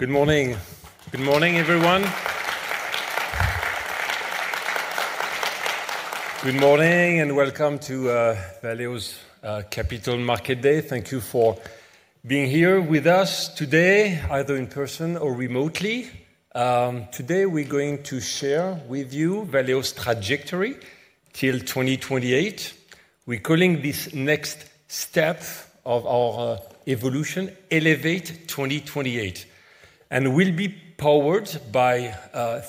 Good morning. Good morning, everyone. Good morning and welcome to Valeo's Capital Market Day. Thank you for being here with us today, either in person or remotely. Today we're going to share with you Valeo's trajectory till 2028. We're calling this next step of our evolution, Elevate 2028. We will be powered by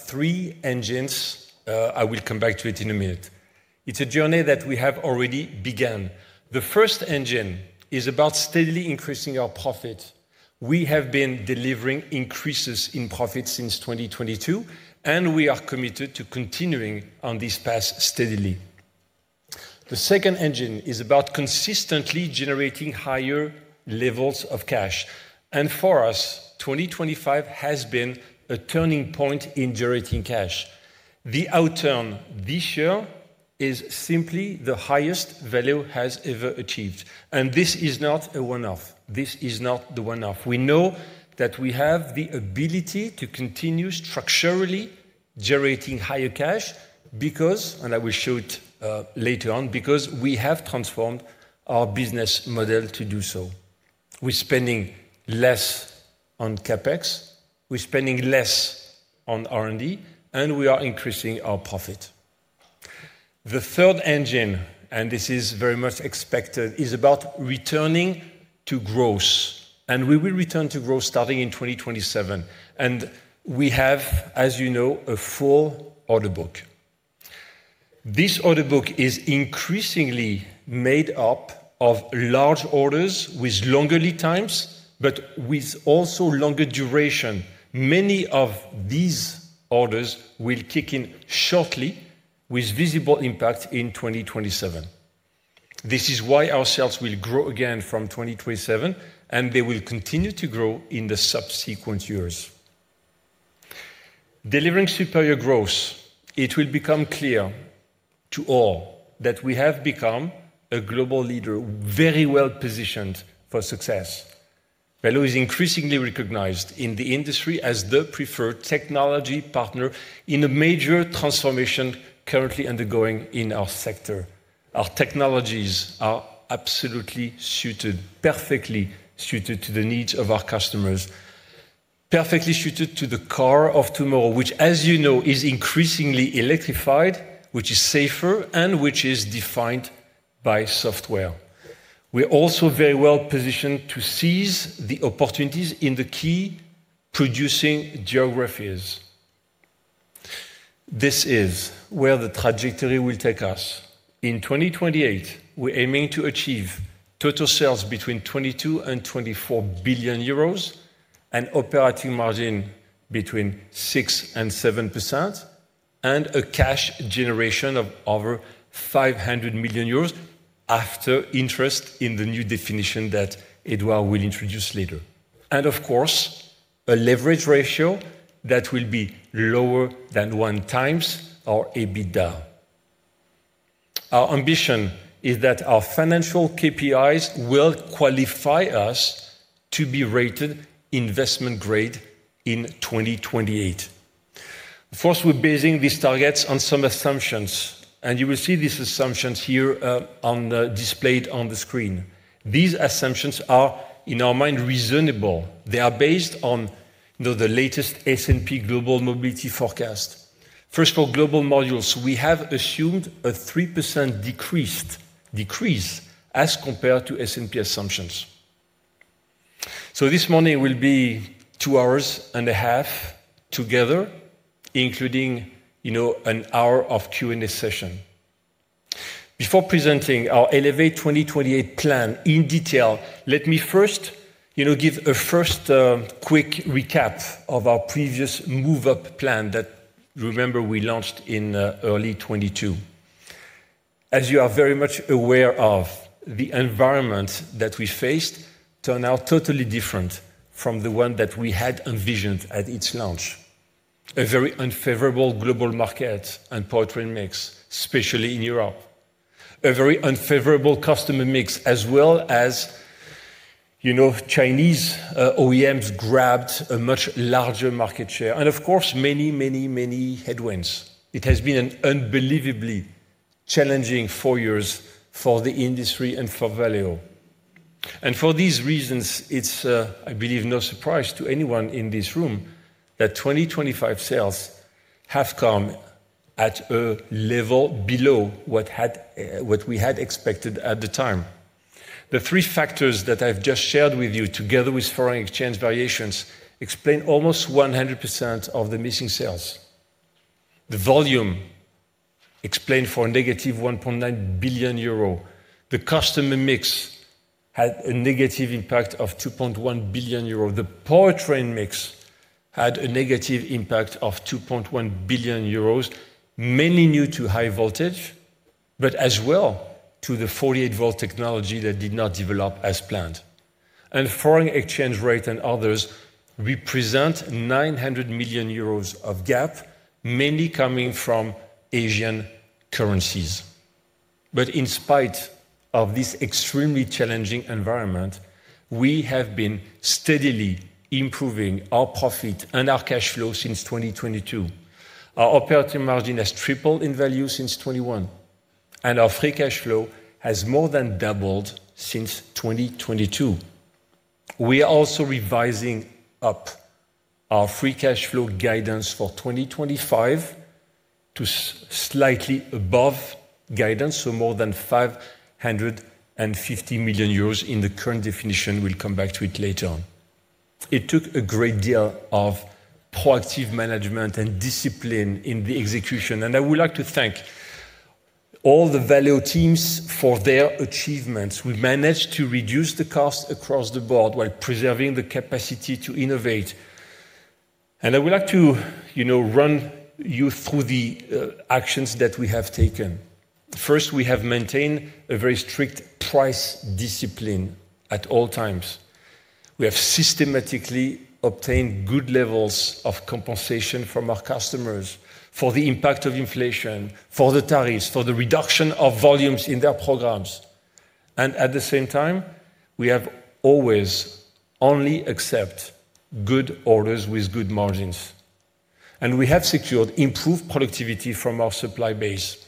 three engines. I will come back to it in a minute. It's a journey that we have already begun. The first engine is about steadily increasing our profit. We have been delivering increases in profit since 2022, and we are committed to continuing on this path steadily. The second engine is about consistently generating higher levels of cash. For us, 2025 has been a turning point in generating cash. The outcome this year is simply the highest Valeo has ever achieved. This is not a one-off. This is not the one-off. We know that we have the ability to continue structurally generating higher cash because, and I will show it later on, because we have transformed our business model to do so. We're spending less on CapEx, we're spending less on R&D, and we are increasing our profit. The third engine, and this is very much expected, is about returning to growth. We will return to growth starting in 2027. We have, as you know, a full order book. This order book is increasingly made up of large orders with longer lead times, but with also longer duration. Many of these orders will kick in shortly with visible impact in 2027. This is why our sales will grow again from 2027, and they will continue to grow in the subsequent years. Delivering superior growth, it will become clear to all that we have become a global leader very well positioned for success. Valeo is increasingly recognized in the industry as the preferred technology partner in a major transformation currently undergoing in our sector. Our technologies are absolutely suited, perfectly suited to the needs of our customers, perfectly suited to the car of tomorrow, which, as you know, is increasingly electrified, which is safer and which is defined by software. We're also very well positioned to seize the opportunities in the key producing geographies. This is where the trajectory will take us. In 2028, we're aiming to achieve total sales between 22 billion and 24 billion euros, an operating margin between 6% and 7%, and a cash generation of over 500 million euros after interest in the new definition that Edouardo will introduce later. Of course, a leverage ratio that will be lower than 1x our EBIDTA. Our ambition is that our financial KPIs will qualify us to be rated investment grade in 2028. Of course, we're basing these targets on some assumptions, and you will see these assumptions here displayed on the screen. These assumptions are, in our mind, reasonable. They are based on the latest S&P Global Mobility Forecast. First, for global modules, we have assumed a 3% decrease as compared to S&P assumptions. This morning will be two hours and a half together, including an hour of Q&A session. Before presenting our Elevate 2028 plan in detail, let me first give a first quick recap of our previous move-up plan that, remember, we launched in early 2022. As you are very much aware of, the environment that we faced turned out totally different from the one that we had envisioned at its launch. A very unfavorable global market and product mix, especially in Europe. A very unfavorable customer mix, as well as Chinese OEMs grabbed a much larger market share. Of course, many, many, many headwinds. It has been an unbelievably challenging four years for the industry and for Valeo. For these reasons, it's, I believe, no surprise to anyone in this room that 2025 sales have come at a level below what we had expected at the time. The three factors that I've just shared with you, together with foreign exchange variations, explain almost 100% of the missing sales. The volume explained for a -1.9 billion euro. The customer mix had a negative impact of 2.1 billion euro. The powertrain mix had a negative impact of 2.1 billion euro, mainly new to high voltage, but as well to the 48 V technology that did not develop as planned. Foreign exchange rate and others represent 900 million euros of gap, mainly coming from Asian currencies. In spite of this extremely challenging environment, we have been steadily improving our profit and our cash flow since 2022. Our operating margin has tripled in value since 2021, and our free cash flow has more than doubled since 2022. We are also revising up our free cash flow guidance for 2025 to slightly above guidance, so more than 550 million euros in the current definition. We'll come back to it later on. It took a great deal of proactive management and discipline in the execution. I would like to thank all the Valeo teams for their achievements. We managed to reduce the cost across the Board while preserving the capacity to innovate. I would like to run you through the actions that we have taken. First, we have maintained a very strict price discipline at all times. We have systematically obtained good levels of compensation from our customers for the impact of inflation, for the tariffs, for the reduction of volumes in their programs. At the same time, we have always only accepted good orders with good margins. We have secured improved productivity from our supply base.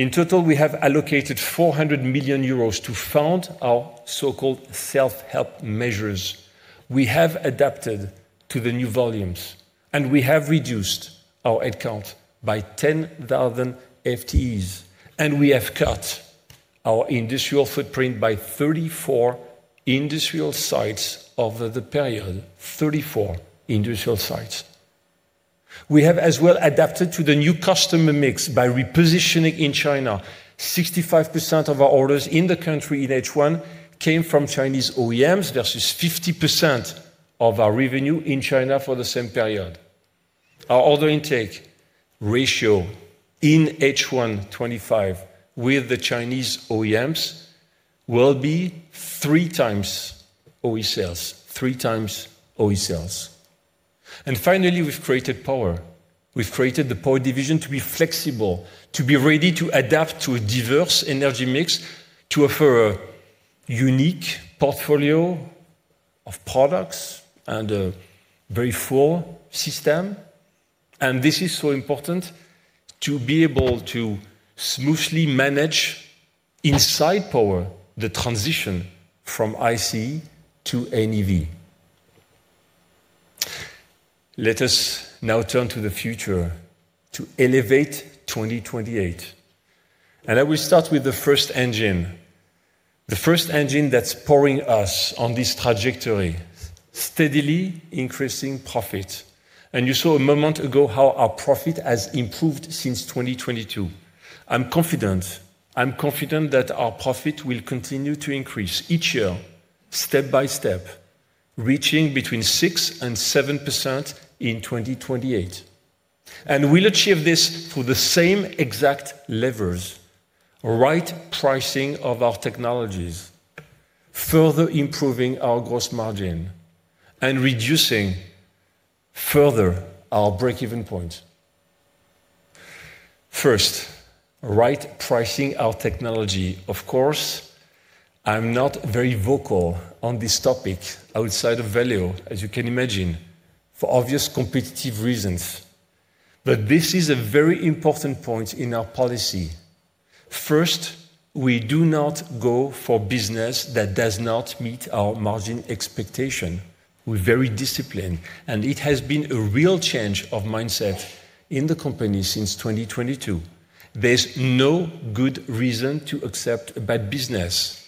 In total, we have allocated 400 million euros to fund our so-called self-help measures. We have adapted to the new volumes, and we have reduced our headcount by 10,000 FTEs. We have cut our industrial footprint by 34 industrial sites over the period, 34 industrial sites. We have as well adapted to the new customer mix by repositioning in China. 65% of our orders in the country in H1 came from Chinese OEMs versus 50% of our revenue in China for the same period. Our order intake ratio in H1 2025 with the Chinese OEMs will be 3x OE sales 3x OE sales. Finally, we have created the Power division to be flexible, to be ready to adapt to a diverse energy mix, to offer a unique portfolio of products and a very full system. This is so important to be able to smoothly manage inside Power the transition from IC to NEV. Let us now turn to the future to Elevate 2028. I will start with the first engine. The first engine that is powering us on this trajectory, steadily increasing profit. You saw a moment ago how our profit has improved since 2022. I'm confident. I'm confident that our profit will continue to increase each year, step by step, reaching between 6% and 7% in 2028. We will achieve this through the same exact levers, right pricing of our technologies, further improving our gross margin, and reducing further our break-even point. First, right pricing our technology. Of course, I'm not very vocal on this topic outside of Valeo, as you can imagine, for obvious competitive reasons. This is a very important point in our policy. First, we do not go for business that does not meet our margin expectation. We're very disciplined. It has been a real change of mindset in the company since 2022. There's no good reason to accept bad business,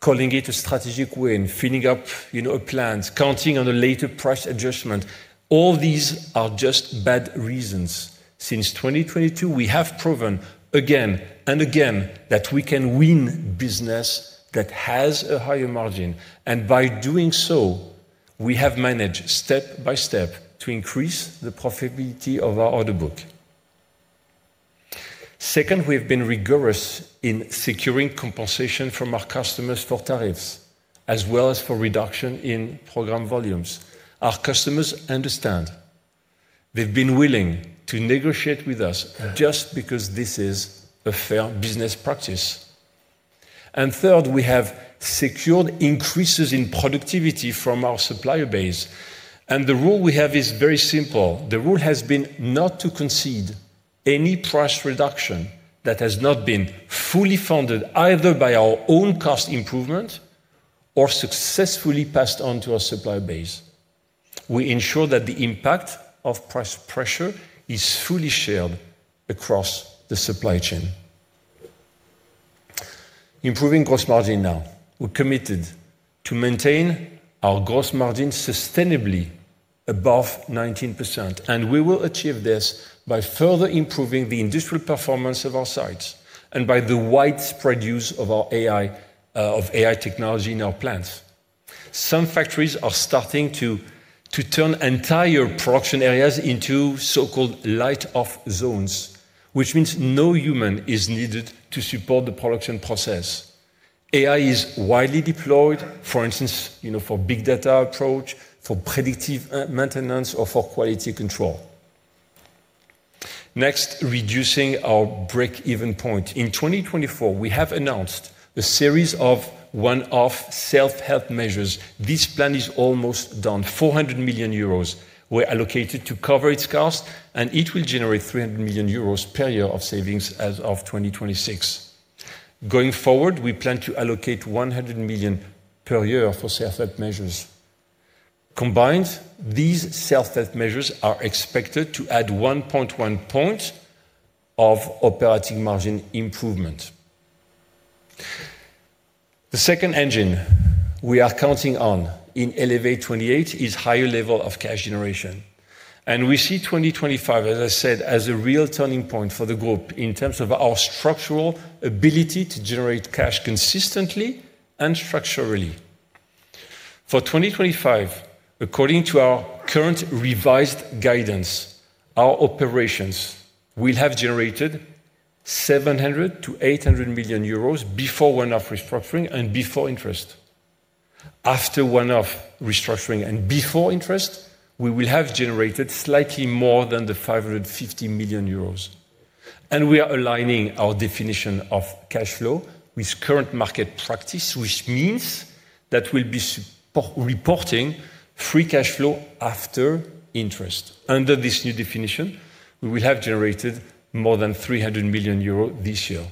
calling it a strategic win, filling up a plant, counting on a later price adjustment. All these are just bad reasons. Since 2022, we have proven again and again that we can win business that has a higher margin. By doing so, we have managed step by step to increase the profitability of our order book. Second, we have been rigorous in securing compensation from our customers for tariffs, as well as for reduction in program volumes. Our customers understand. They've been willing to negotiate with us just because this is a fair business practice. Third, we have secured increases in productivity from our supplier base. The rule we have is very simple. The rule has been not to concede any price reduction that has not been fully funded either by our own cost improvement or successfully passed on to our supplier base. We ensure that the impact of price pressure is fully shared across the supply chain. Improving gross margin now. We're committed to maintain our gross margin sustainably above 19%. We will achieve this by further improving the industrial performance of our sites and by the widespread use of our AI technology in our plants. Some factories are starting to turn entire production areas into so-called light-off zones, which means no human is needed to support the production process. AI is widely deployed, for instance, for big data approach, for predictive maintenance, or for quality control. Next, reducing our break-even point. In 2024, we have announced a series of one-off self-help measures. This plan is almost done. 400 million euros were allocated to cover its cost, and it will generate 300 million euros per year of savings as of 2026. Going forward, we plan to allocate 100 million per year for self-help measures. Combined, these self-help measures are expected to add 1.1 points of operating margin improvement. The second engine we are counting on in Elevate 2028 is higher level of cash generation. We see 2025, as I said, as a real turning point for the group in terms of our structural ability to generate cash consistently and structurally. For 2025, according to our current revised guidance, our operations will have generated 700 million-800 million euros before one-off restructuring and before interest. After one-off restructuring and before interest, we will have generated slightly more than the 550 million euros. We are aligning our definition of cash flow with current market practice, which means that we'll be reporting free cash flow after interest. Under this new definition, we will have generated more than 300 million euros this year.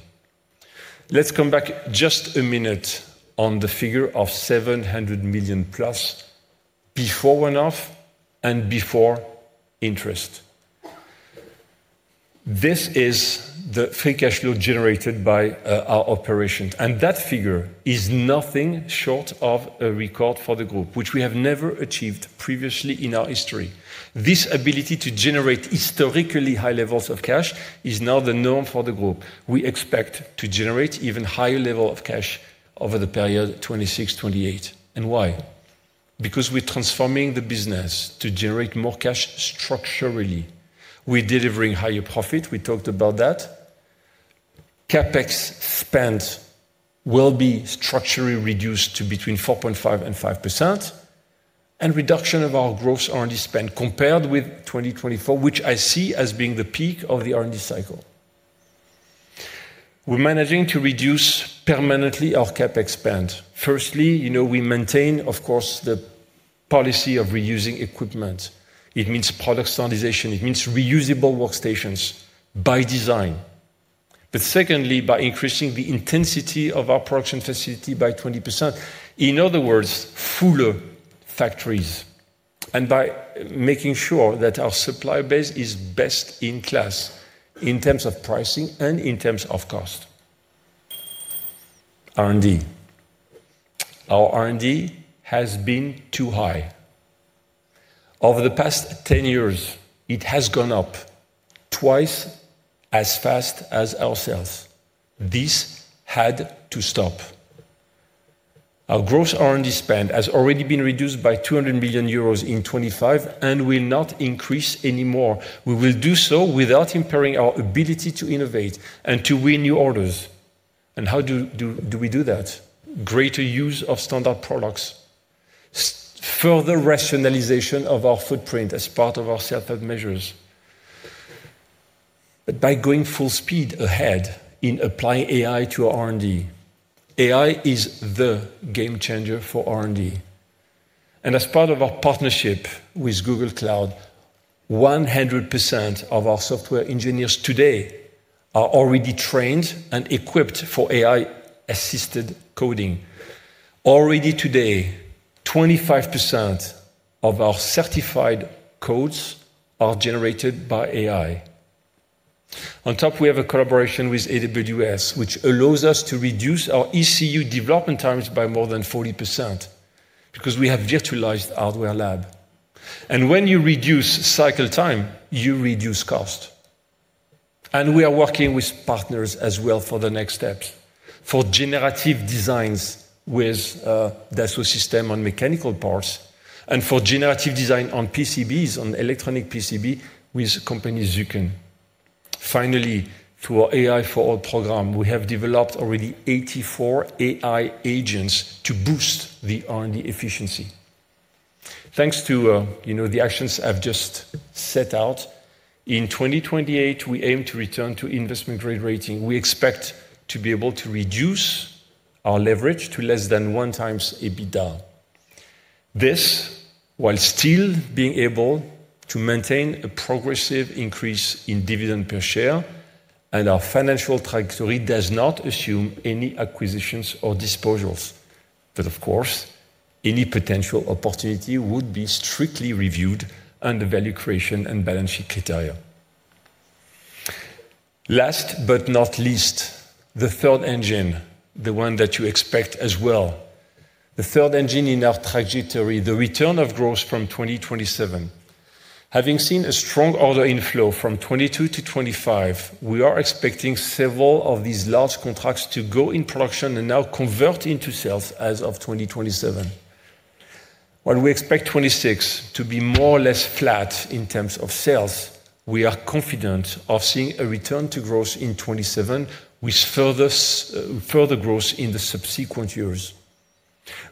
Let's come back just a minute on the figure of 700 million+ before one-off and before interest. This is the free cash flow generated by our operations. That figure is nothing short of a record for the group, which we have never achieved previously in our history. This ability to generate historically high levels of cash is now the norm for the group. We expect to generate even higher level of cash over the period 2026, 2028. Why? Because we are transforming the business to generate more cash structurally. We are delivering higher profit. We talked about that. CapEx spend will be structurally reduced to between 4.5% and 5%. Reduction of our gross R&D spend compared with 2024, which I see as being the peak of the R&D cycle. We are managing to reduce permanently our CapEx spend. Firstly, we maintain, of course, the policy of reusing equipment. It means product standardization. It means reusable workstations by design. Secondly, by increasing the intensity of our production facility by 20%. In other words, fuller factories. By making sure that our supply base is best in class in terms of pricing and in terms of cost. R&D. Our R&D has been too high. Over the past 10 years, it has gone up twice as fast as our sales. This had to stop. Our gross R&D spend has already been reduced by 200 million euros in 2025 and will not increase anymore. We will do so without impairing our ability to innovate and to win new orders. How do we do that? Greater use of standard products. Further rationalization of our footprint as part of our self-help measures. By going full speed ahead in applying AI to our R&D, AI is the game changer for R&D. As part of our partnership with Google Cloud, 100% of our software engineers today are already trained and equipped for AI-assisted coding. Already today, 25% of our certified codes are generated by AI. On top, we have a collaboration with AWS, which allows us to reduce our ECU development times by more than 40% because we have virtualized hardware lab. When you reduce cycle time, you reduce cost. We are working with partners as well for the next steps, for generative designs with Dassault Systèmes on mechanical parts, and for generative design on PCBs, on electronic PCB, with company Zuken. Finally, through our AI for all program, we have developed already 84 AI agents to boost the R&D efficiency. Thanks to the actions I have just set out, in 2028, we aim to return to investment-grade rating. We expect to be able to reduce our leverage to less than 1x EBITDA. This, while still being able to maintain a progressive increase in dividend per share, and our financial trajectory does not assume any acquisitions or disposals. Of course, any potential opportunity would be strictly reviewed under value creation and balance sheet criteria. Last but not least, the third engine, the one that you expect as well. The third engine in our trajectory, the return of growth from 2027. Having seen a strong order inflow from 2022 to 2025, we are expecting several of these large contracts to go in production and now convert into sales as of 2027. While we expect 2026 to be more or less flat in terms of sales, we are confident of seeing a return to growth in 2027 with further growth in the subsequent years.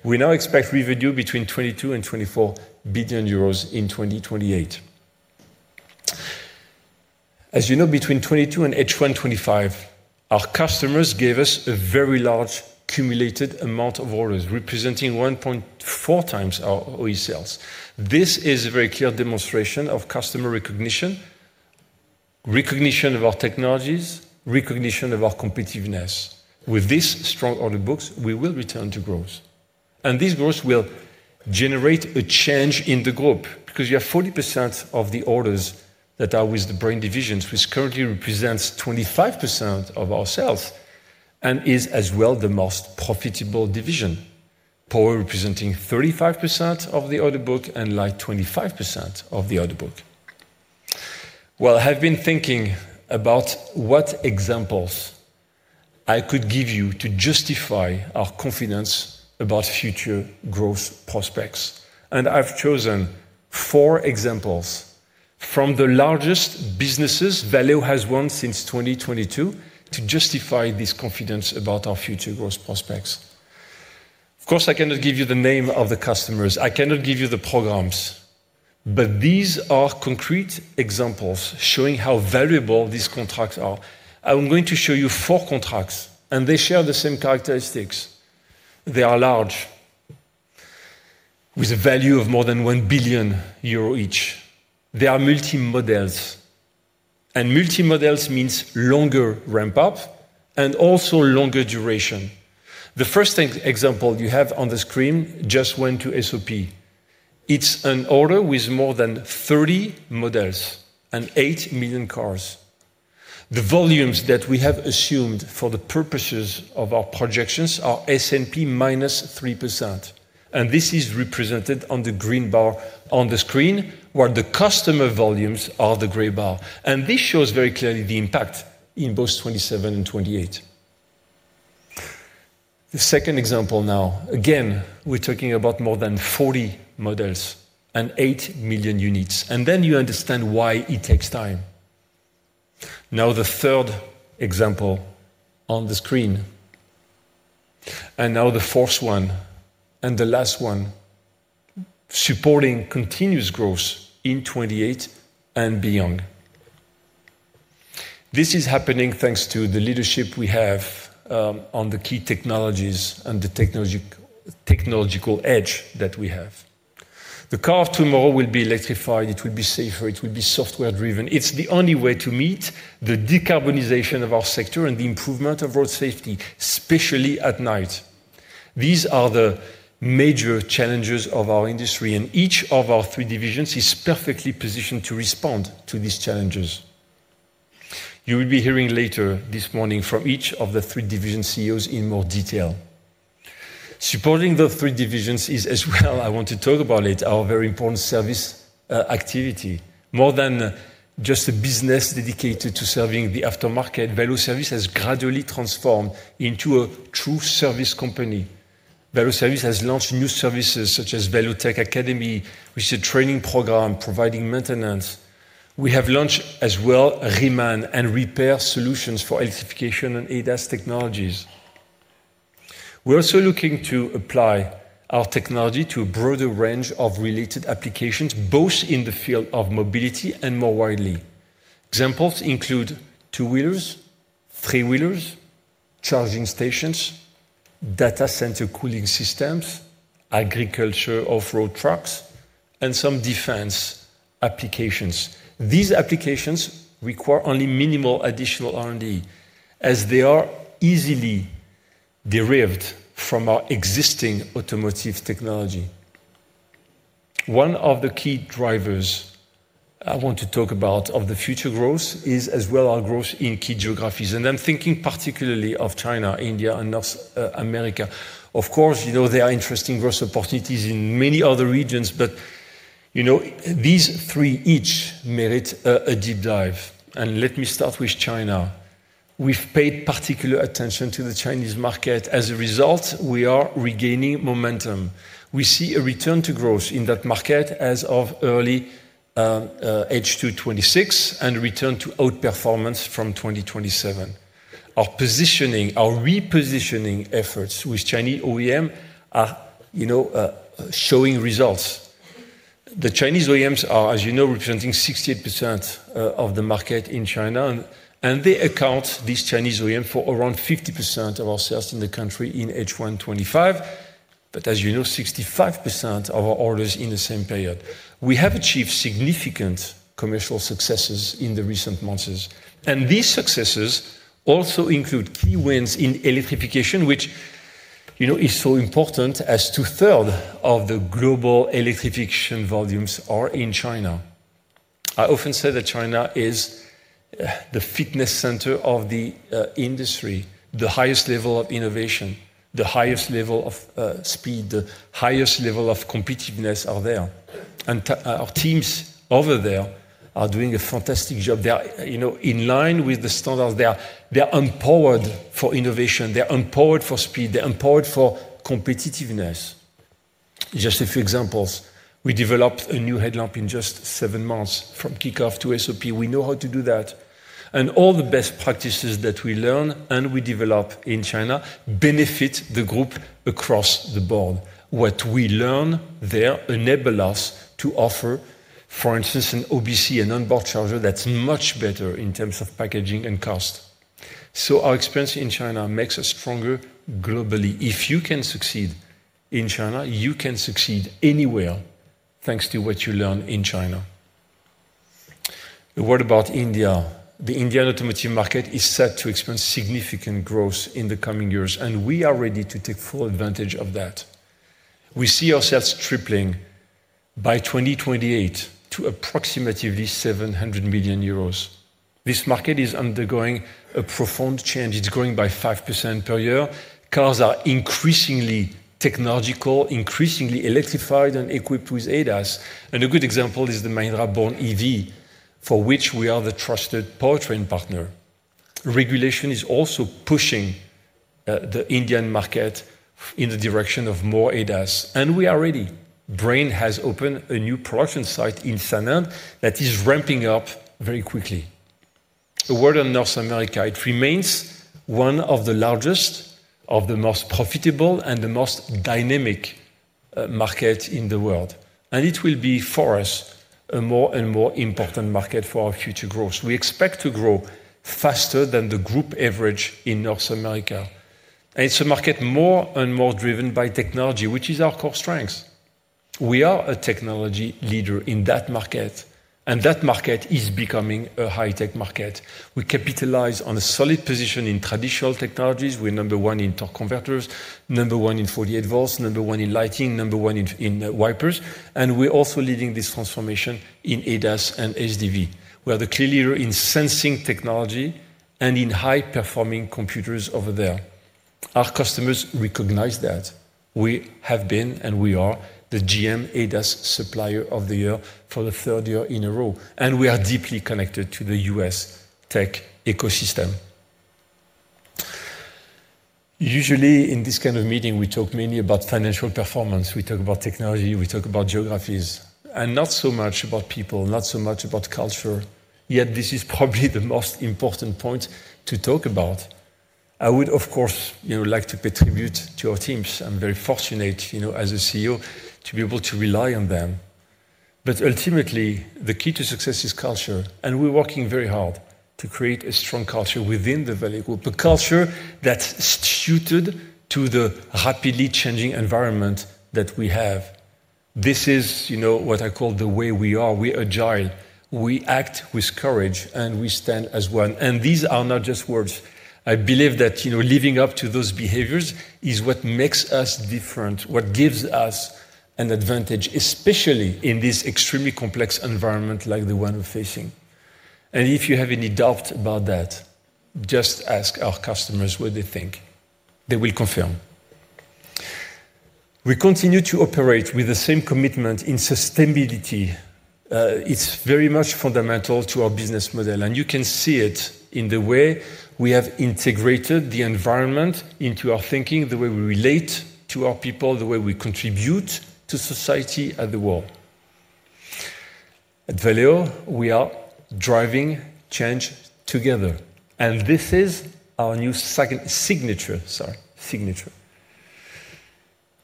We now expect revenue between 22 billion and 24 billion euros in 2028. As you know, between 2022 and H1 2025, our customers gave us a very large cumulated amount of orders, representing 1.4x our OE sales. This is a very clear demonstration of customer recognition, recognition of our technologies, recognition of our competitiveness. With this strong order book, we will return to growth. This growth will generate a change in the group because you have 40% of the orders that are with the Brain divisions, which currently represents 25% of our sales and is as well the most profitable division, Power representing 35% of the order book and Light 25% of the order book. I have been thinking about what examples I could give you to justify our confidence about future growth prospects. I've chosen four examples from the largest businesses Valeo has won since 2022 to justify this confidence about our future growth prospects. Of course, I cannot give you the name of the customers. I cannot give you the programs. These are concrete examples showing how valuable these contracts are. I'm going to show you four contracts, and they share the same characteristics. They are large, with a value of more than 1 billion euro each. They are multi-models. Multi-models means longer ramp-up and also longer duration. The first example you have on the screen just went to SOP. It's an order with more than 30 models and 8 million cars. The volumes that we have assumed for the purposes of our projections are S&P -3%. This is represented on the green bar on the screen, where the customer volumes are the gray bar. This shows very clearly the impact in both 2027 and 2028. The second example now, again, we're talking about more than 40 models and 8 million units. You understand why it takes time. The third example on the screen. Now the fourth one and the last one, supporting continuous growth in 2028 and beyond. This is happening thanks to the leadership we have on the key technologies and the technological edge that we have. The car of tomorrow will be electrified. It will be safer. It will be software-driven. It's the only way to meet the decarbonization of our sector and the improvement of road safety, especially at night. These are the major challenges of our industry. Each of our three divisions is perfectly positioned to respond to these challenges. You will be hearing later this morning from each of the three division CEOs in more detail. Supporting the three divisions is as well, I want to talk about it, our very important service activity. More than just a business dedicated to serving the aftermarket, Valeo Service has gradually transformed into a true service company. Valeo Service has launched new services such as Valeo Tech Academy, which is a training program providing maintenance. We have launched as well reman and repair solutions for electrification and ADAS technologies. We're also looking to apply our technology to a broader range of related applications, both in the field of mobility and more widely. Examples include two-wheelers, three-wheelers, charging stations, data center cooling systems, agriculture off-road trucks, and some defense applications. These applications require only minimal additional R&D as they are easily derived from our existing automotive technology. One of the key drivers I want to talk about of the future growth is as well our growth in key geographies. And I'm thinking particularly of China, India, and North America. Of course, you know there are interesting growth opportunities in many other regions, but you know these three each merit a deep dive. Let me start with China. We've paid particular attention to the Chinese market. As a result, we are regaining momentum. We see a return to growth in that market as of early H2 2026 and return to outperformance from 2027. Our positioning, our repositioning efforts with Chinese OEMs are showing results. The Chinese OEMs are, as you know, representing 68% of the market in China. They account, these Chinese OEMs, for around 50% of our sales in the country in H1 2025, but as you know, 65% of our orders in the same period. We have achieved significant commercial successes in the recent months. These successes also include key wins in electrification, which is so important as two-thirds of the global electrification volumes are in China. I often say that China is the fitness center of the industry, the highest level of innovation, the highest level of speed, the highest level of competitiveness are there. Our teams over there are doing a fantastic job. They're in line with the standards. They're empowered for innovation. They're empowered for speed. They're empowered for competitiveness. Just a few examples. We developed a new headlamp in just seven months from kickoff to SOP. We know how to do that. All the best practices that we learn and we develop in China benefit the group across the Board. What we learn there enables us to offer, for instance, an OBC, an onboard charger that's much better in terms of packaging and cost. Our experience in China makes us stronger globally. If you can succeed in China, you can succeed anywhere thanks to what you learn in China. What about India? The Indian Automotive market is set to experience significant growth in the coming years, and we are ready to take full advantage of that. We see ourselves tripling by 2028 to approximately 700 million euros. This market is undergoing a profound change. It's growing by 5% per year. Cars are increasingly technological, increasingly electrified and equipped with ADAS. A good example is the Mahindra BORN EV, for which we are the trusted powertrain partner. Regulation is also pushing the Indian market in the direction of more ADAS. We are ready. Brain has opened a new production site in Sanand that is ramping up very quickly. The word on North America, it remains one of the largest, of the most profitable, and the most dynamic market in the world. It will be for us a more and more important market for our future growth. We expect to grow faster than the group average in North America. It is a market more and more driven by technology, which is our core strength. We are a technology leader in that market. That market is becoming a high-tech market. We capitalize on a solid position in traditional technologies. We are number one in torque converters, number one in 48 V, number one in lighting, number one in wipers. We are also leading this transformation in ADAS and SDV. We are the clear leader in sensing technology and in high-performing computers over there. Our customers recognize that. We have been and we are the GM ADAS supplier of the year for the third year in a row. We are deeply connected to the U.S. tech ecosystem. Usually, in this kind of meeting, we talk mainly about financial performance. We talk about technology. We talk about geographies. Not so much about people, not so much about culture. Yet this is probably the most important point to talk about. I would, of course, like to pay tribute to our teams. I'm very fortunate, as a CEO, to be able to rely on them. Ultimately, the key to success is culture. We are working very hard to create a strong culture within the Valeo Group, a culture that's suited to the rapidly changing environment that we have. This is what I call the way we are. We agile. We act with courage, and we stand as one. These are not just words. I believe that living up to those behaviors is what makes us different, what gives us an advantage, especially in this extremely complex environment like the one we're facing. If you have any doubt about that, just ask our customers what they think. They will confirm. We continue to operate with the same commitment in sustainability. It's very much fundamental to our business model. You can see it in the way we have integrated the environment into our thinking, the way we relate to our people, the way we contribute to society and the world. At Valeo, we are driving change together. This is our new signature. Sorry, signature.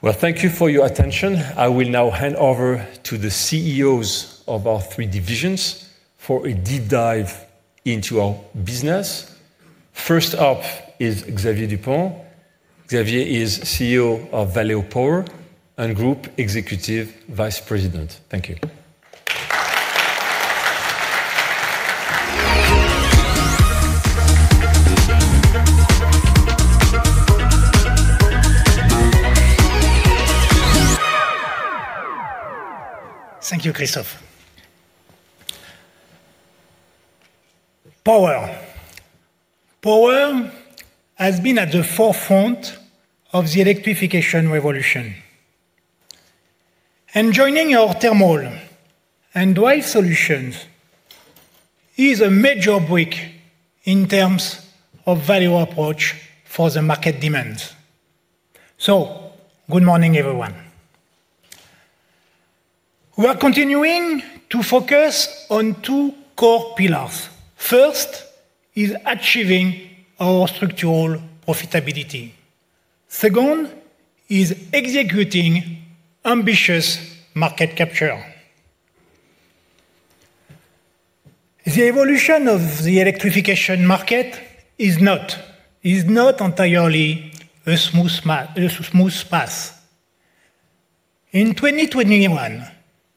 Thank you for your attention. I will now hand over to the CEOs of our three divisions for a deep dive into our business. First up is Xavier Dupont. Xavier is CEO of Valeo Power and Group Executive Vice President. Thank you. Thank you, Christophe. Power. Power has been at the forefront of the electrification revolution. Joining our thermal and dry solutions is a major break in terms of Valeo approach for the market demands. Good morning, everyone. We are continuing to focus on two core pillars. First is achieving our structural profitability. Second is executing ambitious market capture. The evolution of the electrification market is not entirely a smooth path. In 2021,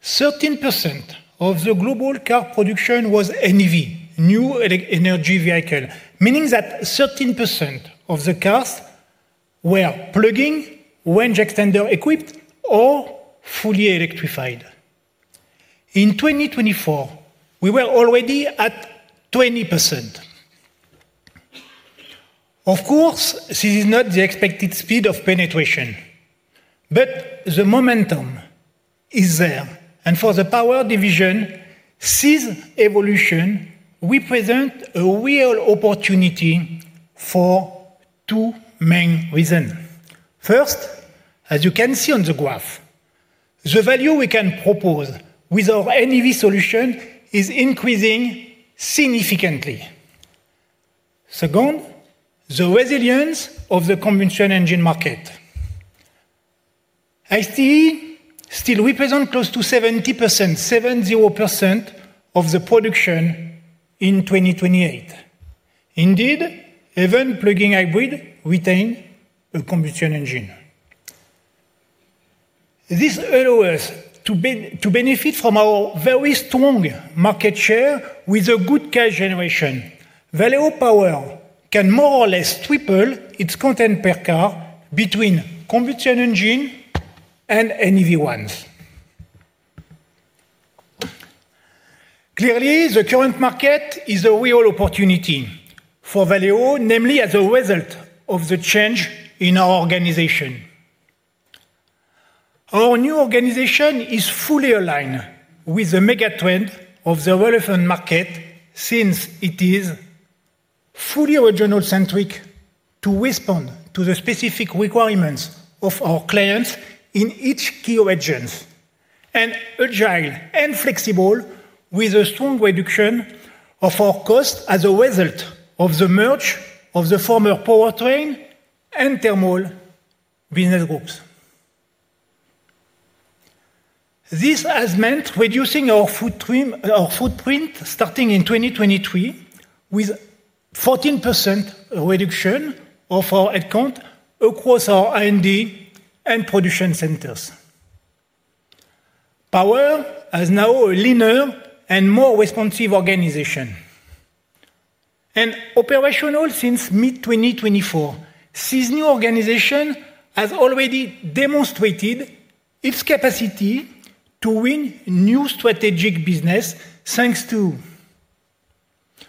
13% of the global car production was NEV, New Energy Vehicle, meaning that 13% of the cars were plugging, range extender equipped, or fully electrified. In 2024, we were already at 20%. Of course, this is not the expected speed of penetration. The momentum is there. For the Power division, this evolution represents a real opportunity for two main reasons. First, as you can see on the graph, the value we can propose with our NEV solution is increasing significantly. Second, the resilience of the conventional engine market. I still represent close to 70%, 70% of the production in 2028. Indeed, even plug-in hybrid retains a combustion engine. This allows us to benefit from our very strong market share with a good cash generation. Valeo Power can more or less triple its content per car between combustion engine and NEV ones. Clearly, the current market is a real opportunity for Valeo, namely as a result of the change in our organization. Our new organization is fully aligned with the mega trend of the relevant market since it is fully regional-centric to respond to the specific requirements of our clients in each key region. It is agile and flexible with a strong reduction of our cost as a result of the merge of the former powertrain and thermal business groups. This has meant reducing our footprint starting in 2023 with 14% reduction of our headcount across our R&D and production centers. Power has now a leaner and more responsive organization. Operational since mid-2024, this new organization has already demonstrated its capacity to win new strategic business thanks to,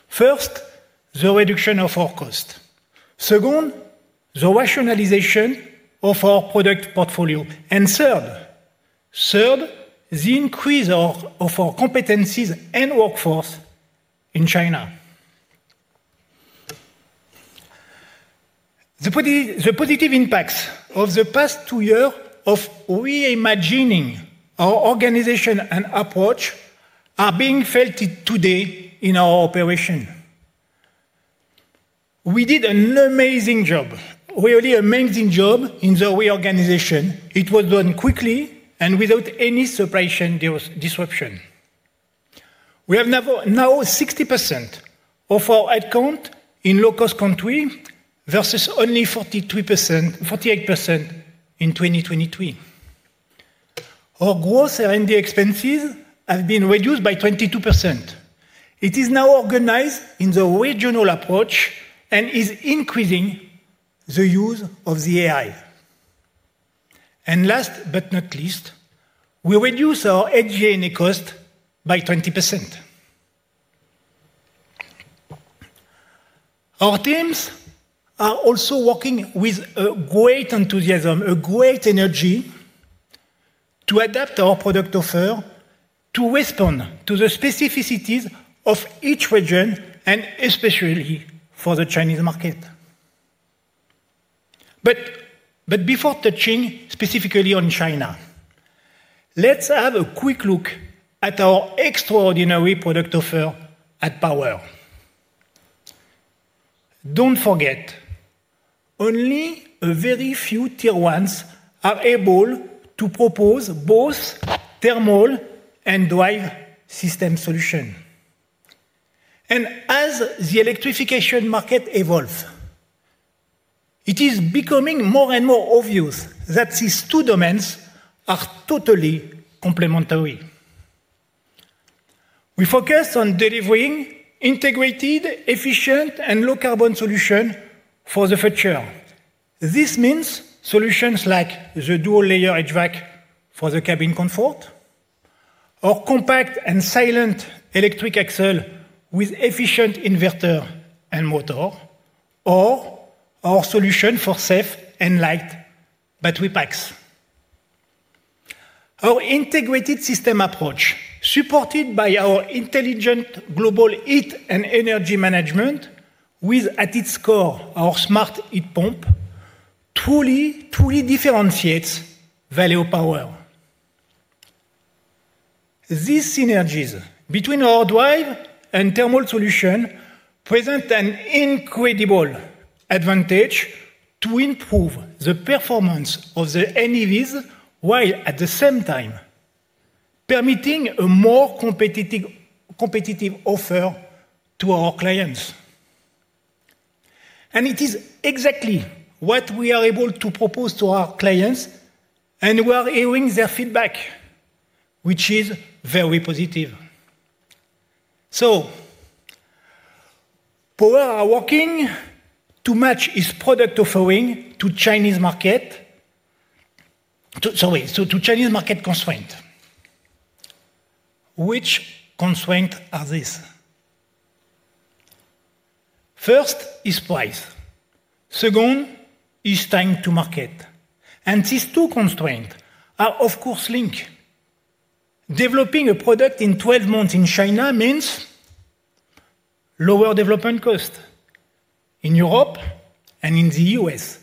first, the reduction of our cost. Second, the rationalization of our product portfolio. Third, the increase of our competencies and workforce in China. The positive impacts of the past two years of reimagining our organization and approach are being felt today in our operation. We did an amazing job, really amazing job in the reorganization. It was done quickly and without any separation disruption. We have now 60% of our headcount in low-cost country versus only 48% in 2023. Our growth and the expenses have been reduced by 22%. It is now organized in the regional approach and is increasing the use of the AI. Last but not least, we reduce our edge and cost by 20%. Our teams are also working with a great enthusiasm, a great energy to adapt our product offer to respond to the specificities of each region and especially for the Chinese market. Before touching specifically on China, let's have a quick look at our extraordinary product offer at Power. Don't forget, only a very few Tier 1s are able to propose both thermal and drive system solution. As the electrification market evolves, it is becoming more and more obvious that these two domains are totally complementary. We focus on delivering integrated, efficient, and low-carbon solutions for the future. This means solutions like the dual-layer HVAC for the cabin comfort, or compact and silent electric axle with efficient inverter and motor, or our solution for safe and light battery packs. Our integrated system approach, supported by our intelligent global heat and energy management, with at its core our smart heat pump, truly differentiates Valeo Power. These synergies between our drive and thermal solution present an incredible advantage to improve the performance of the NEVs while at the same time permitting a more competitive offer to our clients. It is exactly what we are able to propose to our clients, and we are hearing their feedback, which is very positive. Power are working to match its product offering to Chinese market constraints. Which constraints are these? First is price. Second is time to market. These two constraints are, of course, linked. Developing a product in 12 months in China means lower development cost. In Europe and in the U.S.,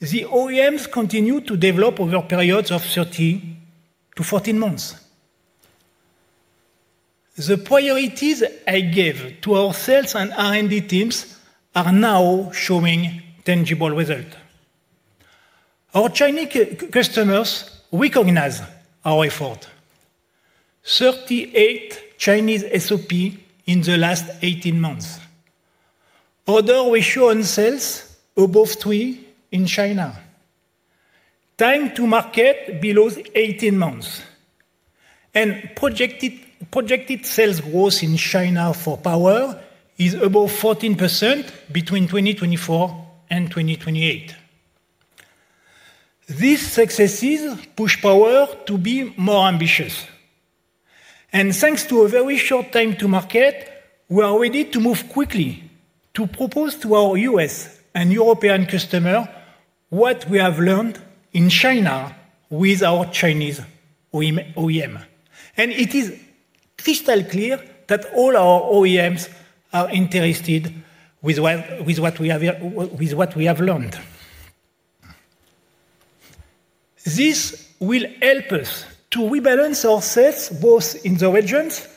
the OEMs continue to develop over periods of 13-14 months. The priorities I gave to our sales and R&D teams are now showing tangible results. Our Chinese customers recognize our effort. Thirty-eight Chinese SOPs in the last 18 months. Order ratio on sales above three in China. Time to market below 18 months. Projected sales growth in China for Power is above 14% between 2024 and 2028. These successes push Power to be more ambitious. Thanks to a very short time to market, we are ready to move quickly to propose to our U.S. and European customers what we have learned in China with our Chinese OEM. It is crystal clear that all our OEMs are interested with what we have learned. This will help us to rebalance our sales both in the regions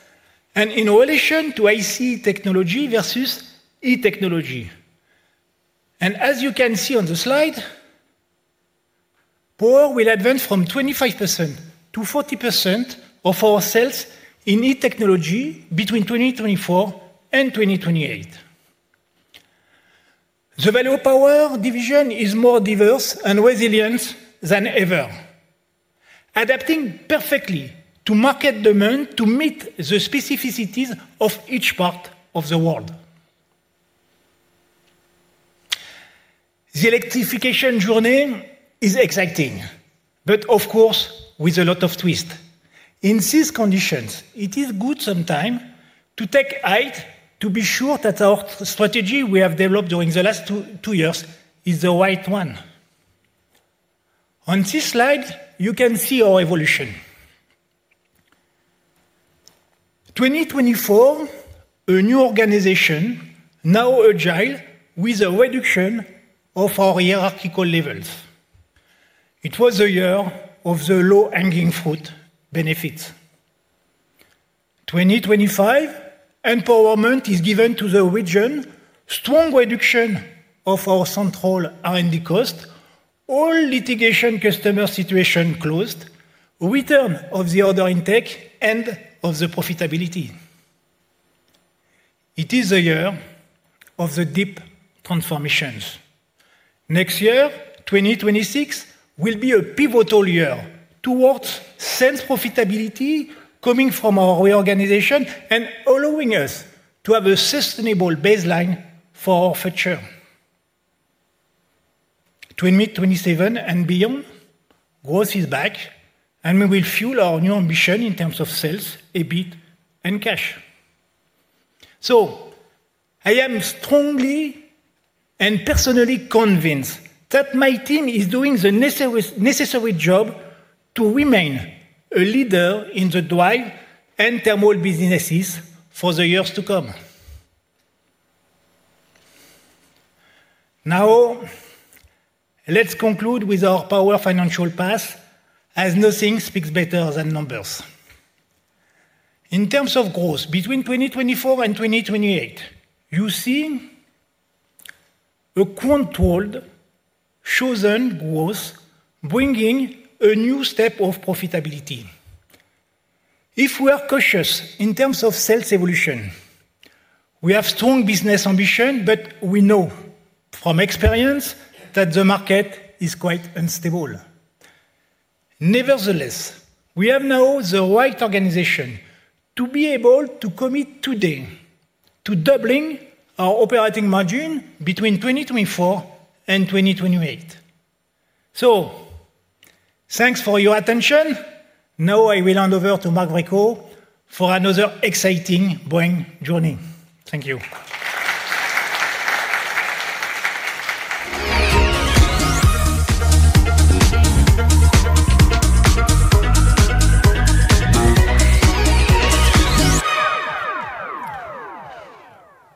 and in relation to IC technology versus E technology. As you can see on the slide, Power will advance from 25% to 40% of our sales in E technology between 2024 and 2028. The Valeo Power division is more diverse and resilient than ever, adapting perfectly to market demand to meet the specificities of each part of the world. The electrification journey is exciting, but of course, with a lot of twists. In these conditions, it is good sometime to take height to be sure that our strategy we have developed during the last two years is the right one. On this slide, you can see our evolution. 2024, a new organization, now agile with a reduction of our hierarchical levels. It was a year of the low-hanging fruit benefits. 2025, empowerment is given to the region, strong reduction of our central R&D cost, all litigation customer situation closed, return of the order intake and of the profitability. It is a year of the deep transformations. Next year, 2026, will be a pivotal year towards sales profitability coming from our reorganization and allowing us to have a sustainable baseline for our future. 2027 and beyond, growth is back, and we will fuel our new ambition in terms of sales, EBIT, and cash. I am strongly and personally convinced that my team is doing the necessary job to remain a leader in the drive and thermal businesses for the years to come. Now, let's conclude with our Power financial path, as nothing speaks better than numbers. In terms of growth between 2024 and 2028, you see a controlled, chosen growth bringing a new step of profitability. If we are cautious in terms of sales evolution, we have strong business ambition, but we know from experience that the market is quite unstable. Nevertheless, we have now the right organization to be able to commit today to doubling our operating margin between 2024 and 2028. Thanks for your attention. Now I will hand over to Marc Vrecko for another exciting Boeing journey. Thank you.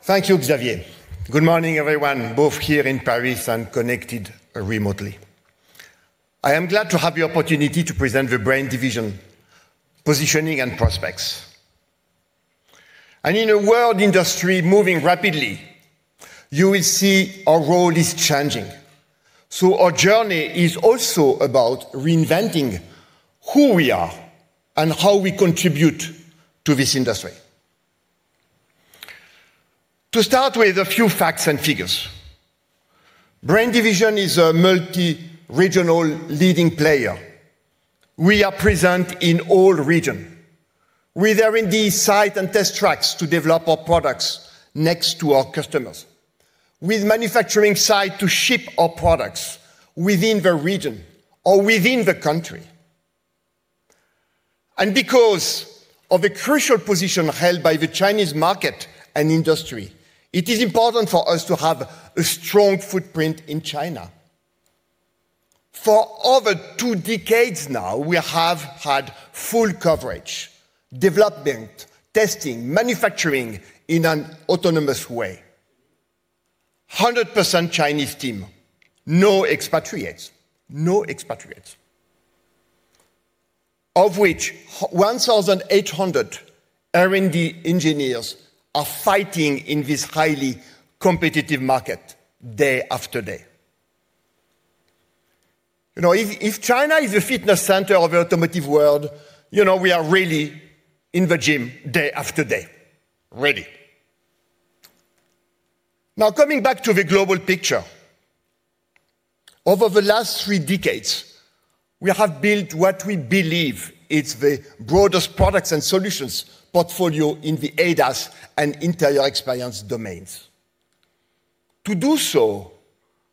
Thank you, Xavier. Good morning, everyone, both here in Paris and connected remotely. I am glad to have the opportunity to present the Brain division, positioning, and prospects. In a world industry moving rapidly, you will see our role is changing. Our journey is also about reinventing who we are and how we contribute to this industry. To start with a few facts and figures. Brain division is a multi-regional leading player. We are present in all regions. We are in the site and test tracks to develop our products next to our customers, with manufacturing site to ship our products within the region or within the country. Because of the crucial position held by the Chinese market and industry, it is important for us to have a strong footprint in China. For over two decades now, we have had full coverage, development, testing, manufacturing in an autonomous way. 100% Chinese team, no expatriates, no expatriates, of which 1,800 R&D engineers are fighting in this highly competitive market day after day. If China is the fitness center of the automotive world, we are really in the gym day after day ready. Now, coming back to the global picture, over the last three decades, we have built what we believe is the broadest products and solutions portfolio in the ADAS and interior experience domains. To do so,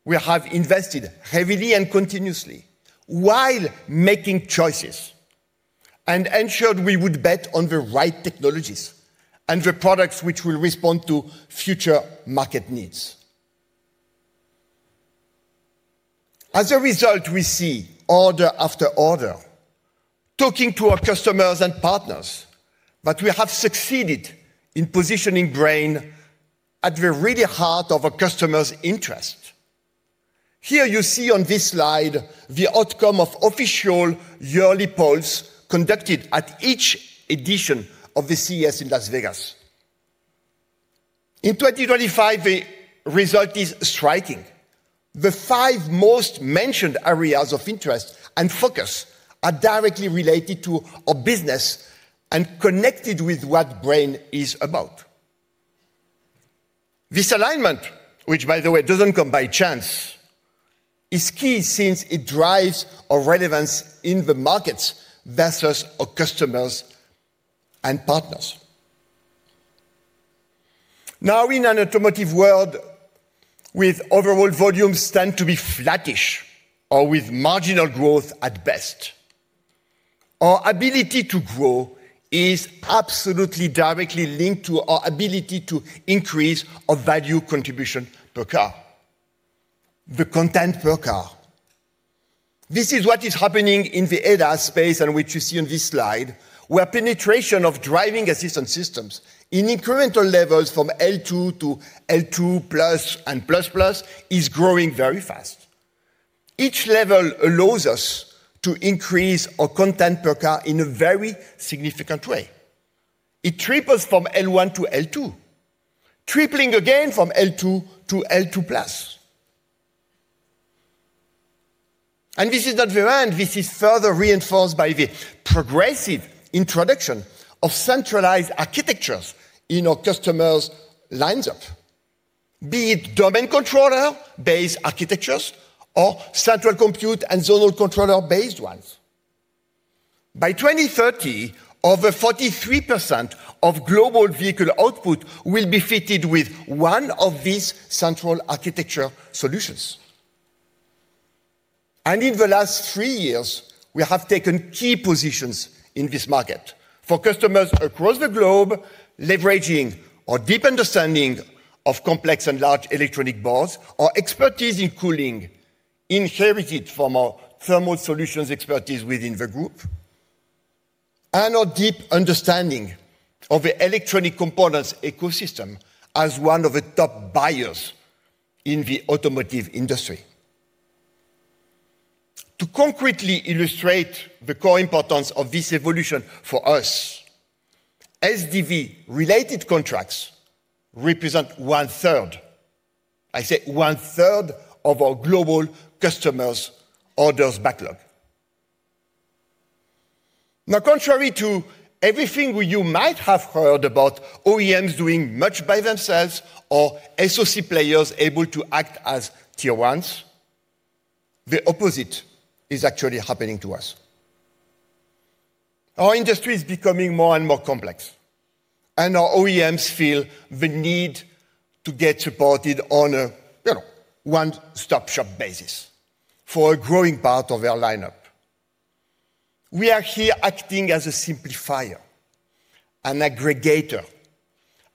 we have invested heavily and continuously while making choices and ensured we would bet on the right technologies and the products which will respond to future market needs. As a result, we see order after order, talking to our customers and partners, but we have succeeded in positioning Brain at the really heart of our customers' interest. Here you see on this slide the outcome of official yearly polls conducted at each edition of the CES in Las Vegas. In 2025, the result is striking. The five most mentioned areas of interest and focus are directly related to our business and connected with what Brain is about. This alignment, which, by the way, does not come by chance, is key since it drives our relevance in the markets versus our customers and partners. Now, in an automotive world with overall volumes tend to be flattish or with marginal growth at best, our ability to grow is absolutely directly linked to our ability to increase our value contribution per car, the content per car. This is what is happening in the ADAS space and which you see on this slide, where penetration of driving assistance systems in incremental levels from L2 to L2+ and L2++ is growing very fast. Each level allows us to increase our content per car in a very significant way. It triples from L1 to L2, tripling again from L2 to L2+. This is not the end. This is further reinforced by the progressive introduction of centralized architectures in our customers' lines up, be it domain controller-based architectures or central compute and zonal controller-based ones. By 2030, over 43% of global vehicle output will be fitted with one of these central architecture solutions. In the last three years, we have taken key positions in this market for customers across the globe, leveraging our deep understanding of complex and large electronic boards, our expertise in cooling inherited from our thermal solutions expertise within the group, and our deep understanding of the electronic components ecosystem as one of the top buyers in the Automotive industry. To concretely illustrate the core importance of this evolution for us, SDV-related contracts represent one-third. I say one-third of our global customers' orders backlog. Now, contrary to everything you might have heard about OEMs doing much by themselves or SOC players able to act as Tier 1s, the opposite is actually happening to us. Our industry is becoming more and more complex, and our OEMs feel the need to get supported on a one-stop shop basis for a growing part of their lineup. We are here acting as a simplifier, an aggregator,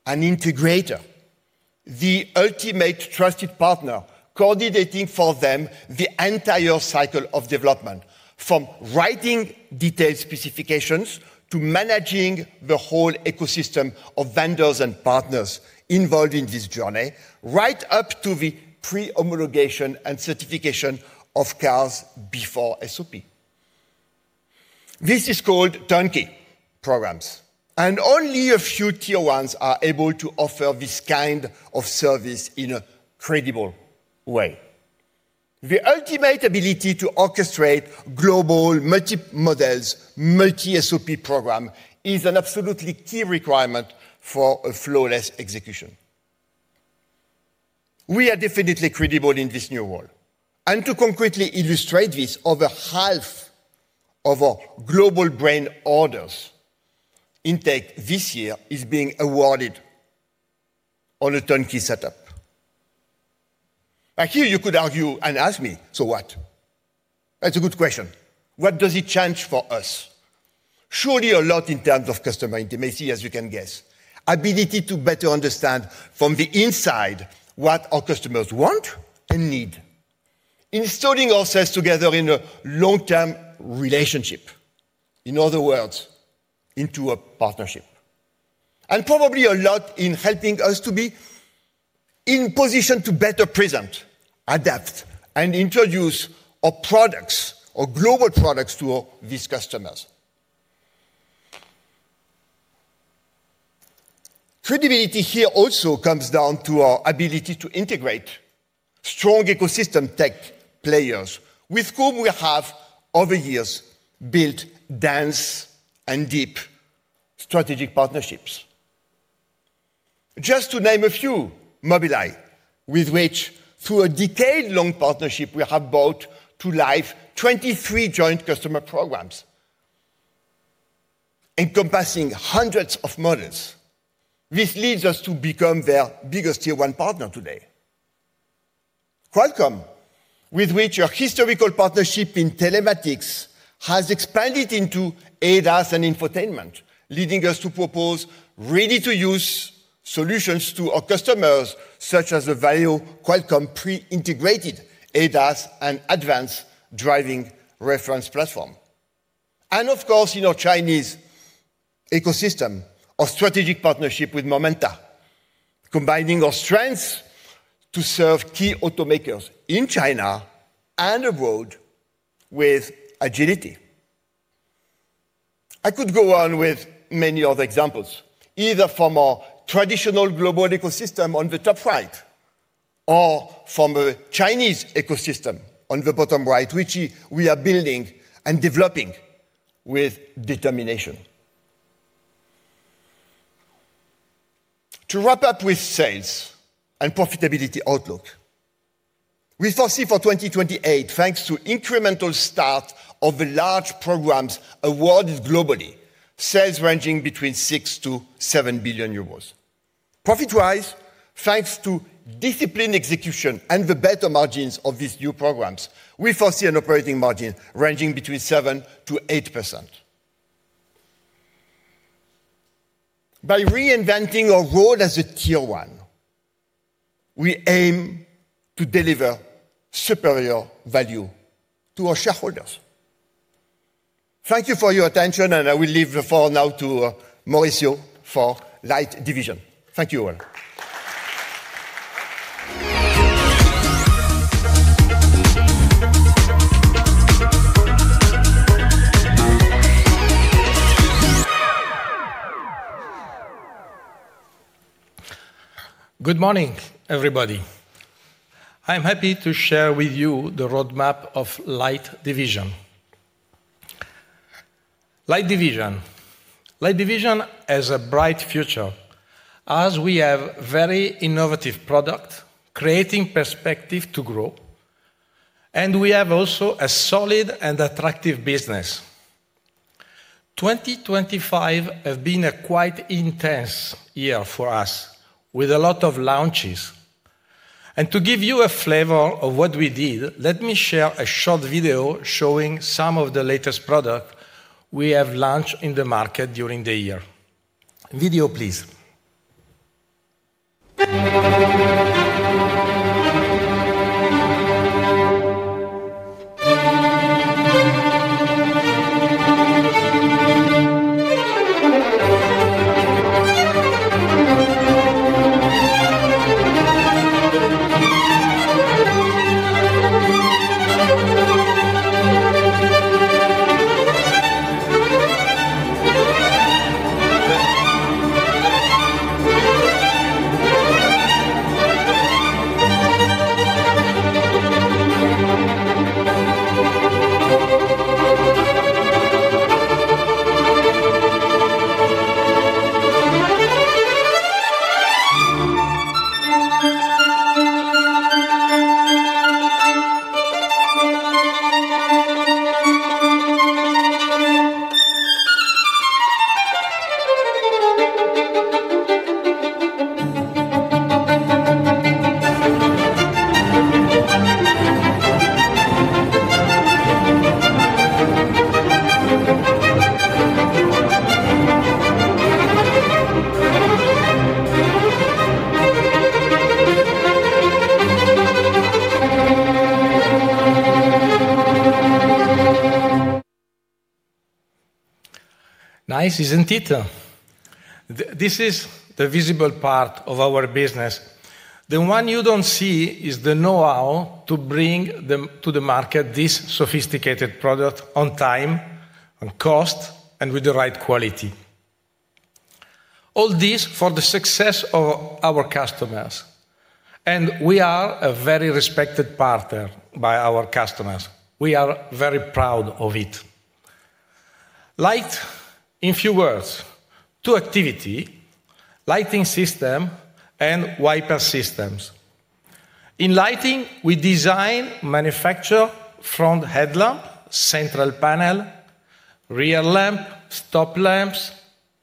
an integrator, the ultimate trusted partner coordinating for them the entire cycle of development, from writing detailed specifications to managing the whole ecosystem of vendors and partners involved in this journey, right up to the pre-homologation and certification of cars before SOP. This is called turnkey programs, and only a few tier ones are able to offer this kind of service in a credible way. The ultimate ability to orchestrate global multi-models, multi-SOP program is an absolutely key requirement for a flawless execution. We are definitely credible in this new world. To concretely illustrate this, over half of our global Brain orders intake this year is being awarded on a turnkey setup. Now, here you could argue and ask me, "So what?" That's a good question. What does it change for us? Surely a lot in terms of customer intimacy, as you can guess. Ability to better understand from the inside what our customers want and need, installing ourselves together in a long-term relationship, in other words, into a partnership. Probably a lot in helping us to be in position to better present, adapt, and introduce our products, our global products to these customers. Credibility here also comes down to our ability to integrate strong ecosystem tech players with whom we have over years built dense and deep strategic partnerships. Just to name a few, Mobileye, with which, through a decade-long partnership, we have brought to life 23 joint customer programs encompassing hundreds of models. This leads us to become their biggest tier one partner today. Qualcomm, with which our historical partnership in telematics has expanded into ADAS and infotainment, leading us to propose ready-to-use solutions to our customers, such as the Valeo Qualcomm pre-integrated ADAS and advanced driving reference platform. Of course, in our Chinese ecosystem, our strategic partnership with Momenta combines our strengths to serve key automakers in China and abroad with agility. I could go on with many other examples, either from our traditional global ecosystem on the top right or from a Chinese ecosystem on the bottom right, which we are building and developing with determination. To wrap up with sales and profitability outlook, we foresee for 2028, thanks to incremental start of the large programs awarded globally, sales ranging between 6 billion-7 billion euros. Profit-wise, thanks to disciplined execution and the better margins of these new programs, we foresee an operating margin ranging between 7%-8%. By reinventing our role as a Tier 1, we aim to deliver superior value to our shareholders. Thank you for your attention, and I will leave the floor now to Maurizio for Light division. Thank you all. Good morning, everybody. I'm happy to share with you the roadmap of Light division. Light division, Light division has a bright future as we have very innovative products creating perspective to grow, and we have also a solid and attractive business. 2025 has been a quite intense year for us with a lot of launches. To give you a flavor of what we did, let me share a short video showing some of the latest products we have launched in the market during the year. Video, please. Nice, isn't it? This is the visible part of our business. The one you do not see is the know-how to bring to the market this sophisticated product on time, on cost, and with the right quality. All this for the success of our customers. We are a very respected partner by our customers. We are very proud of it. Light, in few words, two activities, lighting system and wiper systems. In lighting, we design, manufacture front headlamp, central panel, rear lamp, stop lamps,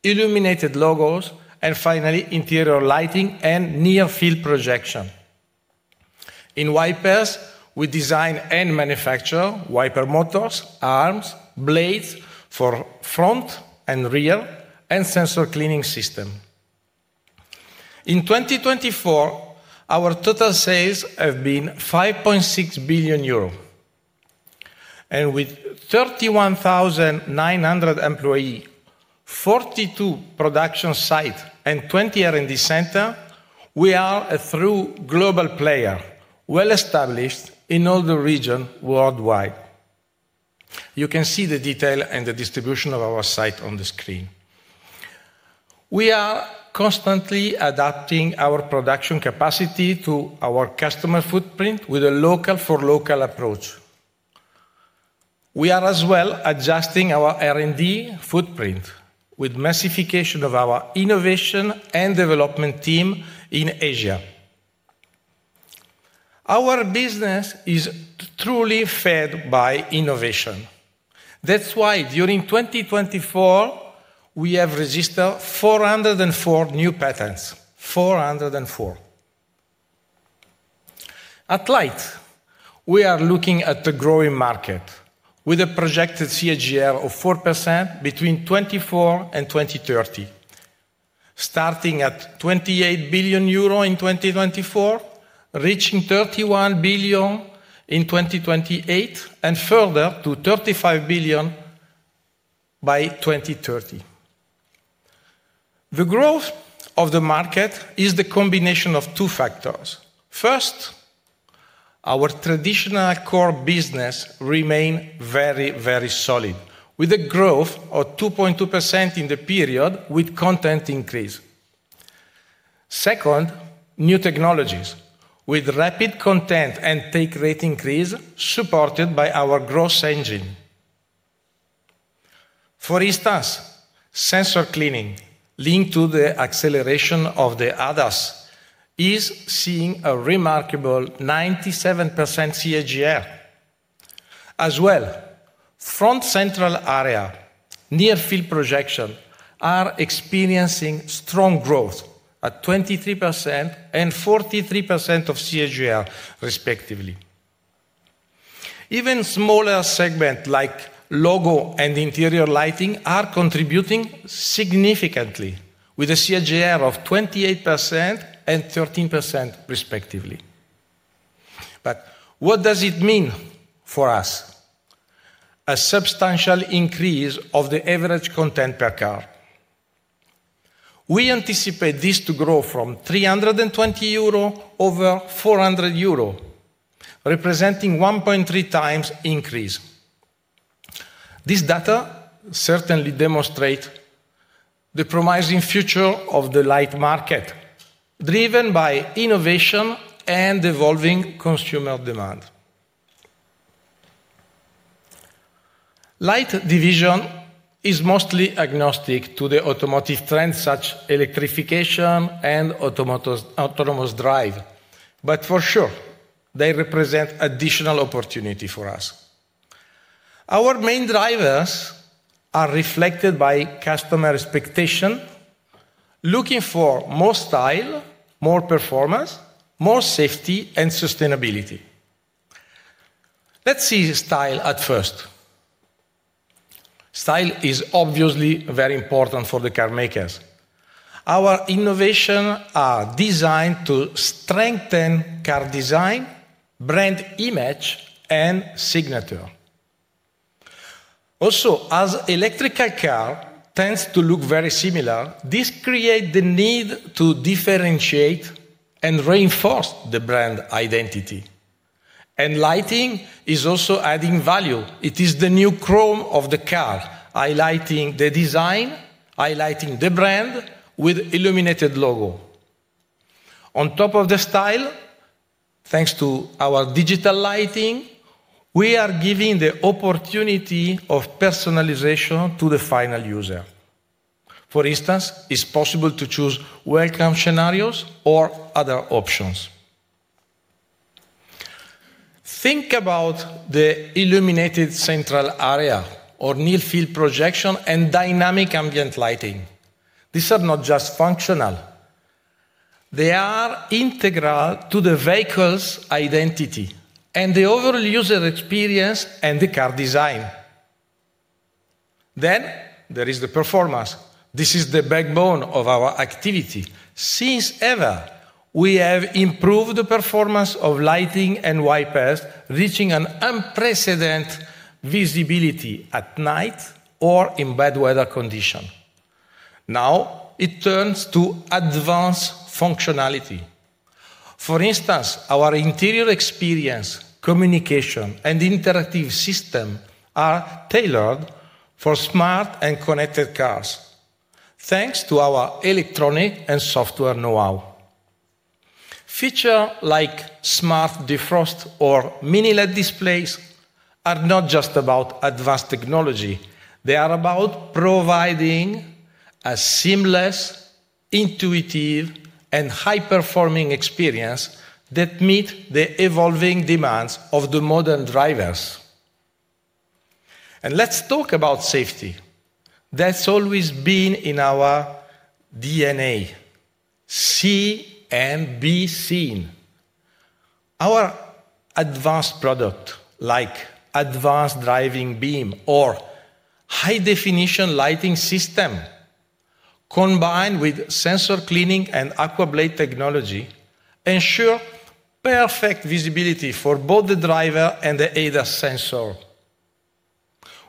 illuminated logos, and finally, interior lighting and near-field projection. In wipers, we design and manufacture wiper motors, arms, blades for front and rear, and sensor cleaning system. In 2024, our total sales have been 5.6 billion euro. With 31,900 employees, 42 production sites, and 20 R&D centers, we are a true global player, well-established in all the region worldwide. You can see the detail and the distribution of our site on the screen. We are constantly adapting our production capacity to our customer footprint with a local-for-local approach. We are as well adjusting our R&D footprint with massification of our innovation and development team in Asia. Our business is truly fed by innovation. That's why during 2024, we have registered 404 new patents, 404. At Light, we are looking at a growing market with a projected CAGR of 4% between 2024 and 2030, starting at 28 billion euro in 2024, reaching 31 billion in 2028, and further to 35 billion by 2030. The growth of the market is the combination of two factors. First, our traditional core business remains very, very solid with a growth of 2.2% in the period with content increase. Second, new technologies with rapid content and take rate increase supported by our growth engine. For instance, sensor cleaning linked to the acceleration of the ADAS is seeing a remarkable 97% CAGR. As well, front central area, near-field projection are experiencing strong growth at 23% and 43% of CAGR, respectively. Even smaller segments like logo and interior lighting are contributing significantly with a CAGR of 28% and 13%, respectively. What does it mean for us? A substantial increase of the average content per car. We anticipate this to grow from 320 euro over 400 euro, representing 1.3x increase. This data certainly demonstrates the promising future of the light market, driven by innovation and evolving consumer demand. Light division is mostly agnostic to the automotive trends, such as electrification and autonomous drive, but for sure, they represent additional opportunity for us. Our main drivers are reflected by customer expectation, looking for more style, more performance, more safety, and sustainability. Let's see style at first. Style is obviously very important for the carmakers. Our innovations are designed to strengthen car design, brand image, and signature. Also, as electric cars tend to look very similar, this creates the need to differentiate and reinforce the brand identity. Lighting is also adding value. It is the new chrome of the car, highlighting the design, highlighting the brand with illuminated logo. On top of the style, thanks to our digital lighting, we are giving the opportunity of personalization to the final user. For instance, it is possible to choose welcome scenarios or other options. Think about the illuminated central area or near-field projection and dynamic ambient lighting. These are not just functional. They are integral to the vehicle's identity and the overall user experience and the car design. There is the performance. This is the backbone of our activity. Since ever, we have improved the performance of lighting and wipers, reaching an unprecedented visibility at night or in bad weather conditions. Now, it turns to advanced functionality. For instance, our interior experience, communication, and interactive systems are tailored for smart and connected cars, thanks to our electronic and software know-how. Features like smart defrost or mini-LED displays are not just about advanced technology. They are about providing a seamless, intuitive, and high-performing experience that meets the evolving demands of the modern drivers. Let's talk about safety. That's always been in our DNA, see and be seen. Our advanced products, like advanced driving beam or High-Definition Lighting System, combined with sensor cleaning and AquaBlade technology, ensure perfect visibility for both the driver and the ADAS sensor.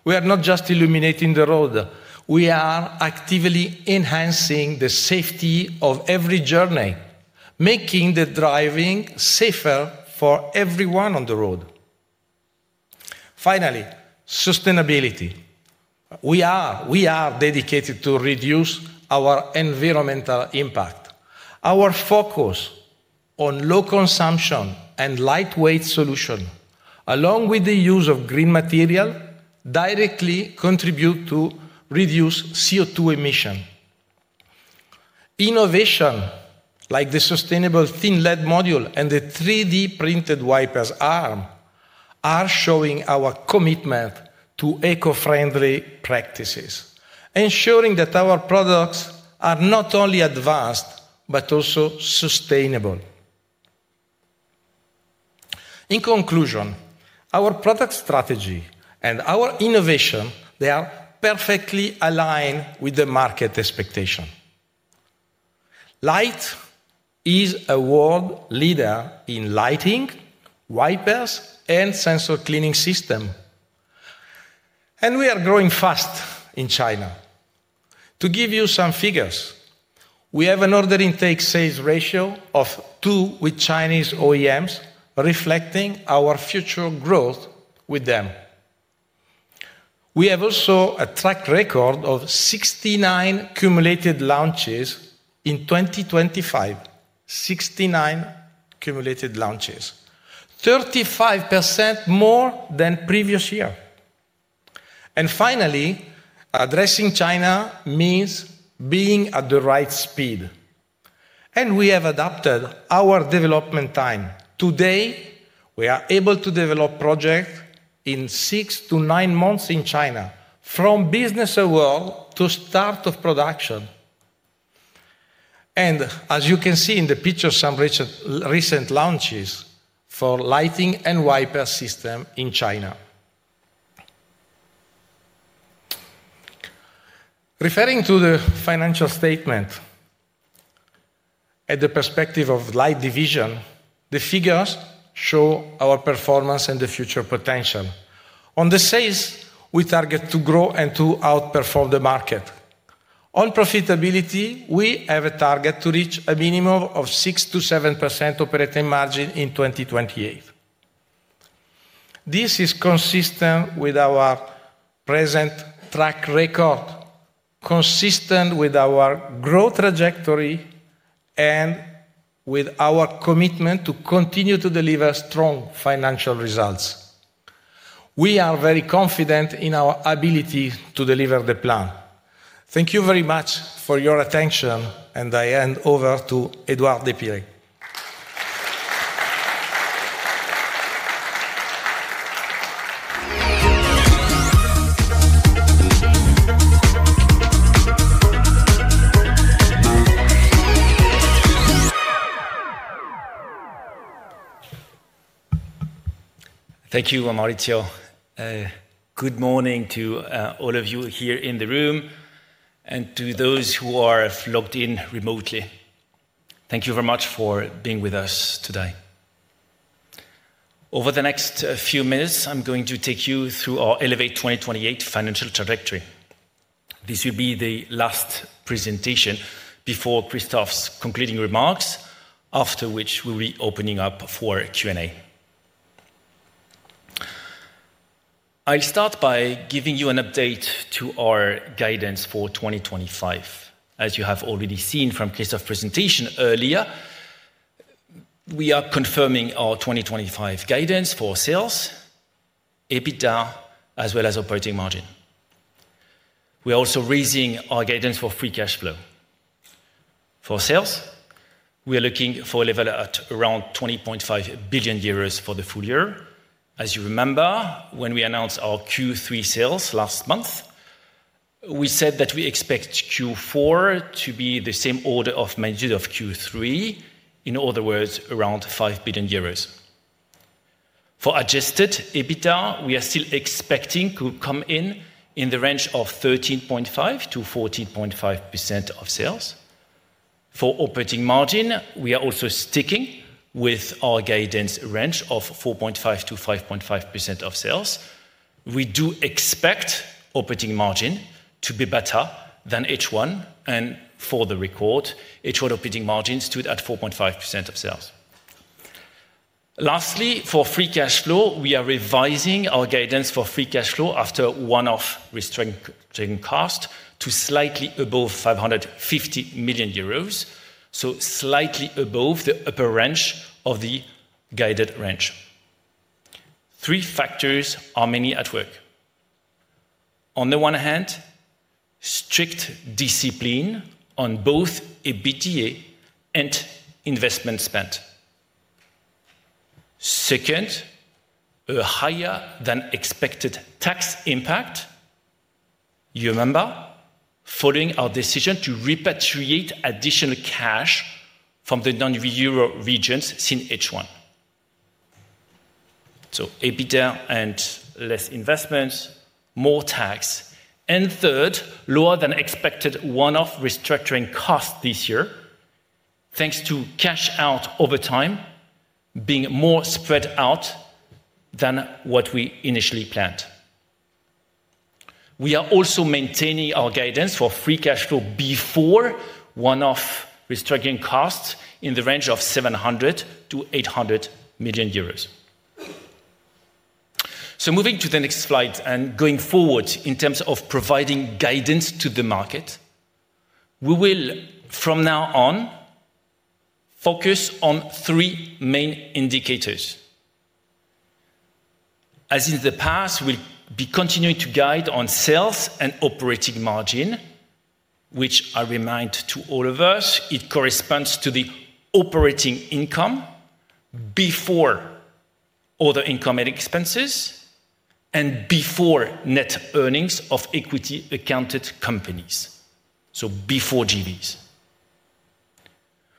We are not just illuminating the road. We are actively enhancing the safety of every journey, making the driving safer for everyone on the road. Finally, sustainability. We are dedicated to reduce our environmental impact. Our focus on low consumption and lightweight solutions, along with the use of green materials, directly contributes to reducing CO2 emissions. Innovations like the sustainable thin LED module and the 3D printed wipers arm are showing our commitment to eco-friendly practices, ensuring that our products are not only advanced but also sustainable. In conclusion, our product strategy and our innovation, they are perfectly aligned with the market expectation. Light is a world leader in lighting, wipers, and sensor cleaning systems. We are growing fast in China. To give you some figures, we have an order intake sales ratio of two with Chinese OEMs, reflecting our future growth with them. We have also a track record of 69 cumulated launches in 2025, 69 cumulated launches, 35% more than previous year. Finally, addressing China means being at the right speed. We have adapted our development time. Today, we are able to develop projects in six to nine months in China, from business award to start of production. As you can see in the picture, some recent launches for lighting and wiper systems in China. Referring to the financial statement at the perspective of Light division, the figures show our performance and the future potential. On the sales, we target to grow and to outperform the market. On profitability, we have a target to reach a minimum of 6%-7% operating margin in 2028. This is consistent with our present track record, consistent with our growth trajectory, and with our commitment to continue to deliver strong financial results. We are very confident in our ability to deliver the plan. Thank you very much for your attention, and I hand over to Edouard de Pirey. Thank you, Maurizio. Good morning to all of you here in the room and to those who are logged in remotely. Thank you very much for being with us today. Over the next few minutes, I'm going to take you through our Elevate 2028 financial trajectory. This will be the last presentation before Christophe's concluding remarks, after which we'll be opening up for Q&A. I'll start by giving you an update to our guidance for 2025. As you have already seen from Christophe's presentation earlier, we are confirming our 2025 guidance for sales, EBITDA, as well as operating margin. We're also raising our guidance for free cash flow. For sales, we are looking for a level at around 20.5 billion euros for the full year. As you remember, when we announced our Q3 sales last month, we said that we expect Q4 to be the same order of magnitude of Q3, in other words, around 5 billion euros. For adjusted EBITDA, we are still expecting to come in in the range of 13.5%-14.5% of sales. For operating margin, we are also sticking with our guidance range of 4.5%-5.5% of sales. We do expect operating margin to be better than H1. For the record, H1 operating margin stood at 4.5% of sales. Lastly, for free cash flow, we are revising our guidance for free cash flow after one-off restraint cost to slightly above 550 million euros, so slightly above the upper range of the guided range. Three factors are mainly at work. On the one hand, strict discipline on both EBITDA and investment spent. Second, a higher-than-expected tax impact. You remember following our decision to repatriate additional cash from the non-European regions since H1. EBITDA and less investments, more tax. Third, lower-than-expected one-off restructuring costs this year, thanks to cash out over time being more spread out than what we initially planned. We are also maintaining our guidance for free cash flow before one-off restructuring costs in the range of 700 million-800 million euros. Moving to the next slide and going forward in terms of providing guidance to the market, we will from now on focus on three main indicators. As in the past, we'll be continuing to guide on sales and operating margin, which I remind to all of us, it corresponds to the operating income before all the income and expenses and before net earnings of equity-accounted companies, so before GBs.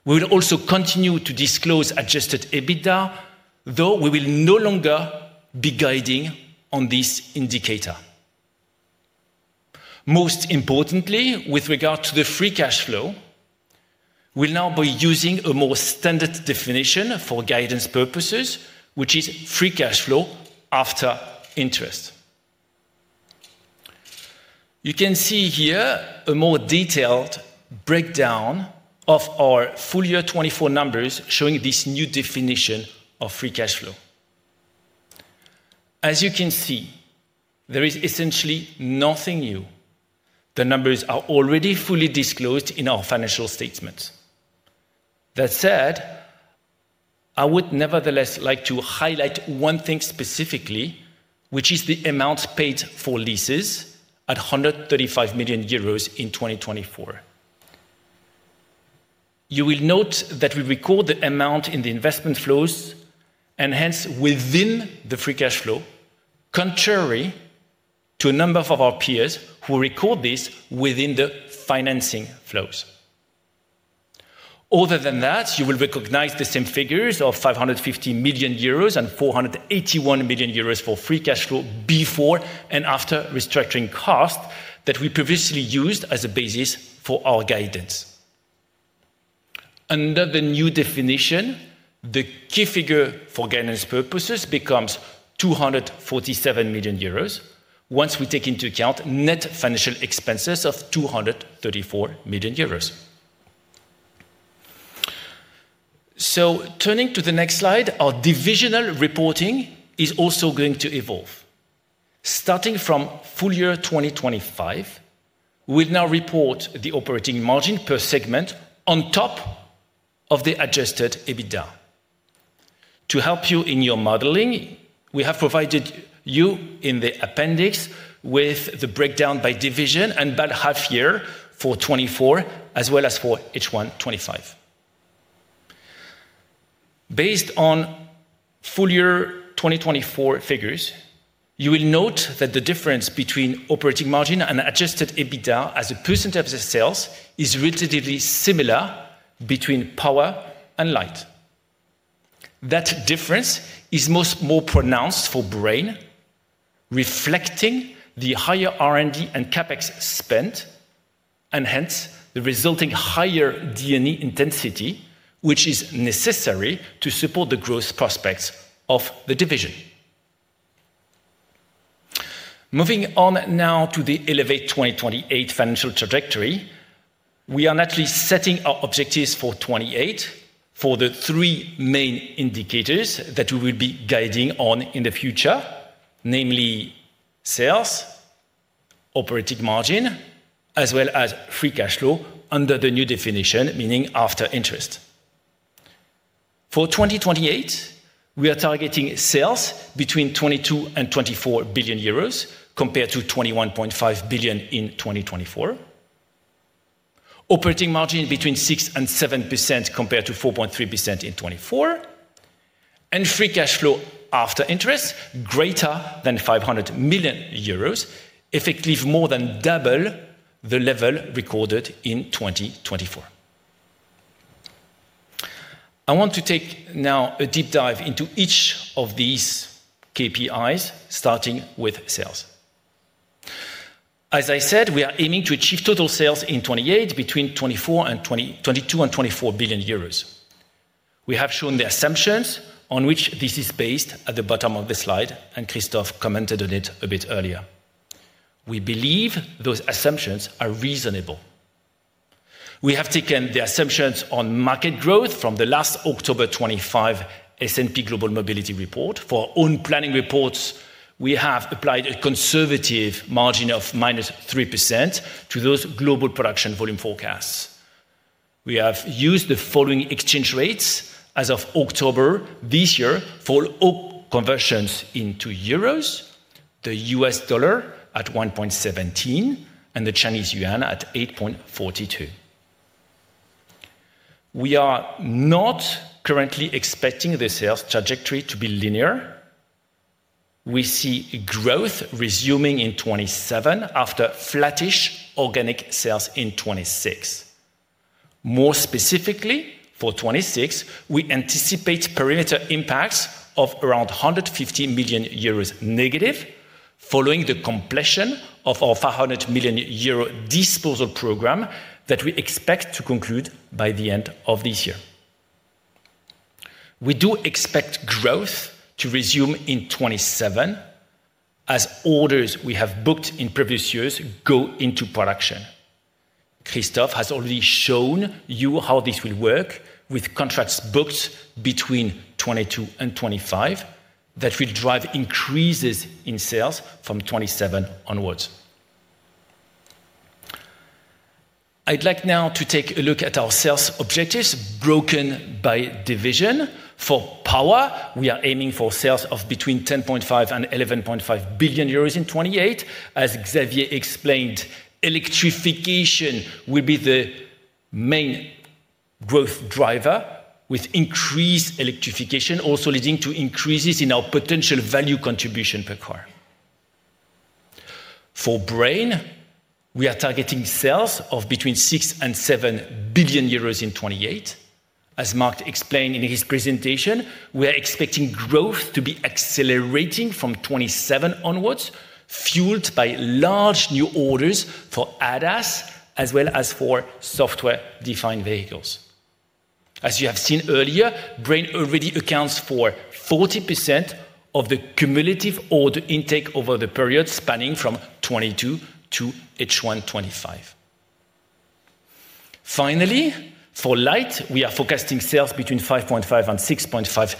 We will also continue to disclose adjusted EBITDA, though we will no longer be guiding on this indicator. Most importantly, with regard to the free cash flow, we'll now be using a more standard definition for guidance purposes, which is free cash flow after interest. You can see here a more detailed breakdown of our full year 2024 numbers showing this new definition of free cash flow. As you can see, there is essentially nothing new. The numbers are already fully disclosed in our financial statements. That said, I would nevertheless like to highlight one thing specifically, which is the amount paid for leases at 135 million euros in 2024. You will note that we record the amount in the investment flows and hence within the free cash flow, contrary to a number of our peers who record this within the financing flows. Other than that, you will recognize the same figures of 550 million euros and 481 million euros for free cash flow before and after restructuring costs that we previously used as a basis for our guidance. Under the new definition, the key figure for guidance purposes becomes 247 million euros once we take into account net financial expenses of 234 million euros. Turning to the next slide, our divisional reporting is also going to evolve. Starting from full year 2025, we'll now report the operating margin per segment on top of the Adjusted EBITDA. To help you in your modeling, we have provided you in the appendix with the breakdown by division and by half year for 2024 as well as for H1 2025. Based on full year 2024 figures, you will note that the difference between operating margin and Adjusted EBITDA as a percent of the sales is relatively similar between Power and Light. That difference is most more pronounced for Brain, reflecting the higher R&D and CapEx spent and hence the resulting higher D&E intensity, which is necessary to support the growth prospects of the division. Moving on now to the Elevate 2028 financial trajectory, we are actually setting our objectives for 2028 for the three main indicators that we will be guiding on in the future, namely sales, operating margin, as well as free cash flow under the new definition, meaning after interest. For 2028, we are targeting sales between 22 billion and 24 billion euros compared to 21.5 billion in 2024, operating margin between 6% and 7% compared to 4.3% in 2024, and free cash flow after interest greater than 500 million euros, effectively more than double the level recorded in 2024. I want to take now a deep dive into each of these KPIs, starting with sales. As I said, we are aiming to achieve total sales in 2028 between 22 billion and 24 billion euros. We have shown the assumptions on which this is based at the bottom of the slide, and Christophe commented on it a bit earlier. We believe those assumptions are reasonable. We have taken the assumptions on market growth from the last October 25 S&P Global Mobility Report. For our own planning reports, we have applied a conservative margin of -3% to those global production volume forecasts. We have used the following exchange rates as of October this year for conversions into euros, the U.S. dollar at $1.17 and the Chinese yuan at 8.42. We are not currently expecting the sales trajectory to be linear. We see growth resuming in 2027 after flattish organic sales in 2026. More specifically, for 2026, we anticipate perimeter impacts of around -150 million euros following the completion of our 500 million euro disposal program that we expect to conclude by the end of this year. We do expect growth to resume in 2027 as orders we have booked in previous years go into production. Christophe has already shown you how this will work with contracts booked between 2022 and 2025 that will drive increases in sales from 2027 onwards. I'd like now to take a look at our sales objectives broken by division. For Power, we are aiming for sales of between 10.5 billion and 11.5 billion euros in 2028. As Xavier explained, electrification will be the main growth driver with increased electrification, also leading to increases in our potential value contribution per car. For Brain, we are targeting sales of between 6 billion and 7 billion euros in 2028. As Mark explained in his presentation, we are expecting growth to be accelerating from 2027 onwards, fueled by large new orders for ADAS as well as for software-defined vehicles. As you have seen earlier, Brain already accounts for 40% of the cumulative order intake over the period spanning from 2022 to H1 2025. Finally, for Light, we are forecasting sales between 5.5 billion and 6.5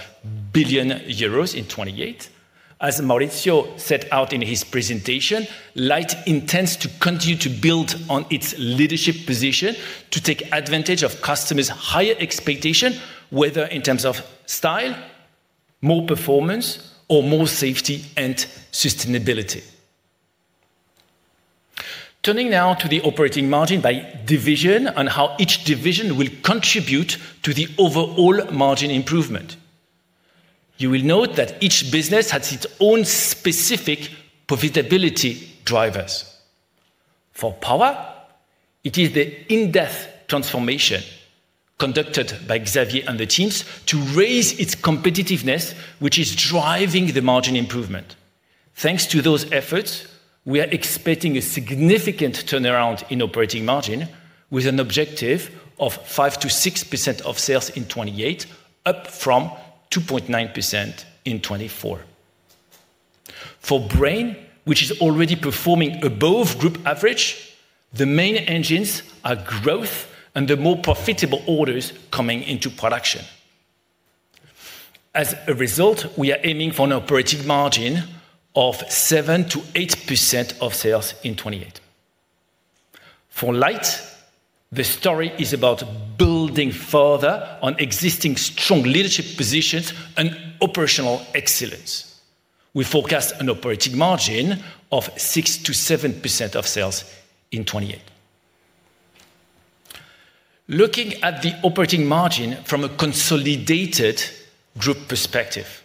billion euros in 2028. As Maurizio set out in his presentation, Light intends to continue to build on its leadership position to take advantage of customers' higher expectations, whether in terms of style, more performance, or more safety and sustainability. Turning now to the operating margin by division and how each division will contribute to the overall margin improvement. You will note that each business has its own specific profitability drivers. For Power, it is the in-depth transformation conducted by Xavier and the teams to raise its competitiveness, which is driving the margin improvement. Thanks to those efforts, we are expecting a significant turnaround in operating margin with an objective of 5%-6% of sales in 2028, up from 2.9% in 2024. For Brain, which is already performing above group average, the main engines are growth and the more profitable orders coming into production. As a result, we are aiming for an operating margin of 7%-8% of sales in 2028. For Light, the story is about building further on existing strong leadership positions and operational excellence. We forecast an operating margin of 6%-7% of sales in 2028. Looking at the operating margin from a consolidated group perspective,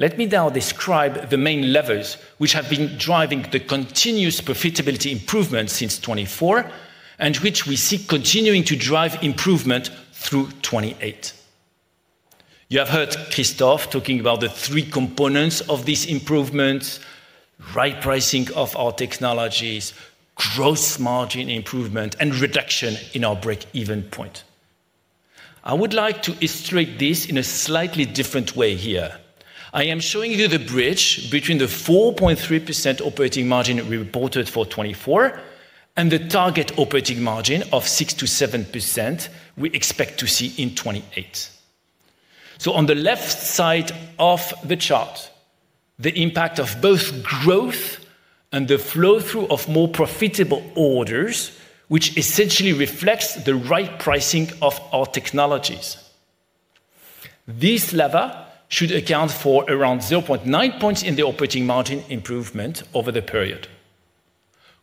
let me now describe the main levers which have been driving the continuous profitability improvement since 2024 and which we see continuing to drive improvement through 2028. You have heard Christophe talking about the three components of this improvement: right pricing of our technologies, gross margin improvement, and reduction in our break-even point. I would like to illustrate this in a slightly different way here. I am showing you the bridge between the 4.3% operating margin reported for 2024 and the target operating margin of 6%-7% we expect to see in 2028. On the left side of the chart, the impact of both growth and the flow-through of more profitable orders, which essentially reflects the right pricing of our technologies. This lever should account for around 0.9 points in the operating margin improvement over the period.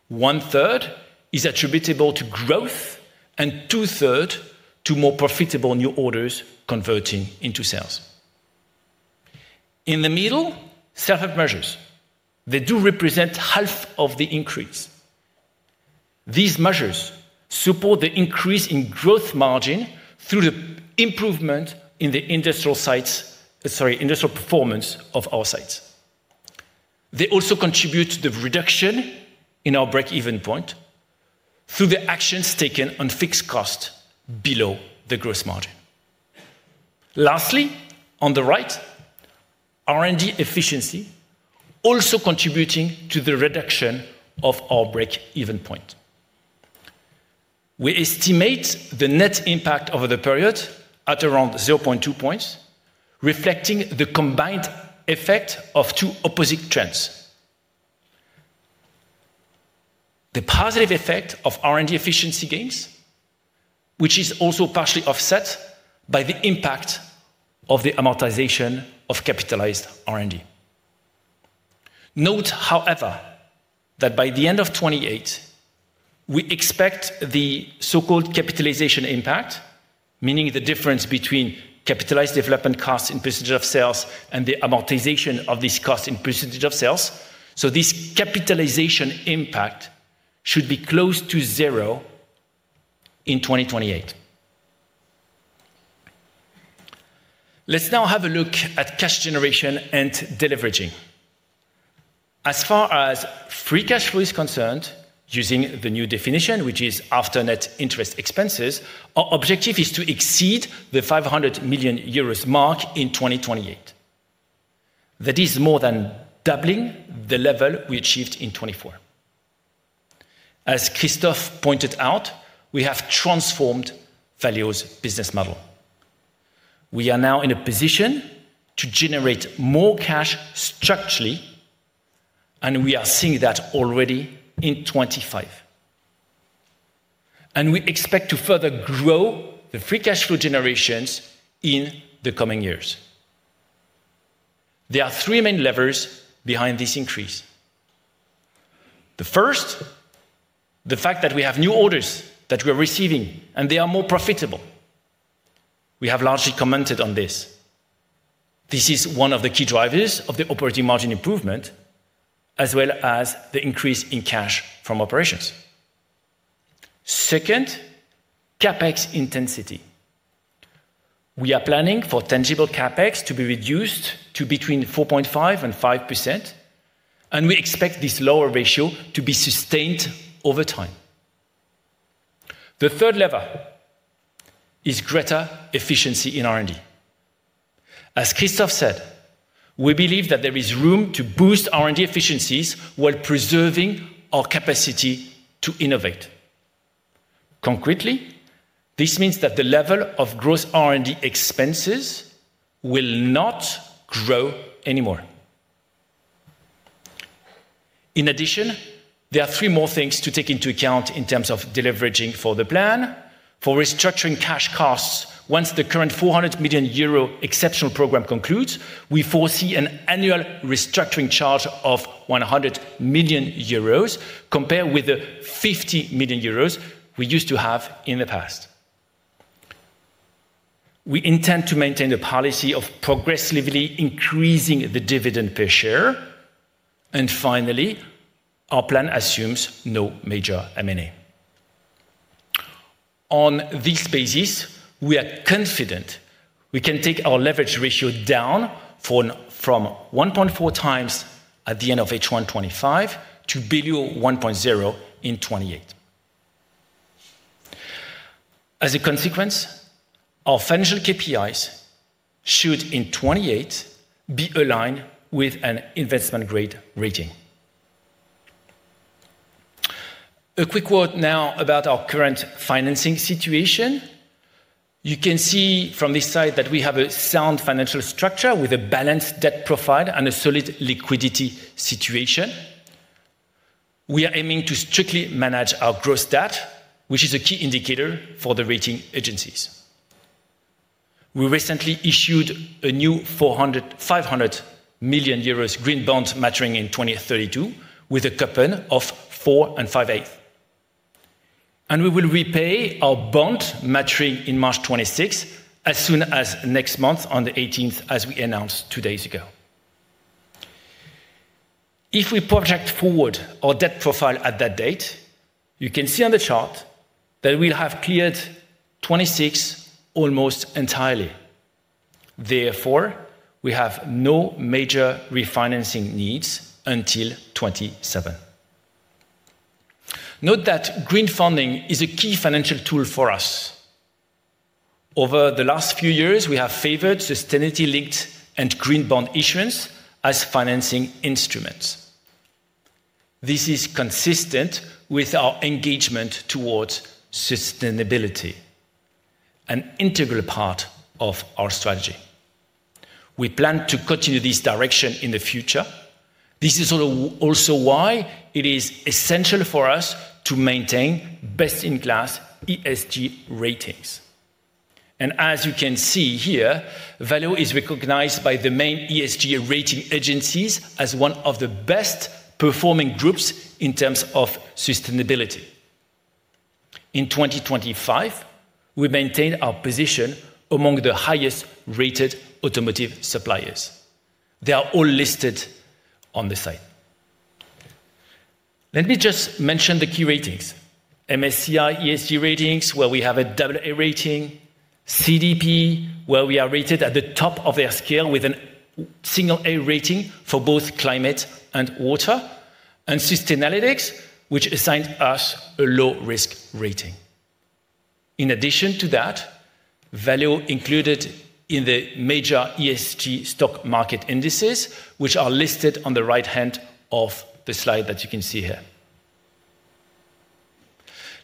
One third is attributable to growth and two thirds to more profitable new orders converting into sales. In the middle, separate measures. They do represent half of the increase. These measures support the increase in gross margin through the improvement in the industrial performance of our sites. They also contribute to the reduction in our break-even point through the actions taken on fixed costs below the gross margin. Lastly, on the right, R&D efficiency also contributing to the reduction of our break-even point. We estimate the net impact over the period at around 0.2 points, reflecting the combined effect of two opposite trends. The positive effect of R&D efficiency gains, which is also partially offset by the impact of the amortization of capitalized R&D. Note, however, that by the end of 2028, we expect the so-called capitalization impact, meaning the difference between capitalized development costs in percentage of sales and the amortization of these costs in percentage of sales. This capitalization impact should be close to zero in 2028. Let's now have a look at cash generation and deleveraging. As far as free cash flow is concerned, using the new definition, which is after net interest expenses, our objective is to exceed the 500 million euros mark in 2028. That is more than doubling the level we achieved in 2024. As Christophe pointed out, we have transformed Valeo's business model. We are now in a position to generate more cash structurally, and we are seeing that already in 2025. We expect to further grow the free cash flow generations in the coming years. There are three main levers behind this increase. The first, the fact that we have new orders that we are receiving, and they are more profitable. We have largely commented on this. This is one of the key drivers of the operating margin improvement, as well as the increase in cash from operations. Second, CapEx intensity. We are planning for tangible CapEx to be reduced to between 4.5% and 5%, and we expect this lower ratio to be sustained over time. The third lever is greater efficiency in R&D. As Christophe said, we believe that there is room to boost R&D efficiencies while preserving our capacity to innovate. Concretely, this means that the level of gross R&D expenses will not grow anymore. In addition, there are three more things to take into account in terms of deleveraging for the plan. For restructuring cash costs, once the current 400 million euro exceptional program concludes, we foresee an annual restructuring charge of 100 million euros compared with the 50 million euros we used to have in the past. We intend to maintain the policy of progressively increasing the dividend per share. Finally, our plan assumes no major M&A. On this basis, we are confident we can take our leverage ratio down from 1.4x at the end of H1 2025 to below 1.0x in 2028. As a consequence, our financial KPIs should in 2028 be aligned with an investment-grade rating. A quick word now about our current financing situation. You can see from this slide that we have a sound financial structure with a balanced debt profile and a solid liquidity situation. We are aiming to strictly manage our gross debt, which is a key indicator for the rating agencies. We recently issued a new 500 million euros green bond maturing in 2032 with a coupon of 4.58%. We will repay our bond maturing in March 2026 as soon as next month on the 18th, as we announced two days ago. If we project forward our debt profile at that date, you can see on the chart that we will have cleared 2026 almost entirely. Therefore, we have no major refinancing needs until 2027. Note that green funding is a key financial tool for us. Over the last few years, we have favored sustainability-linked and green bond issuance as financing instruments. This is consistent with our engagement towards sustainability, an integral part of our strategy. We plan to continue this direction in the future. This is also why it is essential for us to maintain best-in-class ESG ratings. As you can see here, Valeo is recognized by the main ESG rating agencies as one of the best-performing groups in terms of sustainability. In 2025, we maintain our position among the highest-rated automotive suppliers. They are all listed on the site. Let me just mention the key ratings: MSCI ESG ratings, where we have a double-A rating; CDP, where we are rated at the top of their scale with a single-A rating for both climate and water; and Sustainalytics, which assigns us a low-risk rating. In addition to that, Valeo included in the major ESG stock market indices, which are listed on the right hand of the slide that you can see here.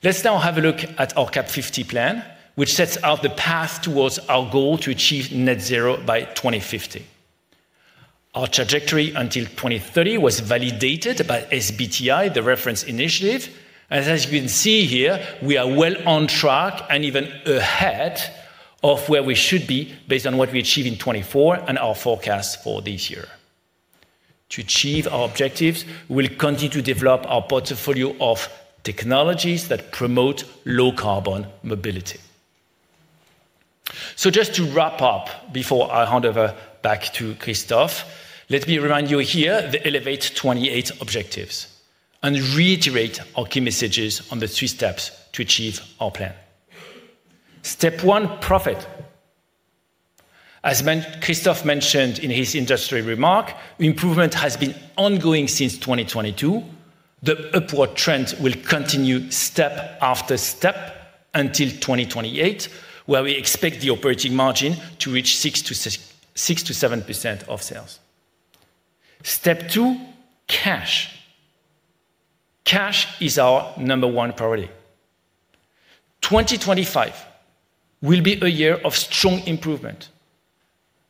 Let's now have a look at our CAP 50 plan, which sets out the path towards our goal to achieve net zero by 2050. Our trajectory until 2030 was validated by SBTi, the reference initiative. As you can see here, we are well on track and even ahead of where we should be based on what we achieve in 2024 and our forecast for this year. To achieve our objectives, we will continue to develop our portfolio of technologies that promote low-carbon mobility. Just to wrap up before I hand over back to Christophe, let me remind you here the Elevate 28 objectives and reiterate our key messages on the three steps to achieve our plan. Step one, profit. As Christophe mentioned in his industry remark, improvement has been ongoing since 2022. The upward trend will continue step after step until 2028, where we expect the operating margin to reach 6%-7% of sales. Step two, cash. Cash is our number one priority. 2025 will be a year of strong improvement.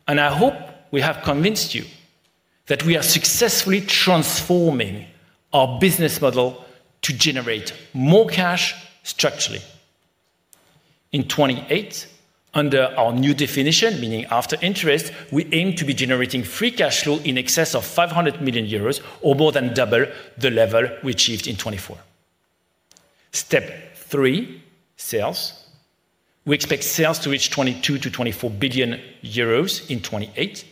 I hope we have convinced you that we are successfully transforming our business model to generate more cash structurally. In 2028, under our new definition, meaning after interest, we aim to be generating free cash flow in excess of 500 million euros or more than double the level we achieved in 2024. Step three, sales. We expect sales to reach 22 billion-24 billion euros in 2028.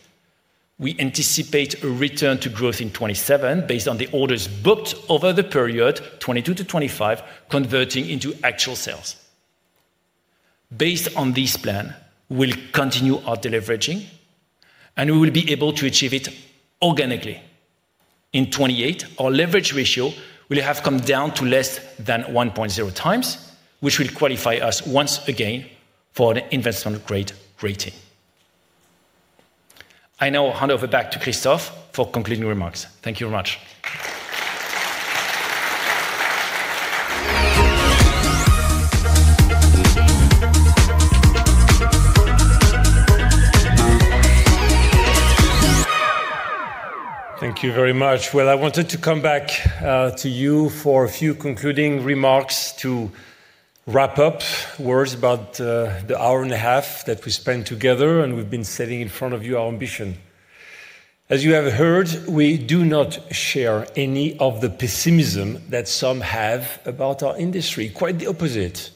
We anticipate a return to growth in 2027 based on the orders booked over the period 2022 to 2025, converting into actual sales. Based on this plan, we will continue our deleveraging, and we will be able to achieve it organically. In 2028, our leverage ratio will have come down to less than 1.0x, which will qualify us once again for the investment-grade rating. I now hand over back to Christophe for concluding remarks. Thank you very much. Thank you very much. I wanted to come back to you for a few concluding remarks to wrap up words about the hour and a half that we spent together, and we've been setting in front of you our ambition. As you have heard, we do not share any of the pessimism that some have about our industry. Quite the opposite.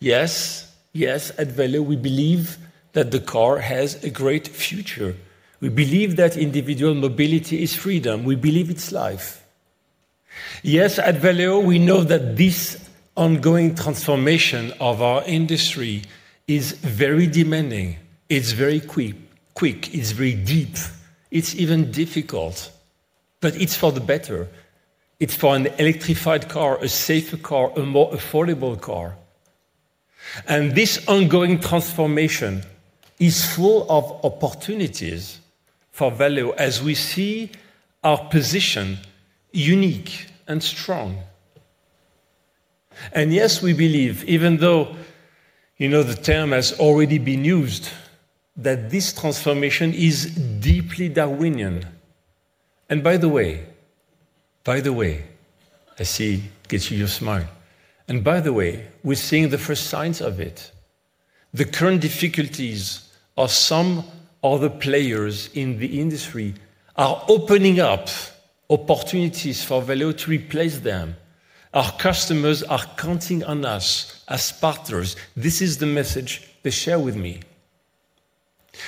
Yes, yes, at Valeo, we believe that the car has a great future. We believe that individual mobility is freedom. We believe it's life. Yes, at Valeo, we know that this ongoing transformation of our industry is very demanding. It's very quick. It's very deep. It's even difficult, but it's for the better. It's for an electrified car, a safer car, a more affordable car. This ongoing transformation is full of opportunities for Valeo as we see our position unique and strong. Yes, we believe, even though you know the term has already been used, that this transformation is deeply Darwinian. By the way, I see it gets you to smile. By the way, we're seeing the first signs of it. The current difficulties of some other players in the industry are opening up opportunities for Valeo to replace them. Our customers are counting on us as partners. This is the message they share with me.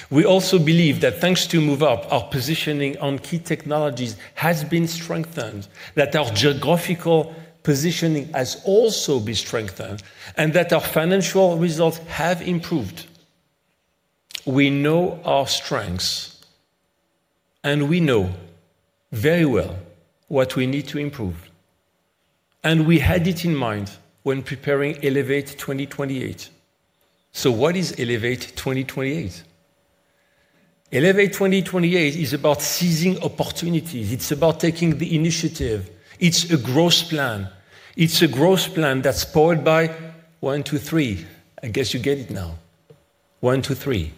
We also believe that thanks to Move Up, our positioning on key technologies has been strengthened, that our geographical positioning has also been strengthened, and that our financial results have improved. We know our strengths, and we know very well what we need to improve. We had it in mind when preparing Elevate 2028. What is Elevate 2028? Elevate 2028 is about seizing opportunities. It's about taking the initiative. It's a growth plan. It's a growth plan that's powered by one, two, three. I guess you get it now. One, two, three.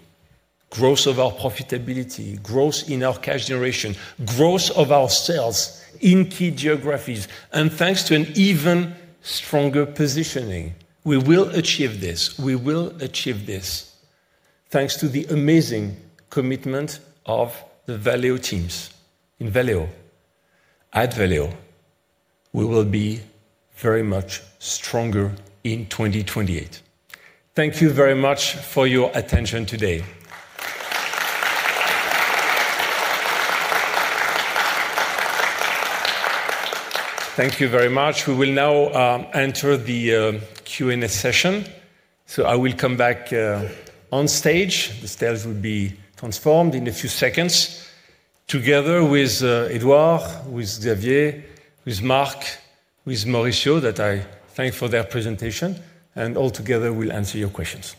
Growth of our profitability, growth in our cash generation, growth of our sales in key geographies. Thanks to an even stronger positioning, we will achieve this. We will achieve this thanks to the amazing commitment of the Valeo teams in Valeo. At Valeo, we will be very much stronger in 2028. Thank you very much for your attention today. Thank you very much. We will now enter the Q&A session. I will come back on stage. The stage will be transformed in a few seconds together with Edouard, with Xavier, with Marc, with Maurizio that I thank for their presentation. All together, we'll answer your questions.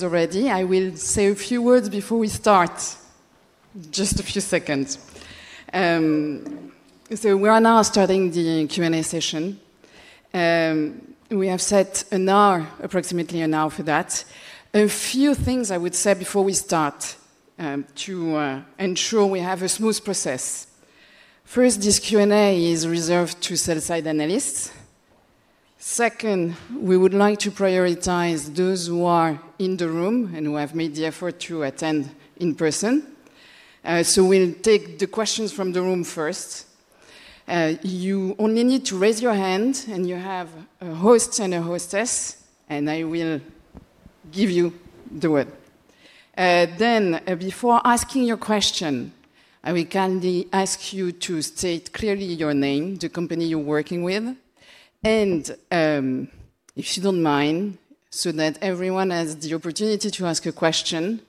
Okay, good morning. I see hands raised already. I will say a few words before we start. Just a few seconds. We are now starting the Q&A session. We have set an hour, approximately an hour for that. A few things I would say before we start to ensure we have a smooth process. First, this Q&A is reserved to sell-side analysts. Second, we would like to prioritize those who are in the room and who have made the effort to attend in person. We will take the questions from the room first. You only need to raise your hand, and you have a host and a hostess, and I will give you the word. Then, before asking your question, I will kindly ask you to state clearly your name, the company you are working with, and if you do not mind, so that everyone has the opportunity to ask a question.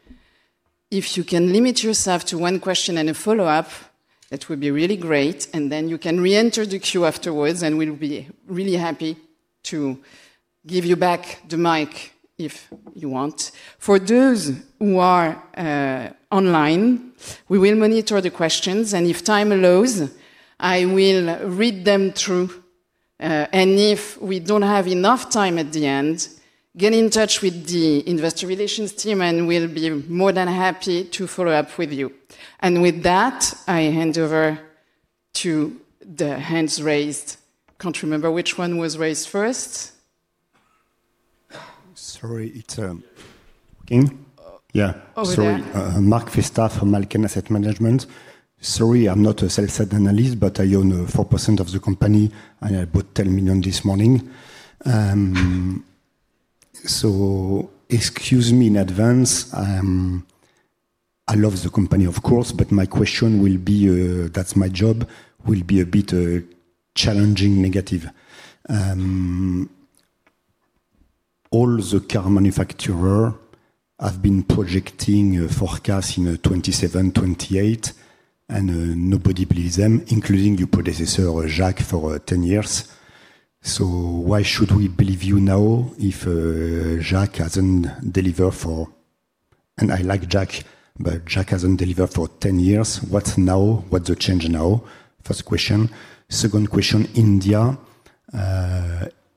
If you can limit yourself to one question and a follow-up, that would be really great. You can re-enter the queue afterwards, and we will be really happy to give you back the mic if you want. For those who are online, we will monitor the questions, and if time allows, I will read them through. If we do not have enough time at the end, get in touch with the investor relations team, and we will be more than happy to follow up with you. With that, I hand over to the hands raised country member. Which one was raised first? Sorry, is it working? Yeah. Sorry, Marc Festa from Alken Asset Management. Sorry, I am not a sell-side analyst, but I own 4% of the company, and I bought 10 million this morning. Excuse me in advance. I love the company, of course, but my question will be, that is my job, will be a bit challenging negative. All the car manufacturers have been projecting forecasts in 2027, 2028, and nobody believes them, including your predecessor, Jacques, for 10 years. Why should we believe you now if Jacques has not delivered for, and I like Jacques, but Jacques has not delivered for 10 years? What is now? What's the change now? First question. Second question, India.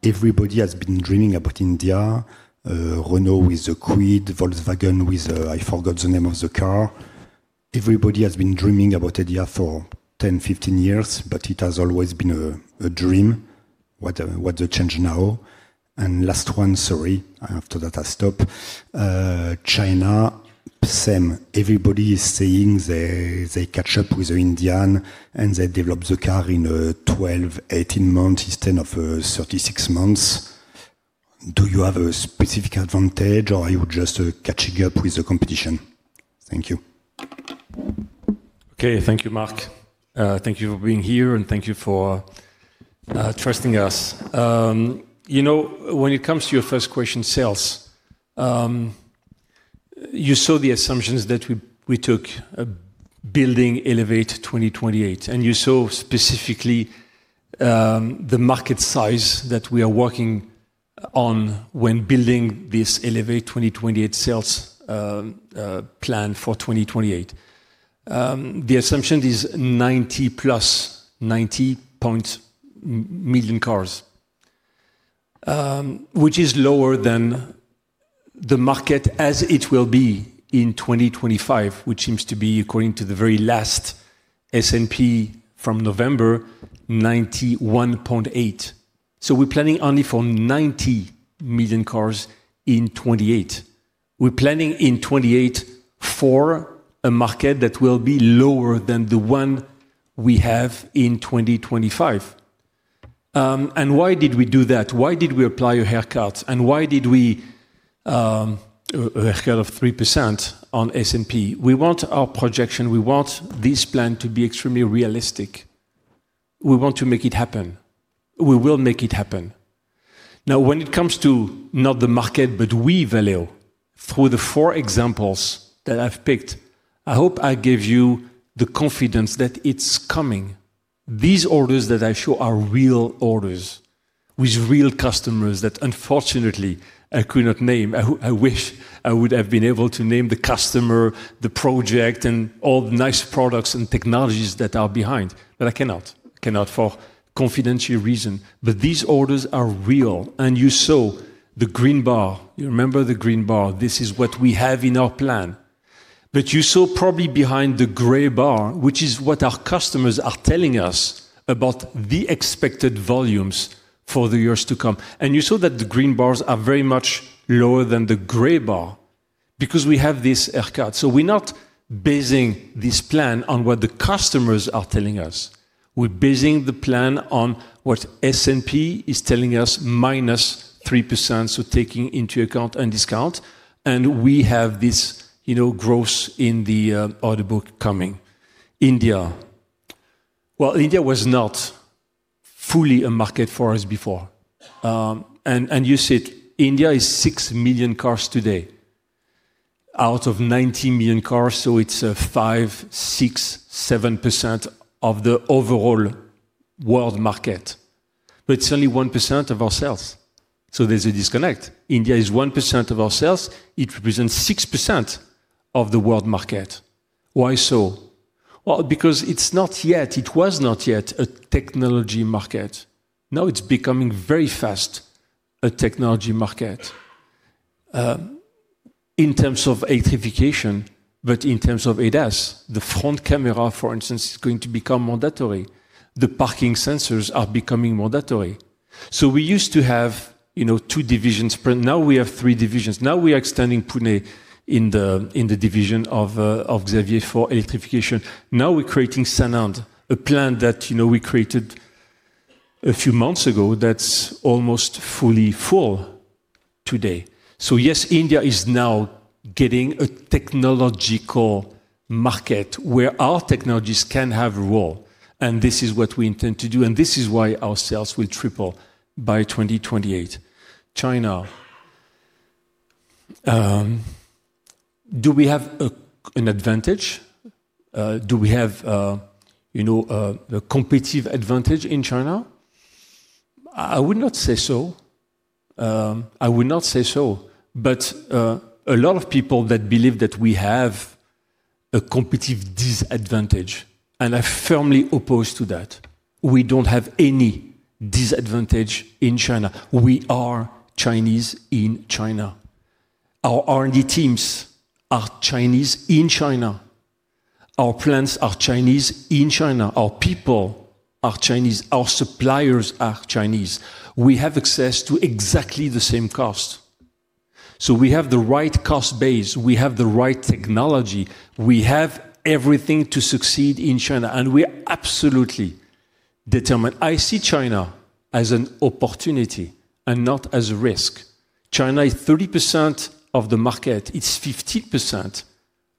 Everybody has been dreaming about India. Renault with the Kwid, Volkswagen with, I forgot the name of the car. Everybody has been dreaming about India for 10, 15 years, but it has always been a dream. What's the change now? Last one, sorry, after that I stop. China, same. Everybody is saying they catch up with the Indian and they develop the car in 12, 18 months instead of 36 months. Do you have a specific advantage or are you just catching up with the competition? Thank you. Okay, thank you, Marc. Thank you for being here and thank you for trusting us. You know, when it comes to your first question, sales, you saw the assumptions that we took building Elevate 2028, and you saw specifically the market size that we are working on when building this Elevate 2028 sales plan for 2028. The assumption is 90+ 90 million cars, which is lower than the market as it will be in 2025, which seems to be, according to the very last S&P from November, 91.8. We are planning only for 90 million cars in 2028. We are planning in 2028 for a market that will be lower than the one we have in 2025. Why did we do that? Why did we apply a haircut? Why did we haircut of 3% on S&P? We want our projection, we want this plan to be extremely realistic. We want to make it happen. We will make it happen. Now, when it comes to not the market, but we, Valeo, through the four examples that I've picked, I hope I gave you the confidence that it's coming. These orders that I show are real orders with real customers that, unfortunately, I could not name. I wish I would have been able to name the customer, the project, and all the nice products and technologies that are behind, but I cannot. I cannot for confidential reason. These orders are real, and you saw the green bar. You remember the green bar? This is what we have in our plan. You saw probably behind the gray bar, which is what our customers are telling us about the expected volumes for the years to come. You saw that the green bars are very much lower than the gray bar because we have this haircut. We're not basing this plan on what the customers are telling us. We're basing the plan on what S&P is telling us -3%, so taking into account a discount. We have this growth in the audit book coming. India was not fully a market for us before. You said India is 6 million cars today out of 90 million cars, so it's 5%, 6%, 7% of the overall world market. But it's only 1% of our sales. There's a disconnect. India is 1% of our sales. It represents 6% of the world market. Why so? Because it's not yet, it was not yet a technology market. Now it's becoming very fast a technology market in terms of electrification, but in terms of ADAS, the front camera, for instance, is going to become mandatory. The parking sensors are becoming mandatory. We used to have two divisions. Now we have three divisions. Now we are extending Pune in the division of Xavier for electrification. Now we're creating Sanand, a plan that we created a few months ago that's almost fully full today. Yes, India is now getting a technological market where our technologies can have a role. This is what we intend to do, and this is why our sales will triple by 2028. China. Do we have an advantage? Do we have a competitive advantage in China? I would not say so. I would not say so. A lot of people believe that we have a competitive disadvantage, and I firmly oppose to that. We don't have any disadvantage in China. We are Chinese in China. Our R&D teams are Chinese in China. Our plants are Chinese in China. Our people are Chinese. Our suppliers are Chinese. We have access to exactly the same cost. We have the right cost base. We have the right technology. We have everything to succeed in China, and we are absolutely determined. I see China as an opportunity and not as a risk. China is 30% of the market. It's 15%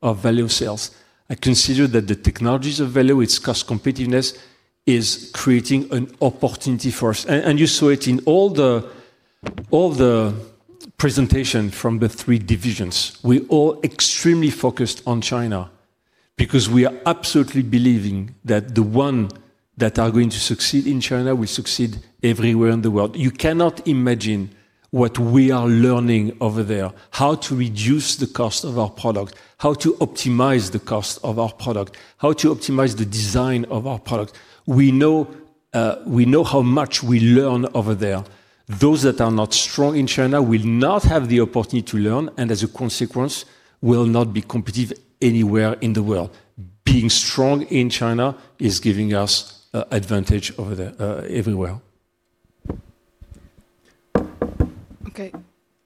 of Valeo sales. I consider that the technologies of Valeo, its cost competitiveness is creating an opportunity for us. You saw it in all the presentations from the three divisions. We're all extremely focused on China because we are absolutely believing that the ones that are going to succeed in China will succeed everywhere in the world. You cannot imagine what we are learning over there, how to reduce the cost of our product, how to optimize the cost of our product, how to optimize the design of our product. We know how much we learn over there. Those that are not strong in China will not have the opportunity to learn, and as a consequence, will not be competitive anywhere in the world. Being strong in China is giving us an advantage over there everywhere. Okay.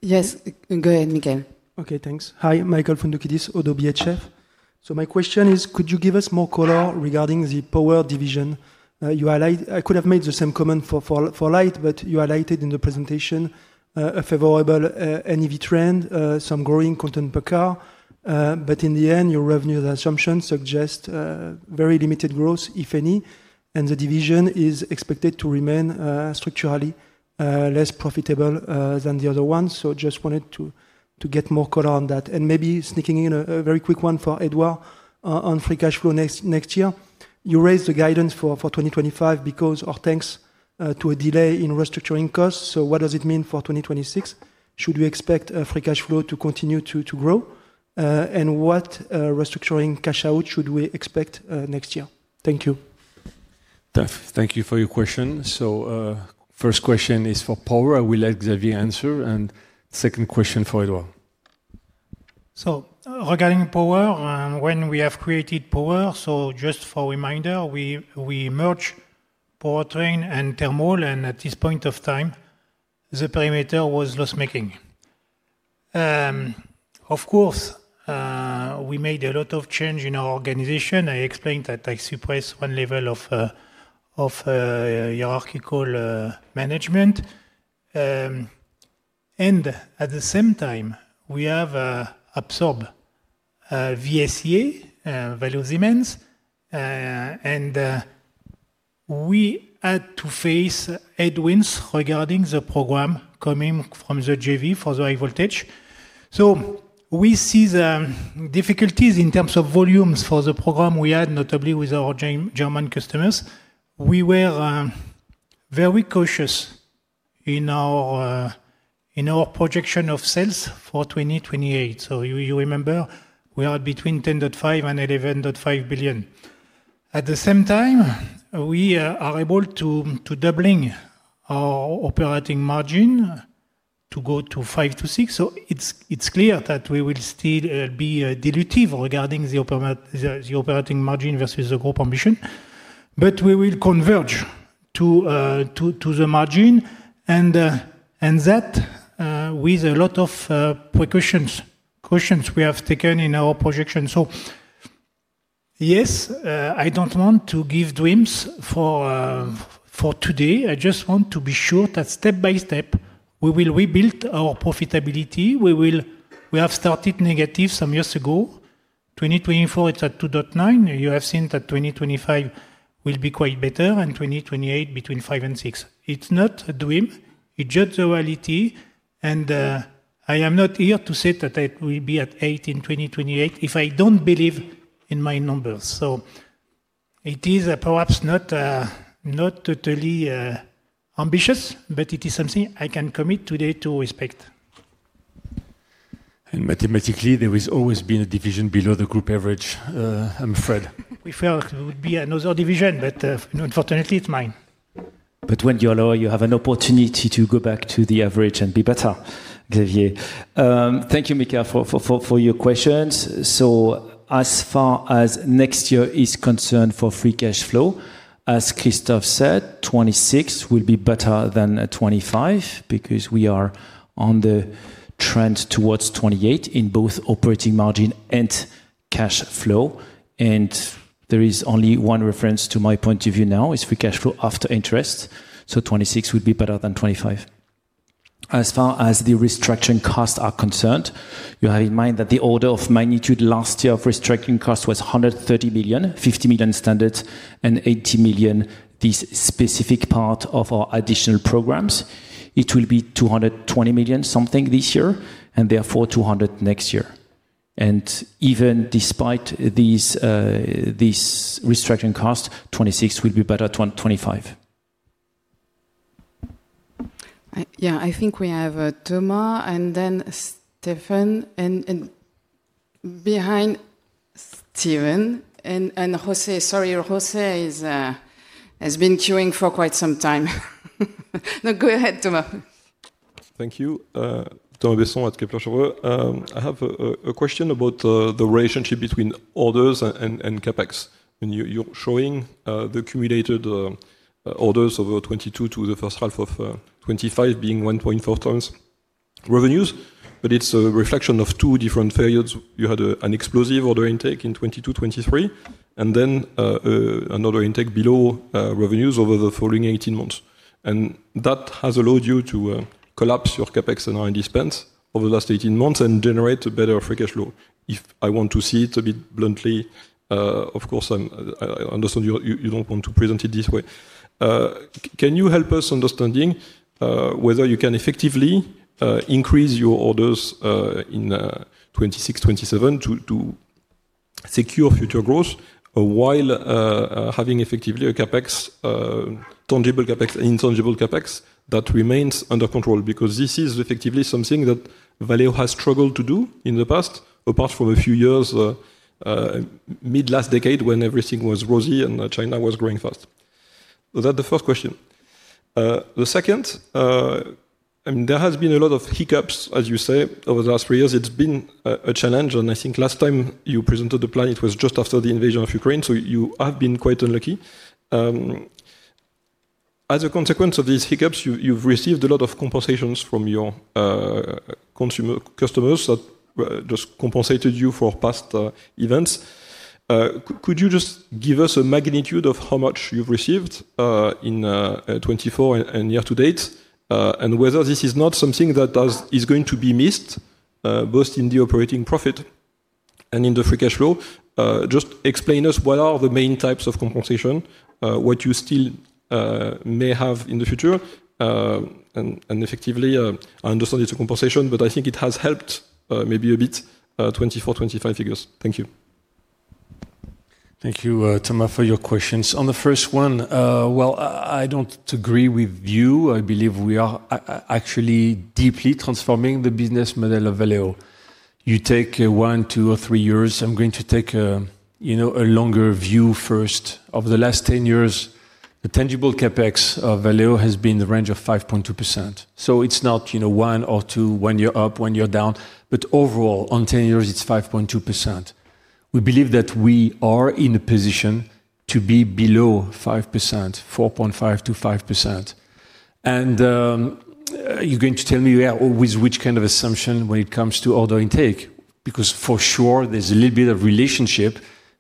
Yes, go ahead, Michael. Okay, thanks. Hi, Michael Foundoukidis ODDO BHF. My question is, could you give us more color regarding the power division? I could have made the same comment for light, but you highlighted in the presentation a favorable NEV trend, some growing content per car. In the end, your revenue assumption suggests very limited growth, if any, and the division is expected to remain structurally less profitable than the other one. I just wanted to get more color on that. Maybe sneaking in a very quick one for Edouard on free cash flow next year. You raised the guidance for 2025 because or thanks to a delay in restructuring costs. What does it mean for 2026? Should we expect free cash flow to continue to grow? What restructuring cash out should we expect next year? Thank you. Thank you for your question. First question is for Power. I will let Xavier answer. Second question for Edouard. Regarding Power, when we have created Power, just for reminder, we merged Powertrain and Thermal, and at this point of time, the perimeter was loss-making. Of course, we made a lot of change in our organization. I explained that I suppress one level of hierarchical management. At the same time, we have absorbed VSE, value demands, and we had to face headwinds regarding the program coming from the JV for the high voltage. We see the difficulties in terms of volumes for the program we had, notably with our German customers. We were very cautious in our projection of sales for 2028. You remember we are between 10.5 billion and 11.5 billion. At the same time, we are able to double our operating margin to go to 5%-6%. It is clear that we will still be dilutive regarding the operating margin versus the group ambition. We will converge to the margin and that with a lot of precautions we have taken in our projection. Yes, I do not want to give dreams for today. I just want to be sure that step by step, we will rebuild our profitability. We have started negative some years ago. In 2024, it is at 2.9%. You have seen that 2025 will be quite better and 2028 between 5% and 6%. It is not a dream. It's just a reality. I am not here to say that it will be at 8% in 2028 if I do not believe in my numbers. It is perhaps not totally ambitious, but it is something I can commit today to respect. Matmatically, there has always been a division below the group average. I am afraid. It would be another division, but unfortunately, it is mine. When you are low, you have an opportunity to go back to the average and be better, Xavier. Thank you, Michaell, for your questions. As far as next year is concerned for free cash flow, as Christophe said, 2026 will be better than 2025 because we are on the trend towards 2028 in both operating margin and cash flow. There is only one reference to my point of view now, which is free cash flow after interest. Twenty-six would be better than twenty-five. As far as the restructuring costs are concerned, you have in mind that the order of magnitude last year of restructuring costs was 130 million, 50 million standard, and 80 million this specific part of our additional programs. It will be 220 million something this year and therefore 200 million next year. Even despite these restructuring costs, twenty-six will be better than twenty-five. Yeah, I think we have Thomas and then Stephen and behind Stephen and José. Sorry, José has been queuing for quite some time. No, go ahead, Thomas. Thank you. Thomas Besson at Kepler Cheuvreux. I have a question about the relationship between orders and CapEx. You're showing the cumulated orders over twenty-two to the first half of twenty-five being 1.4x revenues, but it's a reflection of two different periods. You had an explosive order intake in 2022, 2023, and then another intake below revenues over the following 18 months. That has allowed you to collapse your CapEx and R&D spend over the last 18 months and generate a better free cash flow. If I want to see it a bit bluntly, of course, I understand you don't want to present it this way. Can you help us understanding whether you can effectively increase your orders in 2026, 2027 to secure future growth while having effectively a CapEx, tangible CapEx and intangible CapEx that remains under control? This is effectively something that Valeo has struggled to do in the past, apart from a few years mid-last decade when everything was rosy and China was growing fast. That's the first question. The second, I mean, there has been a lot of hiccups, as you say, over the last three years. It's been a challenge. I think last time you presented the plan, it was just after the invasion of Ukraine. You have been quite unlucky. As a consequence of these hiccups, you've received a lot of compensations from your customers that just compensated you for past events. Could you just give us a magnitude of how much you've received in 2024 and year to date and whether this is not something that is going to be missed both in the operating profit and in the free cash flow? Just explain to us what are the main types of compensation, what you still may have in the future. Effectively, I understand it's a compensation, but I think it has helped maybe a bit 2024, 2025 figures. Thank you. Thank you, Thomas, for your questions. On the first one, I don't agree with you. I believe we are actually deeply transforming the business model of Valeo. You take one, two, or three years. I'm going to take a longer view first. Over the last 10 years, the tangible CapEx of Valeo has been in the range of 5.2%. So it's not one or two when you're up, when you're down, but overall, on 10 years, it's 5.2%. We believe that we are in a position to be below 5%, 4.5%-5%. You're going to tell me with which kind of assumption when it comes to order intake, because for sure, there's a little bit of relationship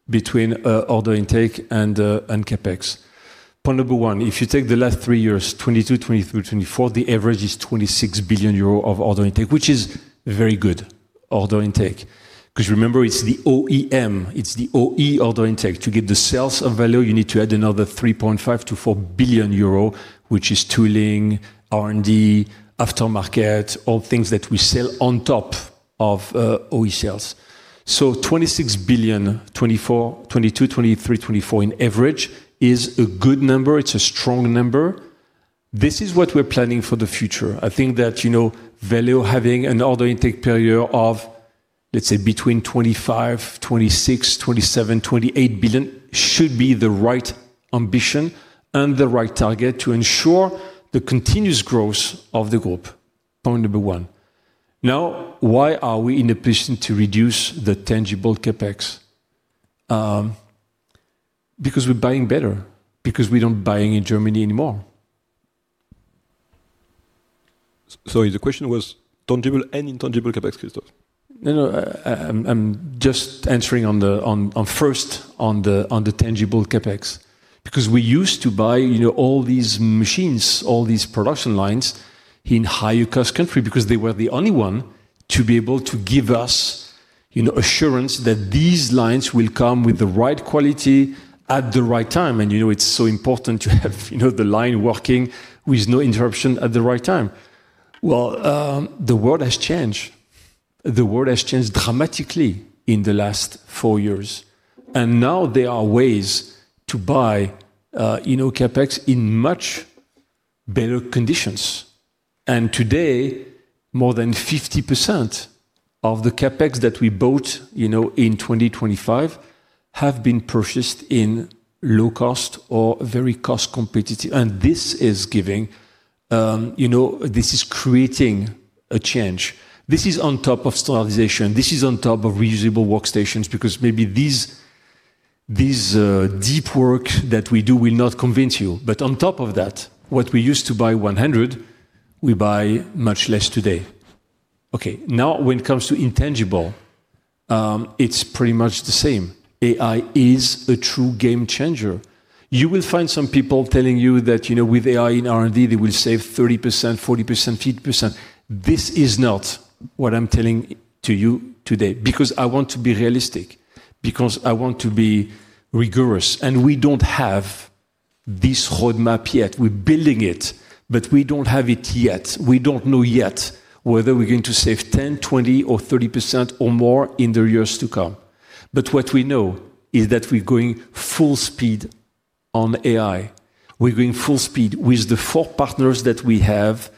between order intake and CapEx. Point number one, if you take the last three years, 2022, 2023, 2024, the average is 26 billion euro of order intake, which is very good order intake. Because remember, it's the OEM, it's the OE order intake. To get the sales of value, you need to add another 3.5 billion, 4 billion euro, which is tooling, R&D, aftermarket, all things that we sell on top of OE sales. So 26 billion, 2024, 2022, 2023, 2024 in average is a good number. It's a strong number. This is what we're planning for the future. I think that Valeo having an order intake period of, let's say, between 25 billon, 26 billion, 28 billion should be the right ambition and the right target to ensure the continuous growth of the group. Point number one. Now, why are we in a position to reduce the tangible CapEx? Because we're buying better, because we don't buy in Germany anymore. Sorry, the question was tangible and intangible CapEx, Christophe. No, no, I'm just answering first on the tangible CapEx, because we used to buy all these machines, all these production lines in higher cost country because they were the only one to be able to give us assurance that these lines will come with the right quality at the right time. It is so important to have the line working with no interruption at the right time. The world has changed. The world has changed dramatically in the last four years. Now there are ways to buy CapEx in much better conditions. Today, more than 50% of the CapEx that we bought in 2025 have been purchased in low cost or very cost competitive. This is giving, this is creating a change. This is on top of standardization. This is on top of reusable workstations because maybe this deep work that we do will not convince you. On top of that, what we used to buy 100, we buy much less today. Okay, now when it comes to intangible, it's pretty much the same. AI is a true game changer. You will find some people telling you that with AI in R&D, they will save 30%, 40%, 50%. This is not what I'm telling to you today because I want to be realistic, because I want to be rigorous. We do not have this roadmap yet. We're building it, but we do not have it yet. We do not know yet whether we're going to save 10%, 20%, or 30% or more in the years to come. What we know is that we're going full speed on AI. We're going full speed with the four partners that we have.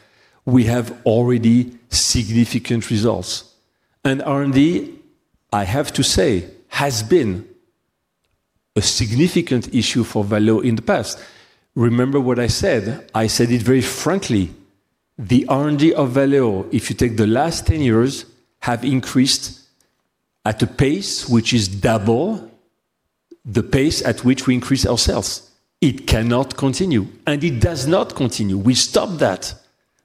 We have already significant results. R&D, I have to say, has been a significant issue for Valeo in the past. Remember what I said? I said it very frankly. The R&D of Valeo, if you take the last 10 years, have increased at a pace which is double the pace at which we increase our sales. It cannot continue, and it does not continue. We stopped that.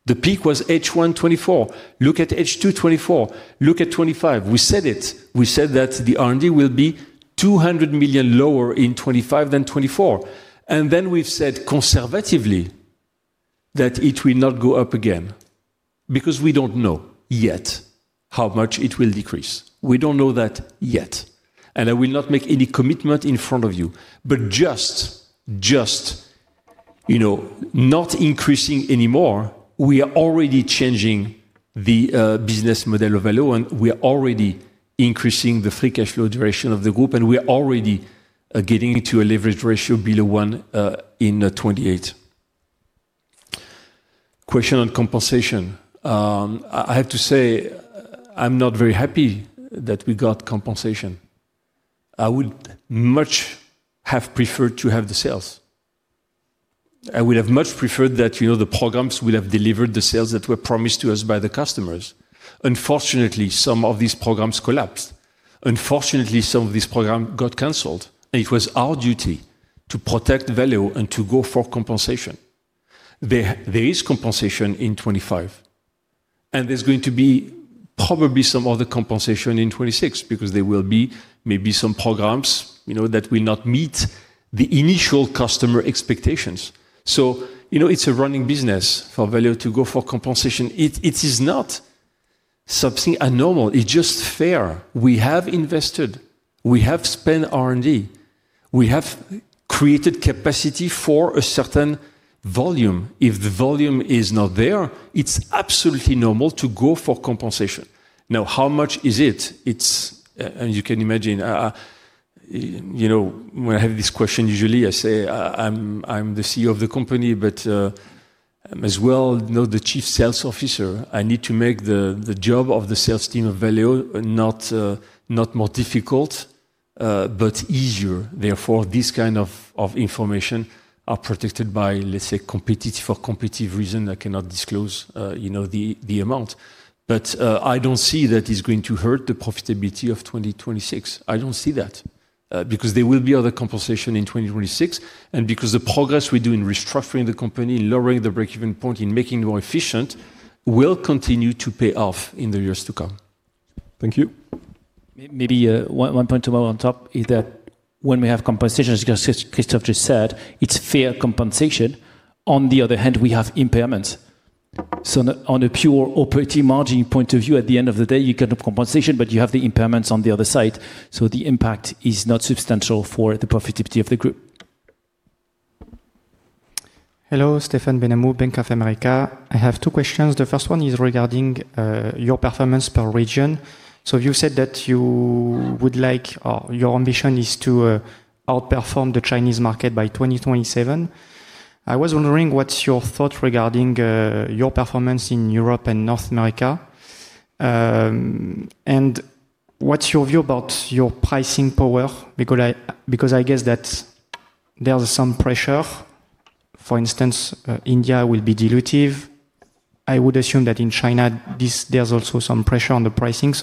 The peak was H1 2024. Look at H2 2024. Look at 2025. We said it. We said that the R&D will be 200 million lower in 2025 than 2024. We have said conservatively that it will not go up again because we do not know yet how much it will decrease. We do not know that yet. I will not make any commitment in front of you, just not increasing anymore. We are already changing the business model of Valeo, and we are already increasing the free cash flow duration of the group, and we are already getting into a leverage ratio below one in 2028. Question on compensation. I have to say I'm not very happy that we got compensation. I would much have preferred to have the sales. I would have much preferred that the programs would have delivered the sales that were promised to us by the customers. Unfortunately, some of these programs collapsed. Unfortunately, some of these programs got canceled. It was our duty to protect Valeo and to go for compensation. There is compensation in 2025, and there's going to be probably some other compensation in 2026 because there will be maybe some programs that will not meet the initial customer expectations. It is a running business for Valeo to go for compensation. It is not something abnormal. It is just fair. We have invested. We have spent R&D. We have created capacity for a certain volume. If the volume is not there, it is absolutely normal to go for compensation. Now, how much is it? You can imagine when I have this question, usually I say I am the CEO of the company, but as well, the Chief Sales Officer, I need to make the job of the sales team of Valeo not more difficult, but easier. Therefore, this kind of information is protected by, let's say, for competitive reasons. I cannot disclose the amount. I don't see that it's going to hurt the profitability of 2026. I don't see that because there will be other compensation in 2026. Because the progress we do in restructuring the company, lowering the break-even point, in making it more efficient, will continue to pay off in the years to come. Thank you. Maybe one point to add on top is that when we have compensation, as Christophe just said, it's fair compensation. On the other hand, we have impairments. On a pure operating margin point of view, at the end of the day, you get compensation, but you have the impairments on the other side. The impact is not substantial for the profitability of the group. Hello, Stephen Benhamou, Bank of America. I have two questions. The first one is regarding your performance per region. You said that you would like, or your ambition is to outperform the Chinese market by 2027. I was wondering what's your thought regarding your performance in Europe and North America. What's your view about your pricing power? I guess that there's some pressure. For instance, India will be dilutive. I would assume that in China, there's also some pressure on the pricing.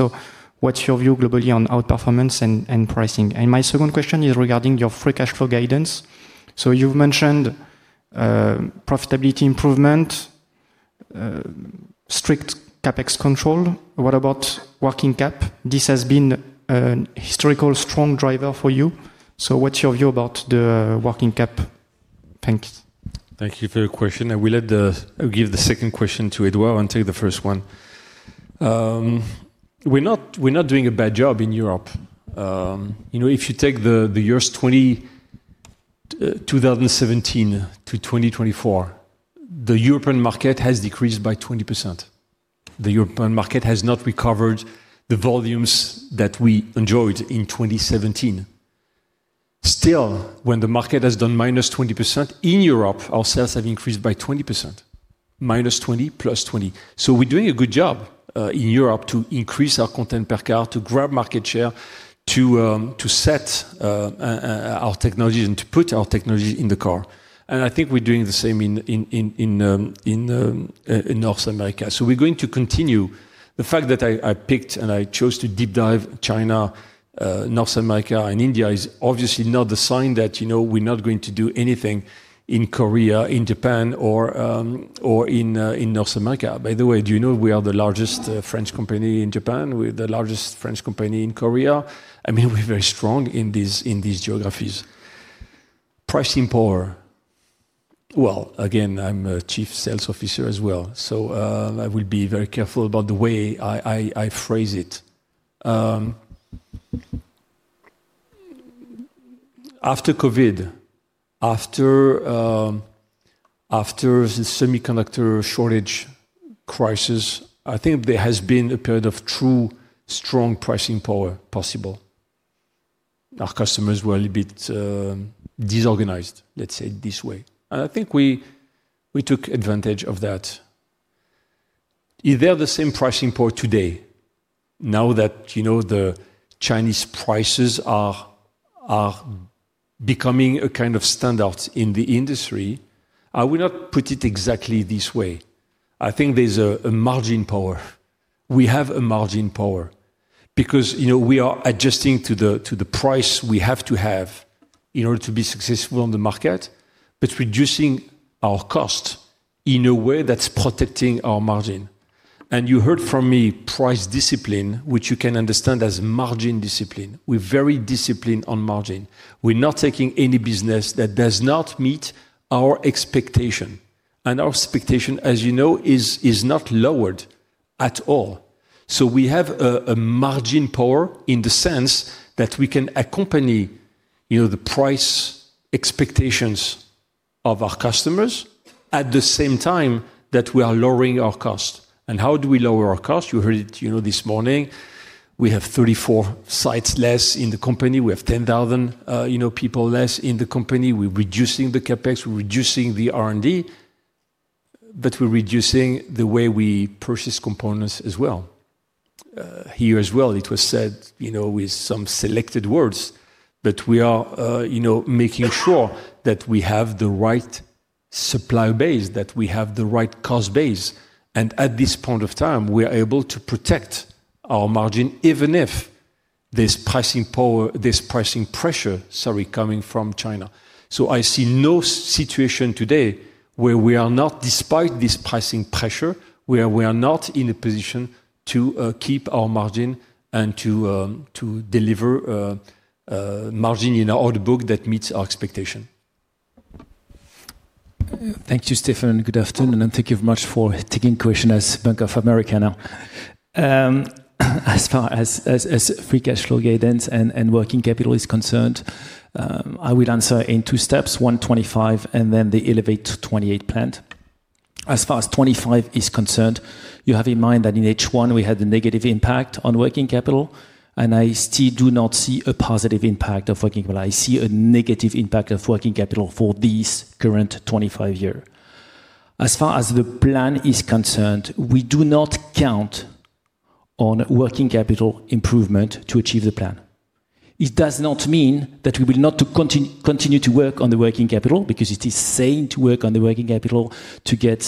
What's your view globally on outperformance and pricing? My second question is regarding your free cash flow guidance. You've mentioned profitability improvement, strict CapEx control. What about working cap? This has been a historical strong driver for you. What's your view about the working cap? Thanks. Thank you for the question. I will give the second question to Edouard and take the first one. We're not doing a bad job in Europe. If you take the years 2017 to 2024, the European market has decreased by 20%. The European market has not recovered the volumes that we enjoyed in 2017. Still, when the market has done -20% in Europe, our sales have increased by 20%. -20%, +20%. We are doing a good job in Europe to increase our content per car, to grab market share, to set our technologies and to put our technologies in the car. I think we are doing the same in North America. We are going to continue. The fact that I picked and I chose to deep dive China, North America, and India is obviously not the sign that we are not going to do anything in Korea, in Japan, or in North America. By the way, do you know we are the largest French company in Japan? We are the largest French company in Korea. I mean, we're very strong in these geographies. Pricing power. Again, I'm a Chief Sales Officer as well. I will be very careful about the way I phrase it. After COVID, after the semiconductor shortage crisis, I think there has been a period of true strong pricing power possible. Our customers were a little bit disorganized, let's say it this way. I think we took advantage of that. Is there the same pricing power today? Now that the Chinese prices are becoming a kind of standard in the industry, I will not put it exactly this way. I think there's a margin power. We have a margin power because we are adjusting to the price we have to have in order to be successful on the market, but reducing our cost in a way that's protecting our margin. You heard from me price discipline, which you can understand as margin discipline. We're very disciplined on margin. We're not taking any business that does not meet our expectation. Our expectation, as you know, is not lowered at all. We have a margin power in the sense that we can accompany the price expectations of our customers at the same time that we are lowering our cost. How do we lower our cost? You heard it this morning. We have 34 sites less in the company. We have 10,000 people less in the company. We're reducing the CapEx. We're reducing the R&D, but we're reducing the way we purchase components as well. Here as well, it was said with some selected words, but we are making sure that we have the right supply base, that we have the right cost base. At this point of time, we are able to protect our margin even if there is pricing pressure, sorry, coming from China. I see no situation today where we are not, despite this pricing pressure, in a position to keep our margin and to deliver margin in our order book that meets our expectation. Thank you, Stephen. Good afternoon. Thank you very much for taking question as Bank of America now. As far as free cash flow guidance and working capital is concerned, I will answer in two steps, one 2025 and then the Elevate 2028 plan. As far as 2025 is concerned, you have in mind that in H1, we had a negative impact on working capital, and I still do not see a positive impact of working capital. I see a negative impact of working capital for this current 2025 year. As far as the plan is concerned, we do not count on working capital improvement to achieve the plan. It does not mean that we will not continue to work on the working capital because it is sane to work on the working capital to get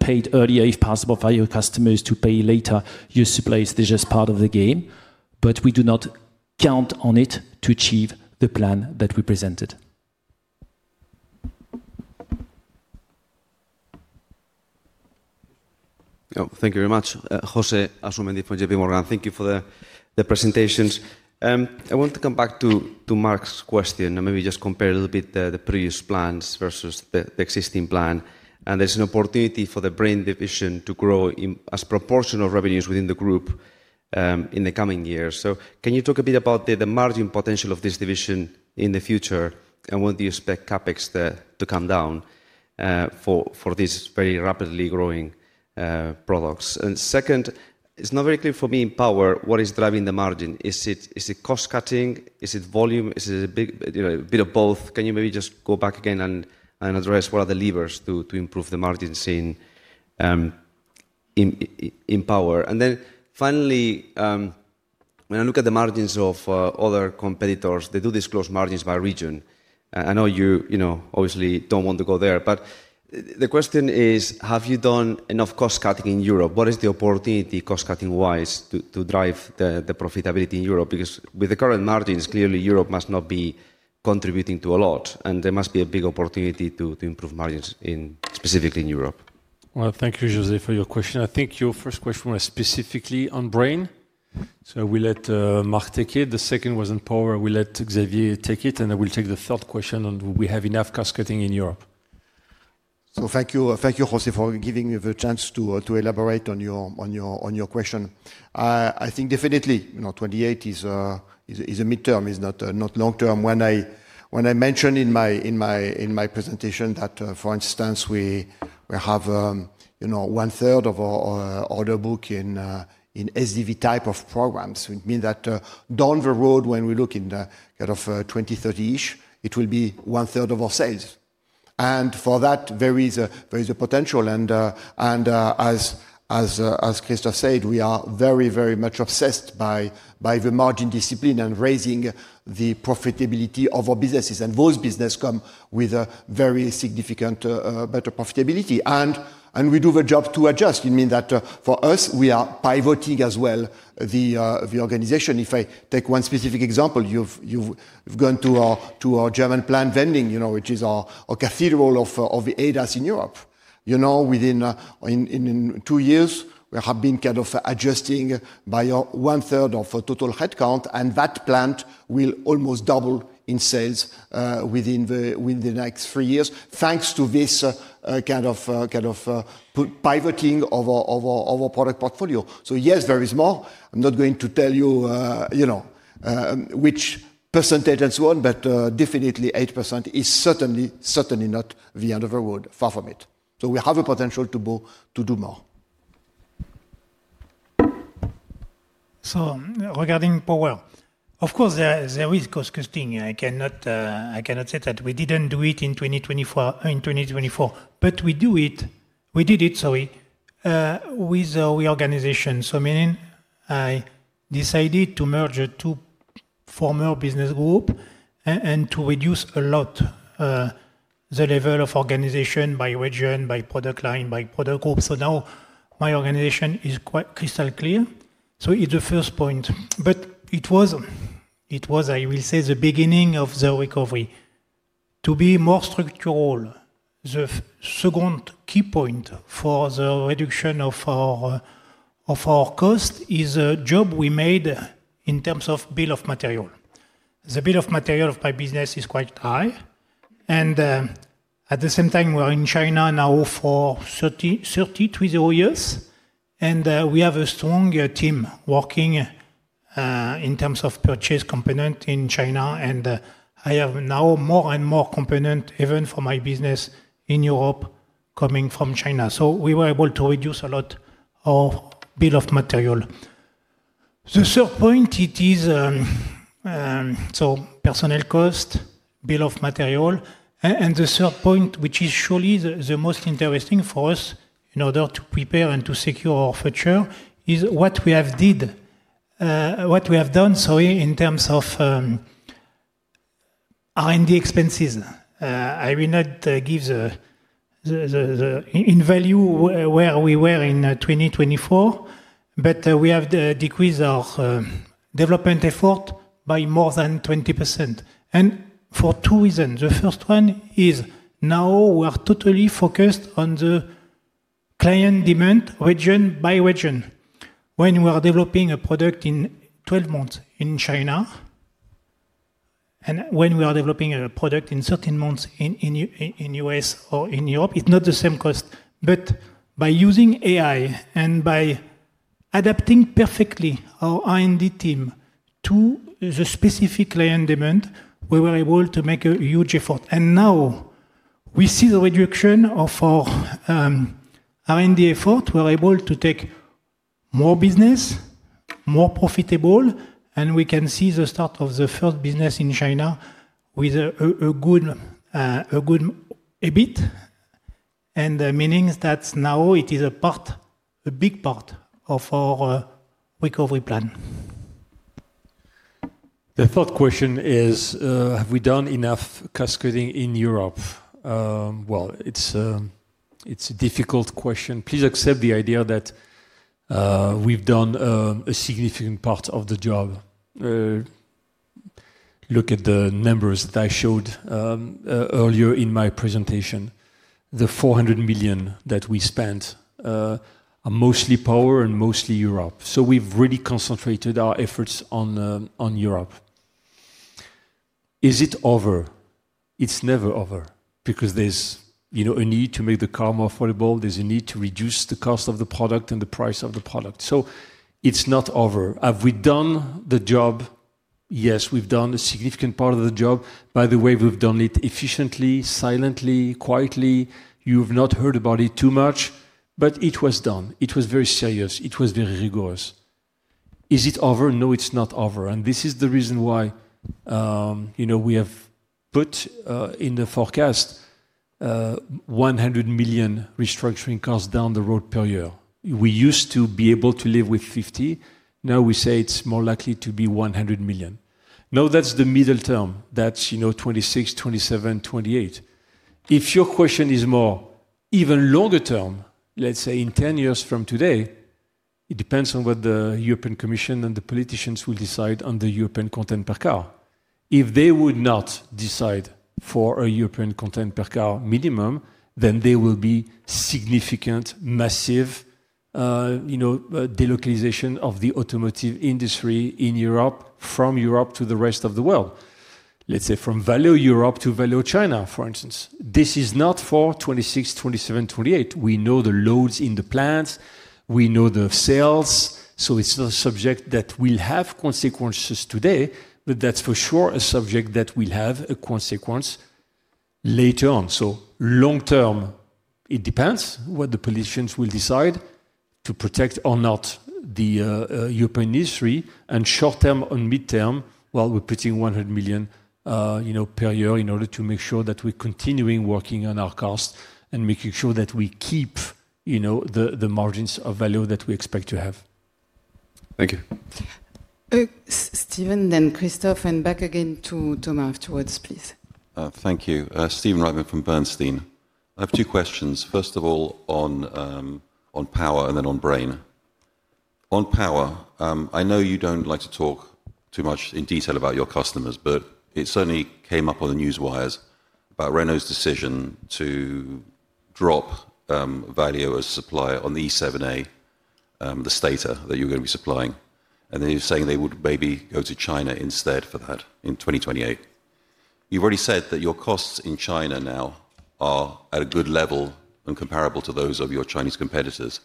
paid earlier if possible for your customers to pay later your suppliers. That is just part of the game. We do not count on it to achieve the plan that we presented. Thank you very much. José Asumendi from JPMorgan. Thank you for the presentations. I want to come back to Marc's question and maybe just compare a little bit the previous plans versus the existing plan. There is an opportunity for the Brain division to grow as proportional revenues within the group in the coming years. Can you talk a bit about the margin potential of this division in the future and what do you expect CapEx to come down for these very rapidly growing products? Second, it's not very clear for me in power what is driving the margin. Is it cost cutting? Is it volume? Is it a bit of both? Can you maybe just go back again and address what are the levers to improve the margins in power? Finally, when I look at the margins of other competitors, they do disclose margins by region. I know you obviously don't want to go there, but the question is, have you done enough cost cutting in Europe? What is the opportunity cost cutting-wise to drive the profitability in Europe? Because with the current margins, clearly Europe must not be contributing to a lot, and there must be a big opportunity to improve margins specifically in Europe. Thank you, José, for your question. I think your first question was specifically on Brain, so we let Marc take it. The second was on Power, we let Xavier take it, and I will take the third question on do we have enough cost cutting in Europe. Thank you, José, for giving me the chance to elaborate on your question. I think definitely 2028 is a midterm, is not long term. When I mentioned in my presentation that, for instance, we have one-third of our order book in SDV type of programs, it means that down the road, when we look in the kind of 2030-ish, it will be one-third of our sales. For that, there is a potential. As Christophe said, we are very, very much obsessed by the margin discipline and raising the profitability of our businesses. Those businesses come with a very significant better profitability. We do the job to adjust. It means that for us, we are pivoting as well the organization. If I take one specific example, you've gone to our German plant Vending, which is our cathedral of the ADAS in Europe. Within two years, we have been kind of adjusting by one-third of our total headcount, and that plant will almost double in sales within the next three years, thanks to this kind of pivoting of our product portfolio. Yes, there is more. I'm not going to tell you which percentage and so on, but definitely 8% is certainly not the end of the road, far from it. We have a potential to do more. Regarding power, of course, there is cost costing. I cannot say that we did not do it in 2024, but we did it, sorry, with our reorganization. Meaning I decided to merge two former business groups and to reduce a lot the level of organization by region, by product line, by product group. Now my organization is quite crystal clear. It was, I will say, the beginning of the recovery. To be more structural, the second key point for the reduction of our cost is a job we made in terms of bill of material. The bill of material of my business is quite high. At the same time, we are in China now for 30, 30, 30 years. We have a strong team working in terms of purchase component in China. I have now more and more components, even for my business in Europe, coming from China. We were able to reduce a lot of bill of material. The third point, it is so personal cost, bill of material. The third point, which is surely the most interesting for us in order to prepare and to secure our future, is what we have done, sorry, in terms of R&D expenses. I will not give the in value where we were in 2024, but we have decreased our development effort by more than 20%. For two reasons. The first one is now we are totally focused on the client demand region by region. When we are developing a product in 12 months in China, and when we are developing a product in 13 months in the U.S. or in Europe, it's not the same cost. By using AI and by adapting perfectly our R&D team to the specific client demand, we were able to make a huge effort. Now we see the reduction of our R&D effort. We're able to take more business, more profitable, and we can see the start of the first business in China with a good a bit. Meaning that now it is a big part of our recovery plan. The third question is, have we done enough cost cutting in Europe? It's a difficult question. Please accept the idea that we've done a significant part of the job. Look at the numbers that I showed earlier in my presentation. The 400 million that we spent are mostly power and mostly Europe. We've really concentrated our efforts on Europe. Is it over? It's never over because there's a need to make the car more affordable. If there is a need to reduce the cost of the product and the price of the product. It is not over. Have we done the job? Yes, we have done a significant part of the job. By the way, we have done it efficiently, silently, quietly. You have not heard about it too much, but it was done. It was very serious. It was very rigorous. Is it over? No, it is not over. This is the reason why we have put in the forecast 100 million restructuring costs down the road per year. We used to be able to live with 50 million. Now we say it is more likely to be 100 million. That is the middle term. That is 2026, 2027, 2028. If your question is more even longer term, let's say in 10 years from today, it depends on what the European Commission and the politicians will decide on the European content per car. If they would not decide for a European content per car minimum, then there will be significant, massive delocalization of the Automotive industry in Europe from Europe to the rest of the world. Let's say from Valeo Europe to Valeo China, for instance. This is not for 2026, 2027, 2028. We know the loads in the plants. We know the sales. It is not a subject that will have consequences today, but that is for sure a subject that will have a consequence later on. Long term, it depends what the politicians will decide to protect or not the European industry. Short term and midterm, we're putting 100 million per year in order to make sure that we're continuing working on our cost and making sure that we keep the margins of value that we expect to have. Thank you. Stephen, then Christophe, and back again to Thomas afterwards, please. Thank you. Stephen Reitman from Bernstein. I have two questions. First of all, on Power and then on Brain. On Power, I know you do not like to talk too much in detail about your customers, but it certainly came up on the news wires about Renault's decision to drop Valeo as a supplier on the E7A, the stator that you're going to be supplying. They were saying they would maybe go to China instead for that in 2028. You've already said that your costs in China now are at a good level and comparable to those of your Chinese competitors.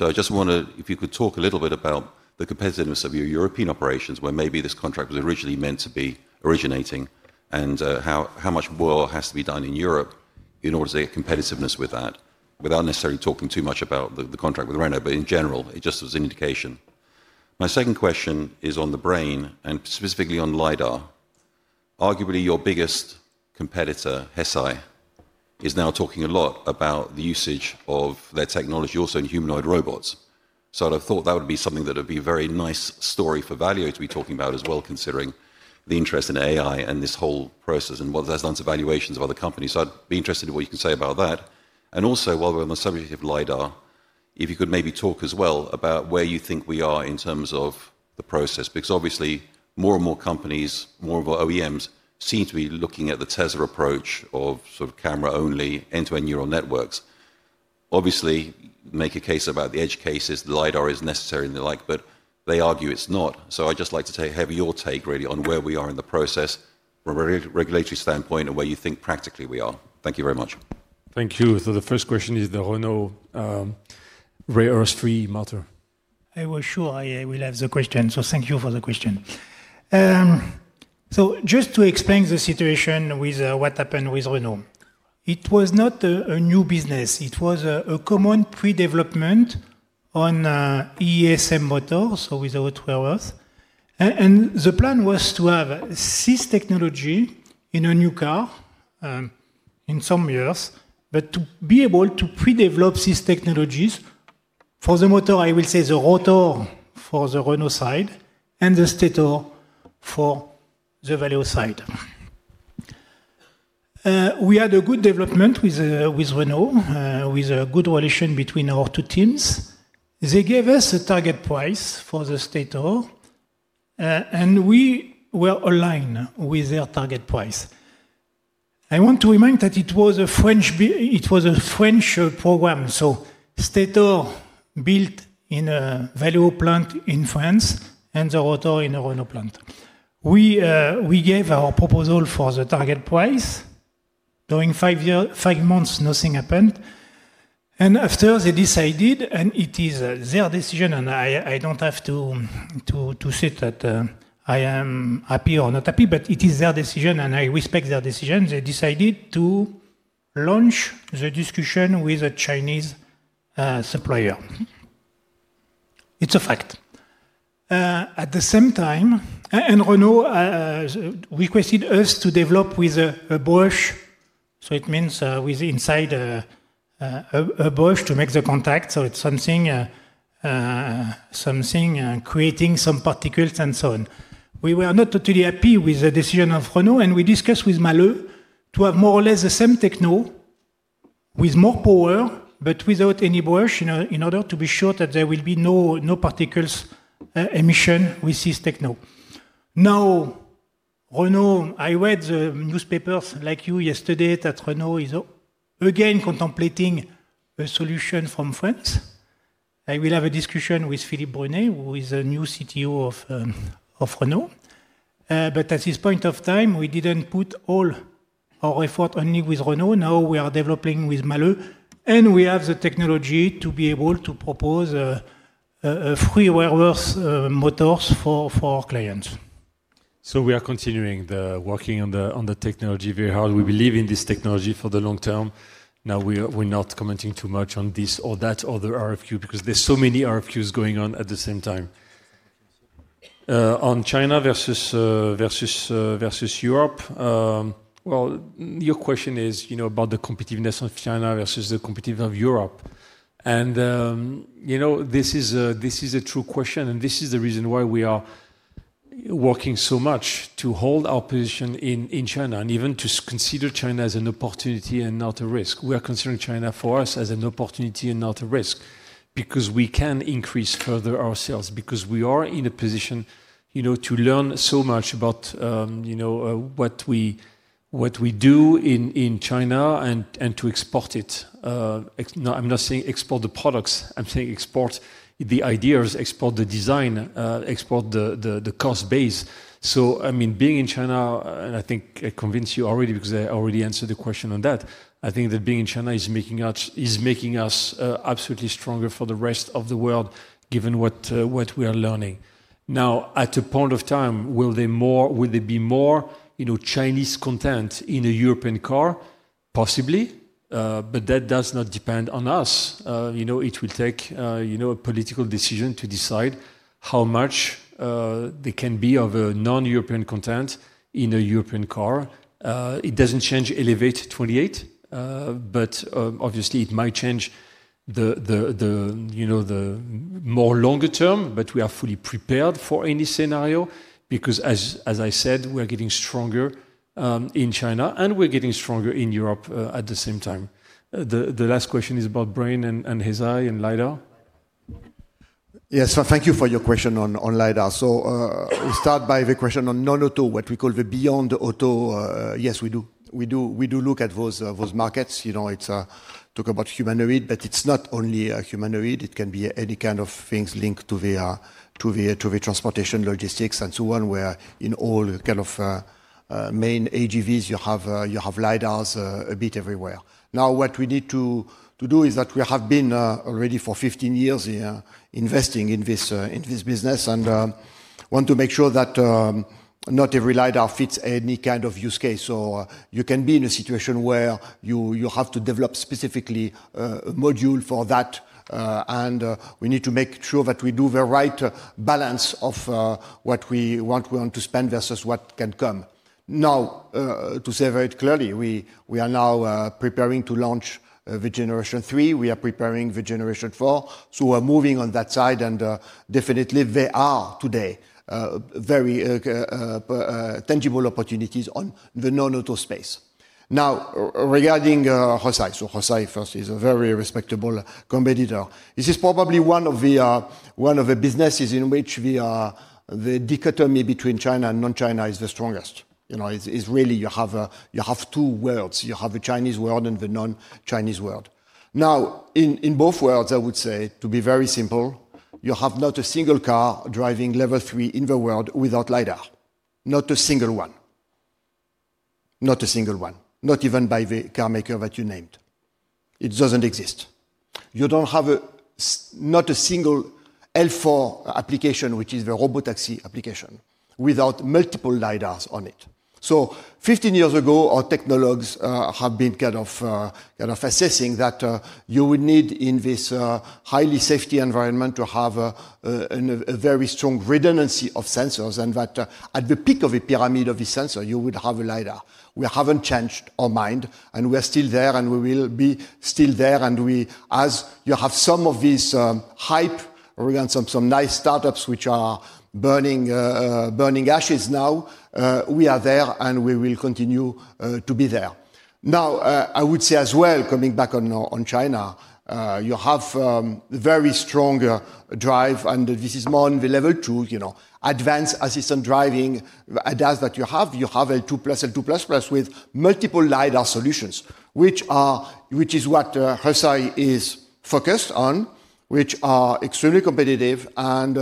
I just want to, if you could talk a little bit about the competitiveness of your European operations where maybe this contract was originally meant to be originating and how much more has to be done in Europe in order to get competitiveness with that without necessarily talking too much about the contract with Renault, but in general, it just was an indication. My second question is on the Brain and specifically on LiDAR. Arguably, your biggest competitor, Hesai, is now talking a lot about the usage of their technology also in humanoid robots. I thought that would be something that would be a very nice story for Valeo to be talking about as well, considering the interest in AI and this whole process and what that has done to valuations of other companies. I'd be interested in what you can say about that. Also, while we're on the subject of LiDAR, if you could maybe talk as well about where you think we are in terms of the process, because obviously more and more companies, more and more OEMs seem to be looking at the Tesla approach of sort of camera-only end-to-end neural networks. Obviously, make a case about the edge cases, the LiDAR is necessary and the like, but they argue it's not. I'd just like to have your take really on where we are in the process from a regulatory standpoint and where you think practically we are. Thank you very much. Thank you. The first question is the Renault ray-iris-free motor. I was sure I would have the question. Thank you for the question. Just to explain the situation with what happened with Renault, it was not a new business. It was a common pre-development on ESM motors, so without railroads. The plan was to have this technology in a new car in some years, but to be able to pre-develop these technologies for the motor, I will say the rotor for the Renault side and the stator for the Valeo side. We had a good development with Renault, with a good relation between our two teams. They gave us a target price for the stator, and we were aligned with their target price. I want to remind that it was a French program. The stator was built in a Valeo plant in France and the rotor in a Renault plant. We gave our proposal for the target price. During five months, nothing happened. After, they decided, and it is their decision, and I do not have to say that I am happy or not happy, but it is their decision, and I respect their decision, they decided to launch the discussion with a Chinese supplier. It is a fact. At the same time, Renault requested us to develop with a brush, so it means with inside a brush to make the contact. It is something creating some particles and so on. We were not totally happy with the decision of Renault, and we discussed with Malo to have more or less the same techno with more power, but without any brush in order to be sure that there will be no particles emission with this techno. Now, Renault, I read the newspapers like you yesterday that Renault is again contemplating a solution from France. I will have a discussion with Philippe Brunet, who is a new CTO of Renault. At this point of time, we didn't put all our effort only with Renault. Now we are developing with Malo and we have the technology to be able to propose free railroads motors for our clients. We are continuing the working on the technology very hard. We believe in this technology for the long term. Now we're not commenting too much on this or that or the RFQ because there's so many RFQs going on at the same time. On China versus Europe, your question is about the competitiveness of China versus the competitiveness of Europe. This is a true question, and this is the reason why we are working so much to hold our position in China and even to consider China as an opportunity and not a risk. We are considering China for us as an opportunity and not a risk because we can increase further our sales because we are in a position to learn so much about what we do in China and to export it. I'm not saying export the products. I'm saying export the ideas, export the design, export the cost base. I mean, being in China, and I think I convinced you already because I already answered the question on that. I think that being in China is making us absolutely stronger for the rest of the world, given what we are learning. Now, at a point of time, will there be more Chinese content in a European car? Possibly, but that does not depend on us. It will take a political decision to decide how much there can be of a non-European content in a European car. It does not change Elevate 28, but obviously it might change the more longer term, but we are fully prepared for any scenario because, as I said, we're getting stronger in China and we're getting stronger in Europe at the same time. The last question is about Brain and Hesai and LiDAR. Yes, thank you for your question on LiDAR. We start by the question on non-auto, what we call the beyond auto. Yes, we do. We do look at those markets. It's talk about humanoid, but it's not only humanoid. It can be any kind of things linked to the transportation, logistics, and so on, where in all kind of main AGVs, you have LiDARs a bit everywhere. Now, what we need to do is that we have been already for 15 years investing in this business and want to make sure that not every LiDAR fits any kind of use case. You can be in a situation where you have to develop specifically a module for that, and we need to make sure that we do the right balance of what we want to spend versus what can come. To say very clearly, we are now preparing to launch the generation three. We are preparing the generation four. We're moving on that side, and definitely there are today very tangible opportunities on the non-auto space. Now, regarding Hesai, Hesai first is a very respectable competitor. This is probably one of the businesses in which the dichotomy between China and non-China is the strongest. It's really you have two worlds. You have the Chinese world and the non-Chinese world. In both worlds, I would say, to be very simple, you have not a single car driving level three in the world without LiDAR. Not a single one. Not a single one. Not even by the car maker that you named. It doesn't exist. You don't have not a single L4 application, which is the robotaxi application, without multiple LiDARs on it. Fifteen years ago, our technologists have been kind of assessing that you would need in this highly safety environment to have a very strong redundancy of sensors and that at the peak of a pyramid of a sensor, you would have a LiDAR. We haven't changed our mind, and we are still there, and we will be still there. As you have some of this hype around some nice startups which are burning ashes now, we are there and we will continue to be there. Now, I would say as well, coming back on China, you have a very strong drive, and this is more on the level two, advanced assistant driving that you have. You have L2+, L2++ with multiple LiDAR solutions, which is what Hesai is focused on, which are extremely competitive and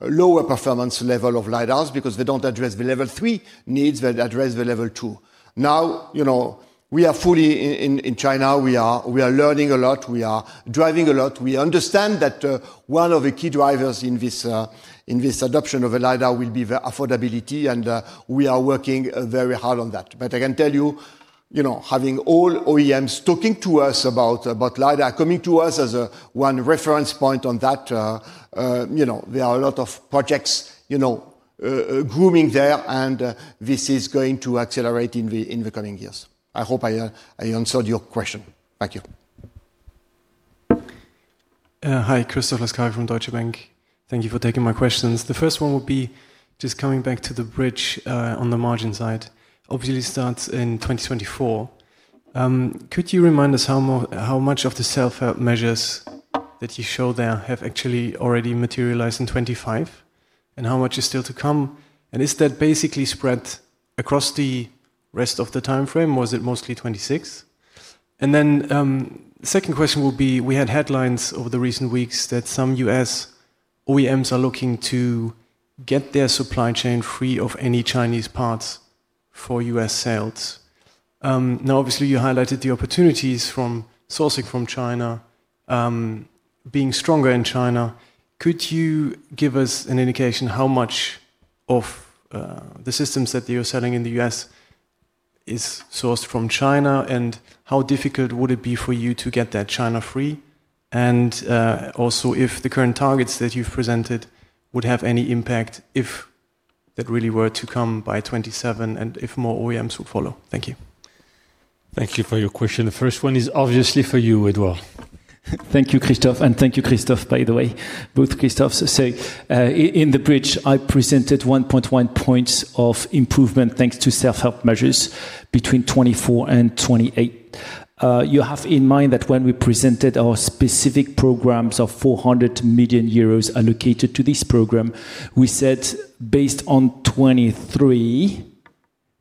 lower performance level of LiDARs because they do not address the level three needs, but address the level two. Now, we are fully in China. We are learning a lot. We are driving a lot. We understand that one of the key drivers in this adoption of a LiDAR will be the affordability, and we are working very hard on that. I can tell you, having all OEMs talking to us about LiDAR, coming to us as one reference point on that, there are a lot of projects grooming there, and this is going to accelerate in the coming years. I hope I answered your question. Thank you. Hi, Christoph Laskawi from Deutsche Bank. Thank you for taking my questions. The first one would be just coming back to the bridge on the margin side. Obviously, it starts in 2024. Could you remind us how much of the self-help measures that you showed there have actually already materialized in 2025, and how much is still to come? Is that basically spread across the rest of the timeframe, or is it mostly 2026? The second question would be, we had headlines over the recent weeks that some U.S. OEMs are looking to get their supply chain free of any Chinese parts for U.S. sales. Obviously, you highlighted the opportunities from sourcing from China being stronger in China. Could you give us an indication how much of the systems that you're selling in the U.S. is sourced from China, and how difficult would it be for you to get that China-free? If the current targets that you've presented would have any impact if that really were to come by 2027 and if more OEMs would follow? Thank you. Thank you for your question. The first one is obviously for you, Edouard. Thank you, Christoph, and thank you, Christophe, by the way, both Christophe. In the bridge, I presented 1.1 points of improvement thanks to self-help measures between 2024 and 2028. You have in mind that when we presented our specific programs of 400 million euros allocated to this program, we said based on 2023,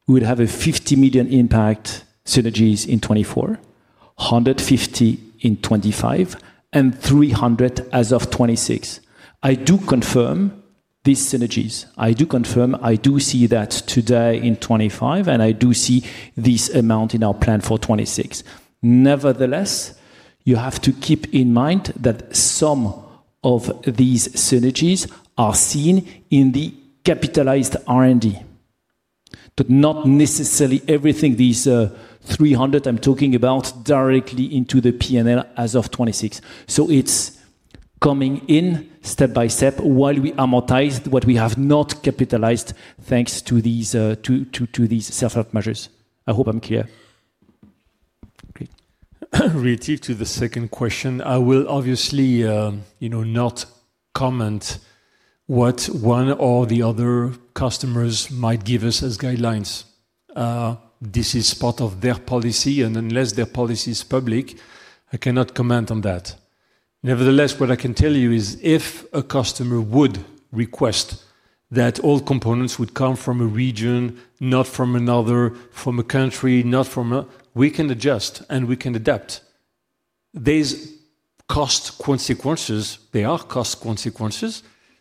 we would have a 50 million impact synergies in 2024, 150 million in 2025, and 300 million as of 2026. I do confirm these synergies. I do confirm. I do see that today in 2025, and I do see this amount in our plan for 2026. Nevertheless, you have to keep in mind that some of these synergies are seen in the capitalized R&D. Not necessarily everything, these 300 I'm talking about directly into the P&L as of 2026. It is coming in step by step while we amortize what we have not capitalized thanks to these self-help measures. I hope I'm clear. Relative to the second question, I will obviously not comment on what one or the other customers might give us as guidelines. This is part of their policy, and unless their policy is public, I cannot comment on that. Nevertheless, what I can tell you is if a customer would request that all components would come from a region, not from another, from a country, not from a, we can adjust and we can adapt. There are cost consequences,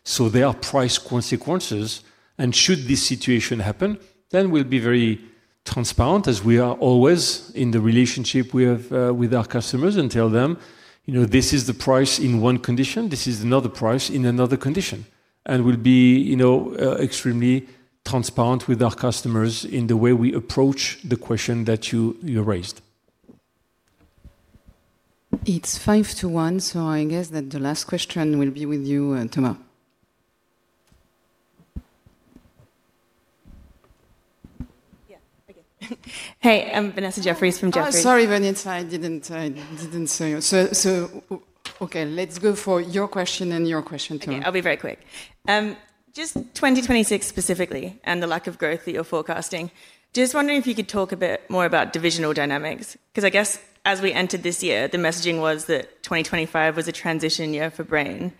so there are price consequences. Should this situation happen, we will be very transparent, as we are always in the relationship with our customers, and tell them, "This is the price in one condition. This is another price in another condition." We will be extremely transparent with our customers in the way we approach the question that you raised. It is five to one, so I guess that the last question will be with you, Thomas. Hey, I am Vanessa Jeffries from Jeffries. Sorry, Vanessa, I did not see you. Okay, let us go for your question and your question, Thomas. Okay, I will be very quick. Just 2026 specifically and the lack of growth that you are forecasting. Just wondering if you could talk a bit more about divisional dynamics, because I guess as we entered this year, the messaging was that 2025 was a transition year for Brain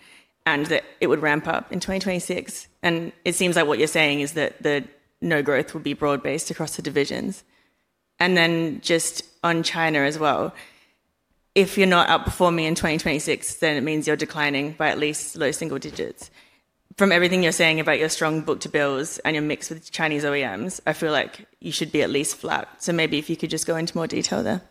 and that it would ramp up in 2026. It seems like what you're saying is that the no growth will be broad-based across the divisions. Just on China as well, if you're not outperforming in 2026, then it means you're declining by at least low single digits. From everything you're saying about your strong book to bills and your mix with Chinese OEMs, I feel like you should be at least flat. Maybe if you could just go into more detail there.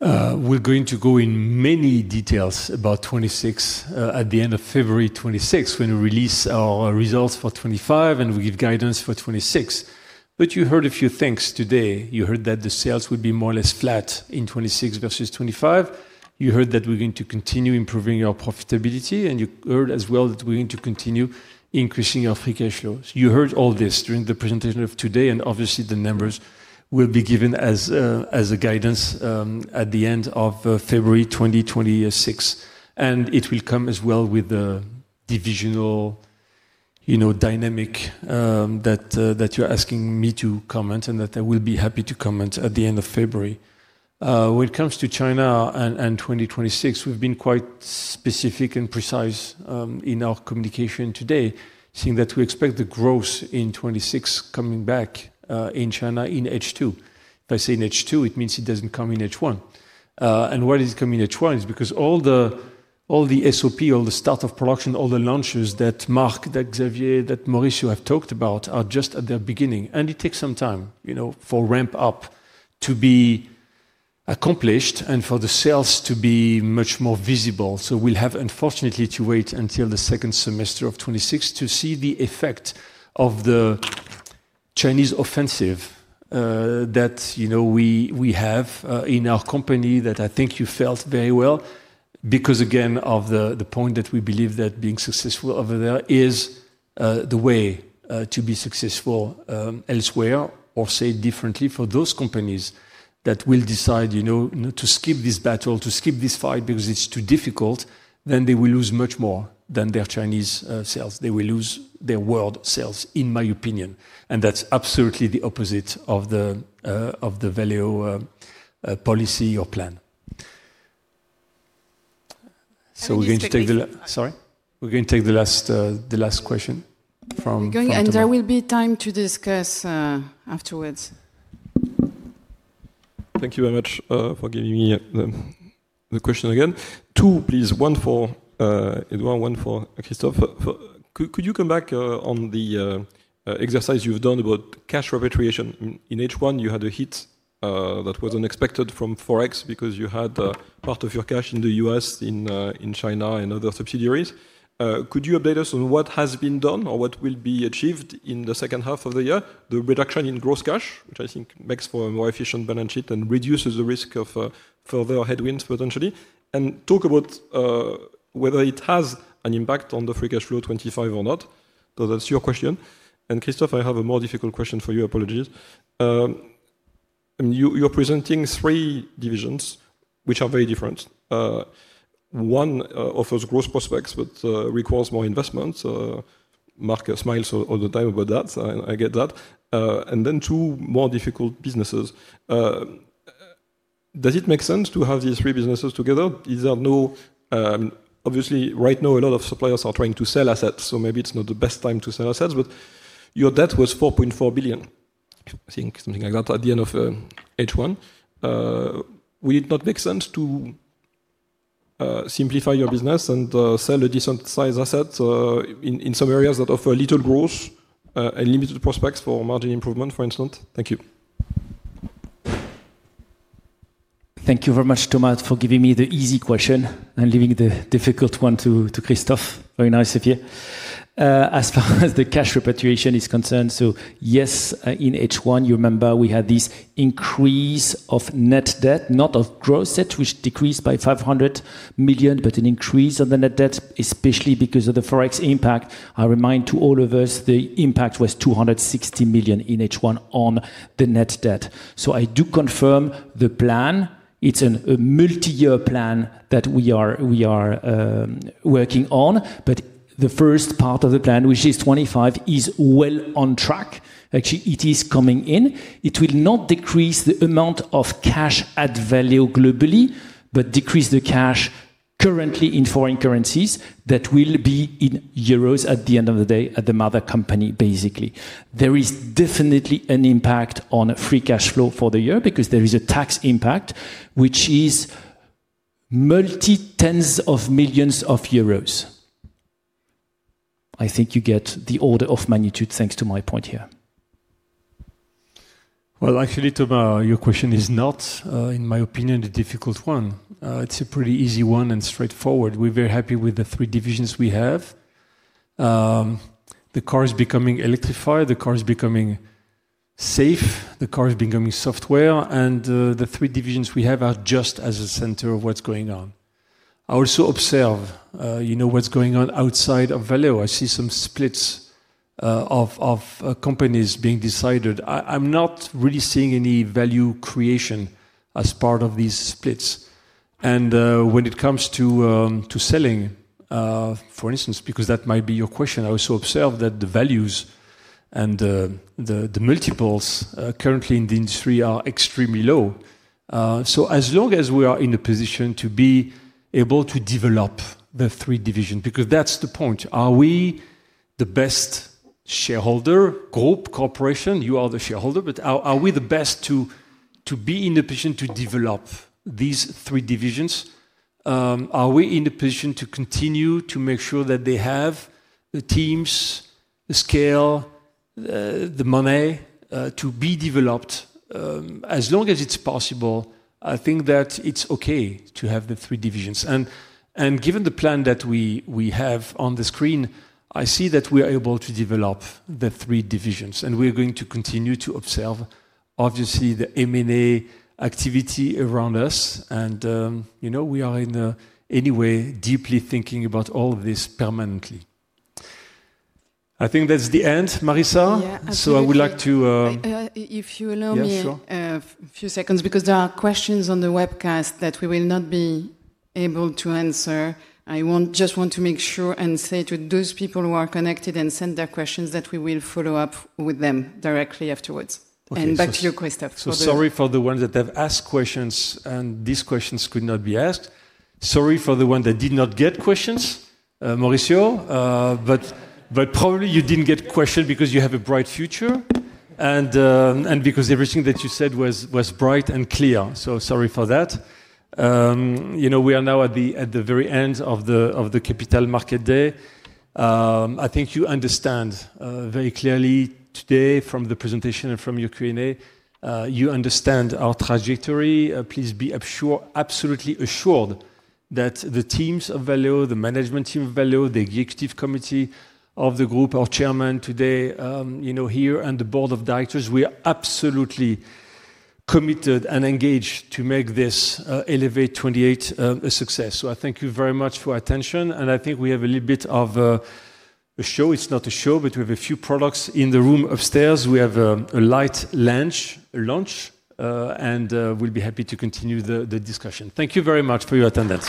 We're going to go in many details about 2026 at the end of February 2026 when we release our results for 2025 and we give guidance for 2026. You heard a few things today. You heard that the sales would be more or less flat in 2026 versus 2025. You heard that we're going to continue improving our profitability, and you heard as well that we're going to continue increasing our free cash flows. You heard all this during the presentation of today, and obviously the numbers will be given as guidance at the end of February 2026. It will come as well with the divisional dynamic that you're asking me to comment, and that I will be happy to comment at the end of February. When it comes to China and 2026, we've been quite specific and precise in our communication today, saying that we expect the growth in 2026 coming back in China in H2. If I say in H2, it means it doesn't come in H1. Why does it come in H1? It's because all the SOP, all the start of production, all the launches that Marc, that Xavier, that Maurizio have talked about are just at their beginning. It takes some time for ramp up to be accomplished and for the sales to be much more visible. We'll have unfortunately to wait until the second semester of 2026 to see the effect of the Chinese offensive that we have in our company that I think you felt very well because, again, of the point that we believe that being successful over there is the way to be successful elsewhere or say differently for those companies that will decide to skip this battle, to skip this fight because it's too difficult, they will lose much more than their Chinese sales. They will lose their world sales, in my opinion. That is absolutely the opposite of the Valeo policy or plan. We are going to take the last—sorry? We are going to take the last question from. There will be time to discuss afterwards. Thank you very much for giving me the question again. Two, please. One for Edouard, one for Christophe. Could you come back on the exercise you have done about cash repatriation? In H1, you had a hit that was unexpected from Forex because you had part of your cash in the U.S., in China, and other subsidiaries. Could you update us on what has been done or what will be achieved in the second half of the year? The reduction in gross cash, which I think makes for a more efficient balance sheet and reduces the risk of further headwinds potentially. Talk about whether it has an impact on the free cash flow 2025 or not. That's your question. Christophe, I have a more difficult question for you. Apologies. You're presenting three divisions which are very different. One offers growth prospects but requires more investments. Marc smiles all the time about that. I get that. Then two more difficult businesses. Does it make sense to have these three businesses together? Obviously, right now, a lot of suppliers are trying to sell assets, so maybe it's not the best time to sell assets. Your debt was 4.4 billion, I think, something like that at the end of H1. Would it not make sense to simplify your business and sell a decent-sized asset in some areas that offer little growth and limited prospects for margin improvement, for instance? Thank you. Thank you very much, Thomas, for giving me the easy question and leaving the difficult one to Christophe. Very nice, Xavier. As far as the cash repatriation is concerned, yes, in H1, you remember we had this increase of net debt, not of gross debt, which decreased by 500 million, but an increase of the net debt, especially because of the Forex impact. I remind all of us the impact was 260 million in H1 on the net debt. I do confirm the plan. It is a multi-year plan that we are working on, but the first part of the plan, which is 2025, is well on track. Actually, it is coming in. It will not decrease the amount of cash at Valeo globally, but decrease the cash currently in foreign currencies that will be in euros at the end of the day at the mother company, basically. There is definitely an impact on free cash flow for the year because there is a tax impact, which is multi-tens of millions of euros. I think you get the order of magnitude thanks to my point here. Actually, Thomas, your question is not, in my opinion, a difficult one. It's a pretty easy one and straightforward. We're very happy with the three divisions we have. The car is becoming electrified. The car is becoming safe. The car is becoming software. The three divisions we have are just as a center of what's going on. I also observe what's going on outside of Valeo. I see some splits of companies being decided. I'm not really seeing any value creation as part of these splits. When it comes to selling, for instance, because that might be your question, I also observe that the values and the multiples currently in the industry are extremely low. As long as we are in a position to be able to develop the three divisions, because that's the point, are we the best shareholder group, corporation? You are the shareholder, but are we the best to be in a position to develop these three divisions? Are we in a position to continue to make sure that they have the teams, the scale, the money to be developed? As long as it's possible, I think that it's okay to have the three divisions. Given the plan that we have on the screen, I see that we are able to develop the three divisions. We're going to continue to observe, obviously, the M&A activity around us. We are in any way deeply thinking about all of this permanently. I think that's the end, Marissa. I would like to. if you allow me a few seconds, because there are questions on the webcast that we will not be able to answer. I just want to make sure and say to those people who are connected and sent their questions that we will follow up with them directly afterwards. Back to you, Christophe. Sorry for the ones that have asked questions and these questions could not be asked. Sorry for the ones that did not get questions, Maurizio, but probably you did not get questions because you have a bright future and because everything that you said was bright and clear. Sorry for that. We are now at the very end of the Capital Market Day. I think you understand very clearly today from the presentation and from your Q&A. You understand our trajectory. Please be absolutely assured that the teams of Valeo, the Management team of Valeo, the Executive committee of the group, our Chairman today here, and the Board of Directors, we are absolutely committed and engaged to make this Elevate 2028 a success. I thank you very much for your attention. I think we have a little bit of a show. It's not a show, but we have a few products in the room upstairs. We have a light lunch, and we'll be happy to continue the discussion. Thank you very much for your attendance.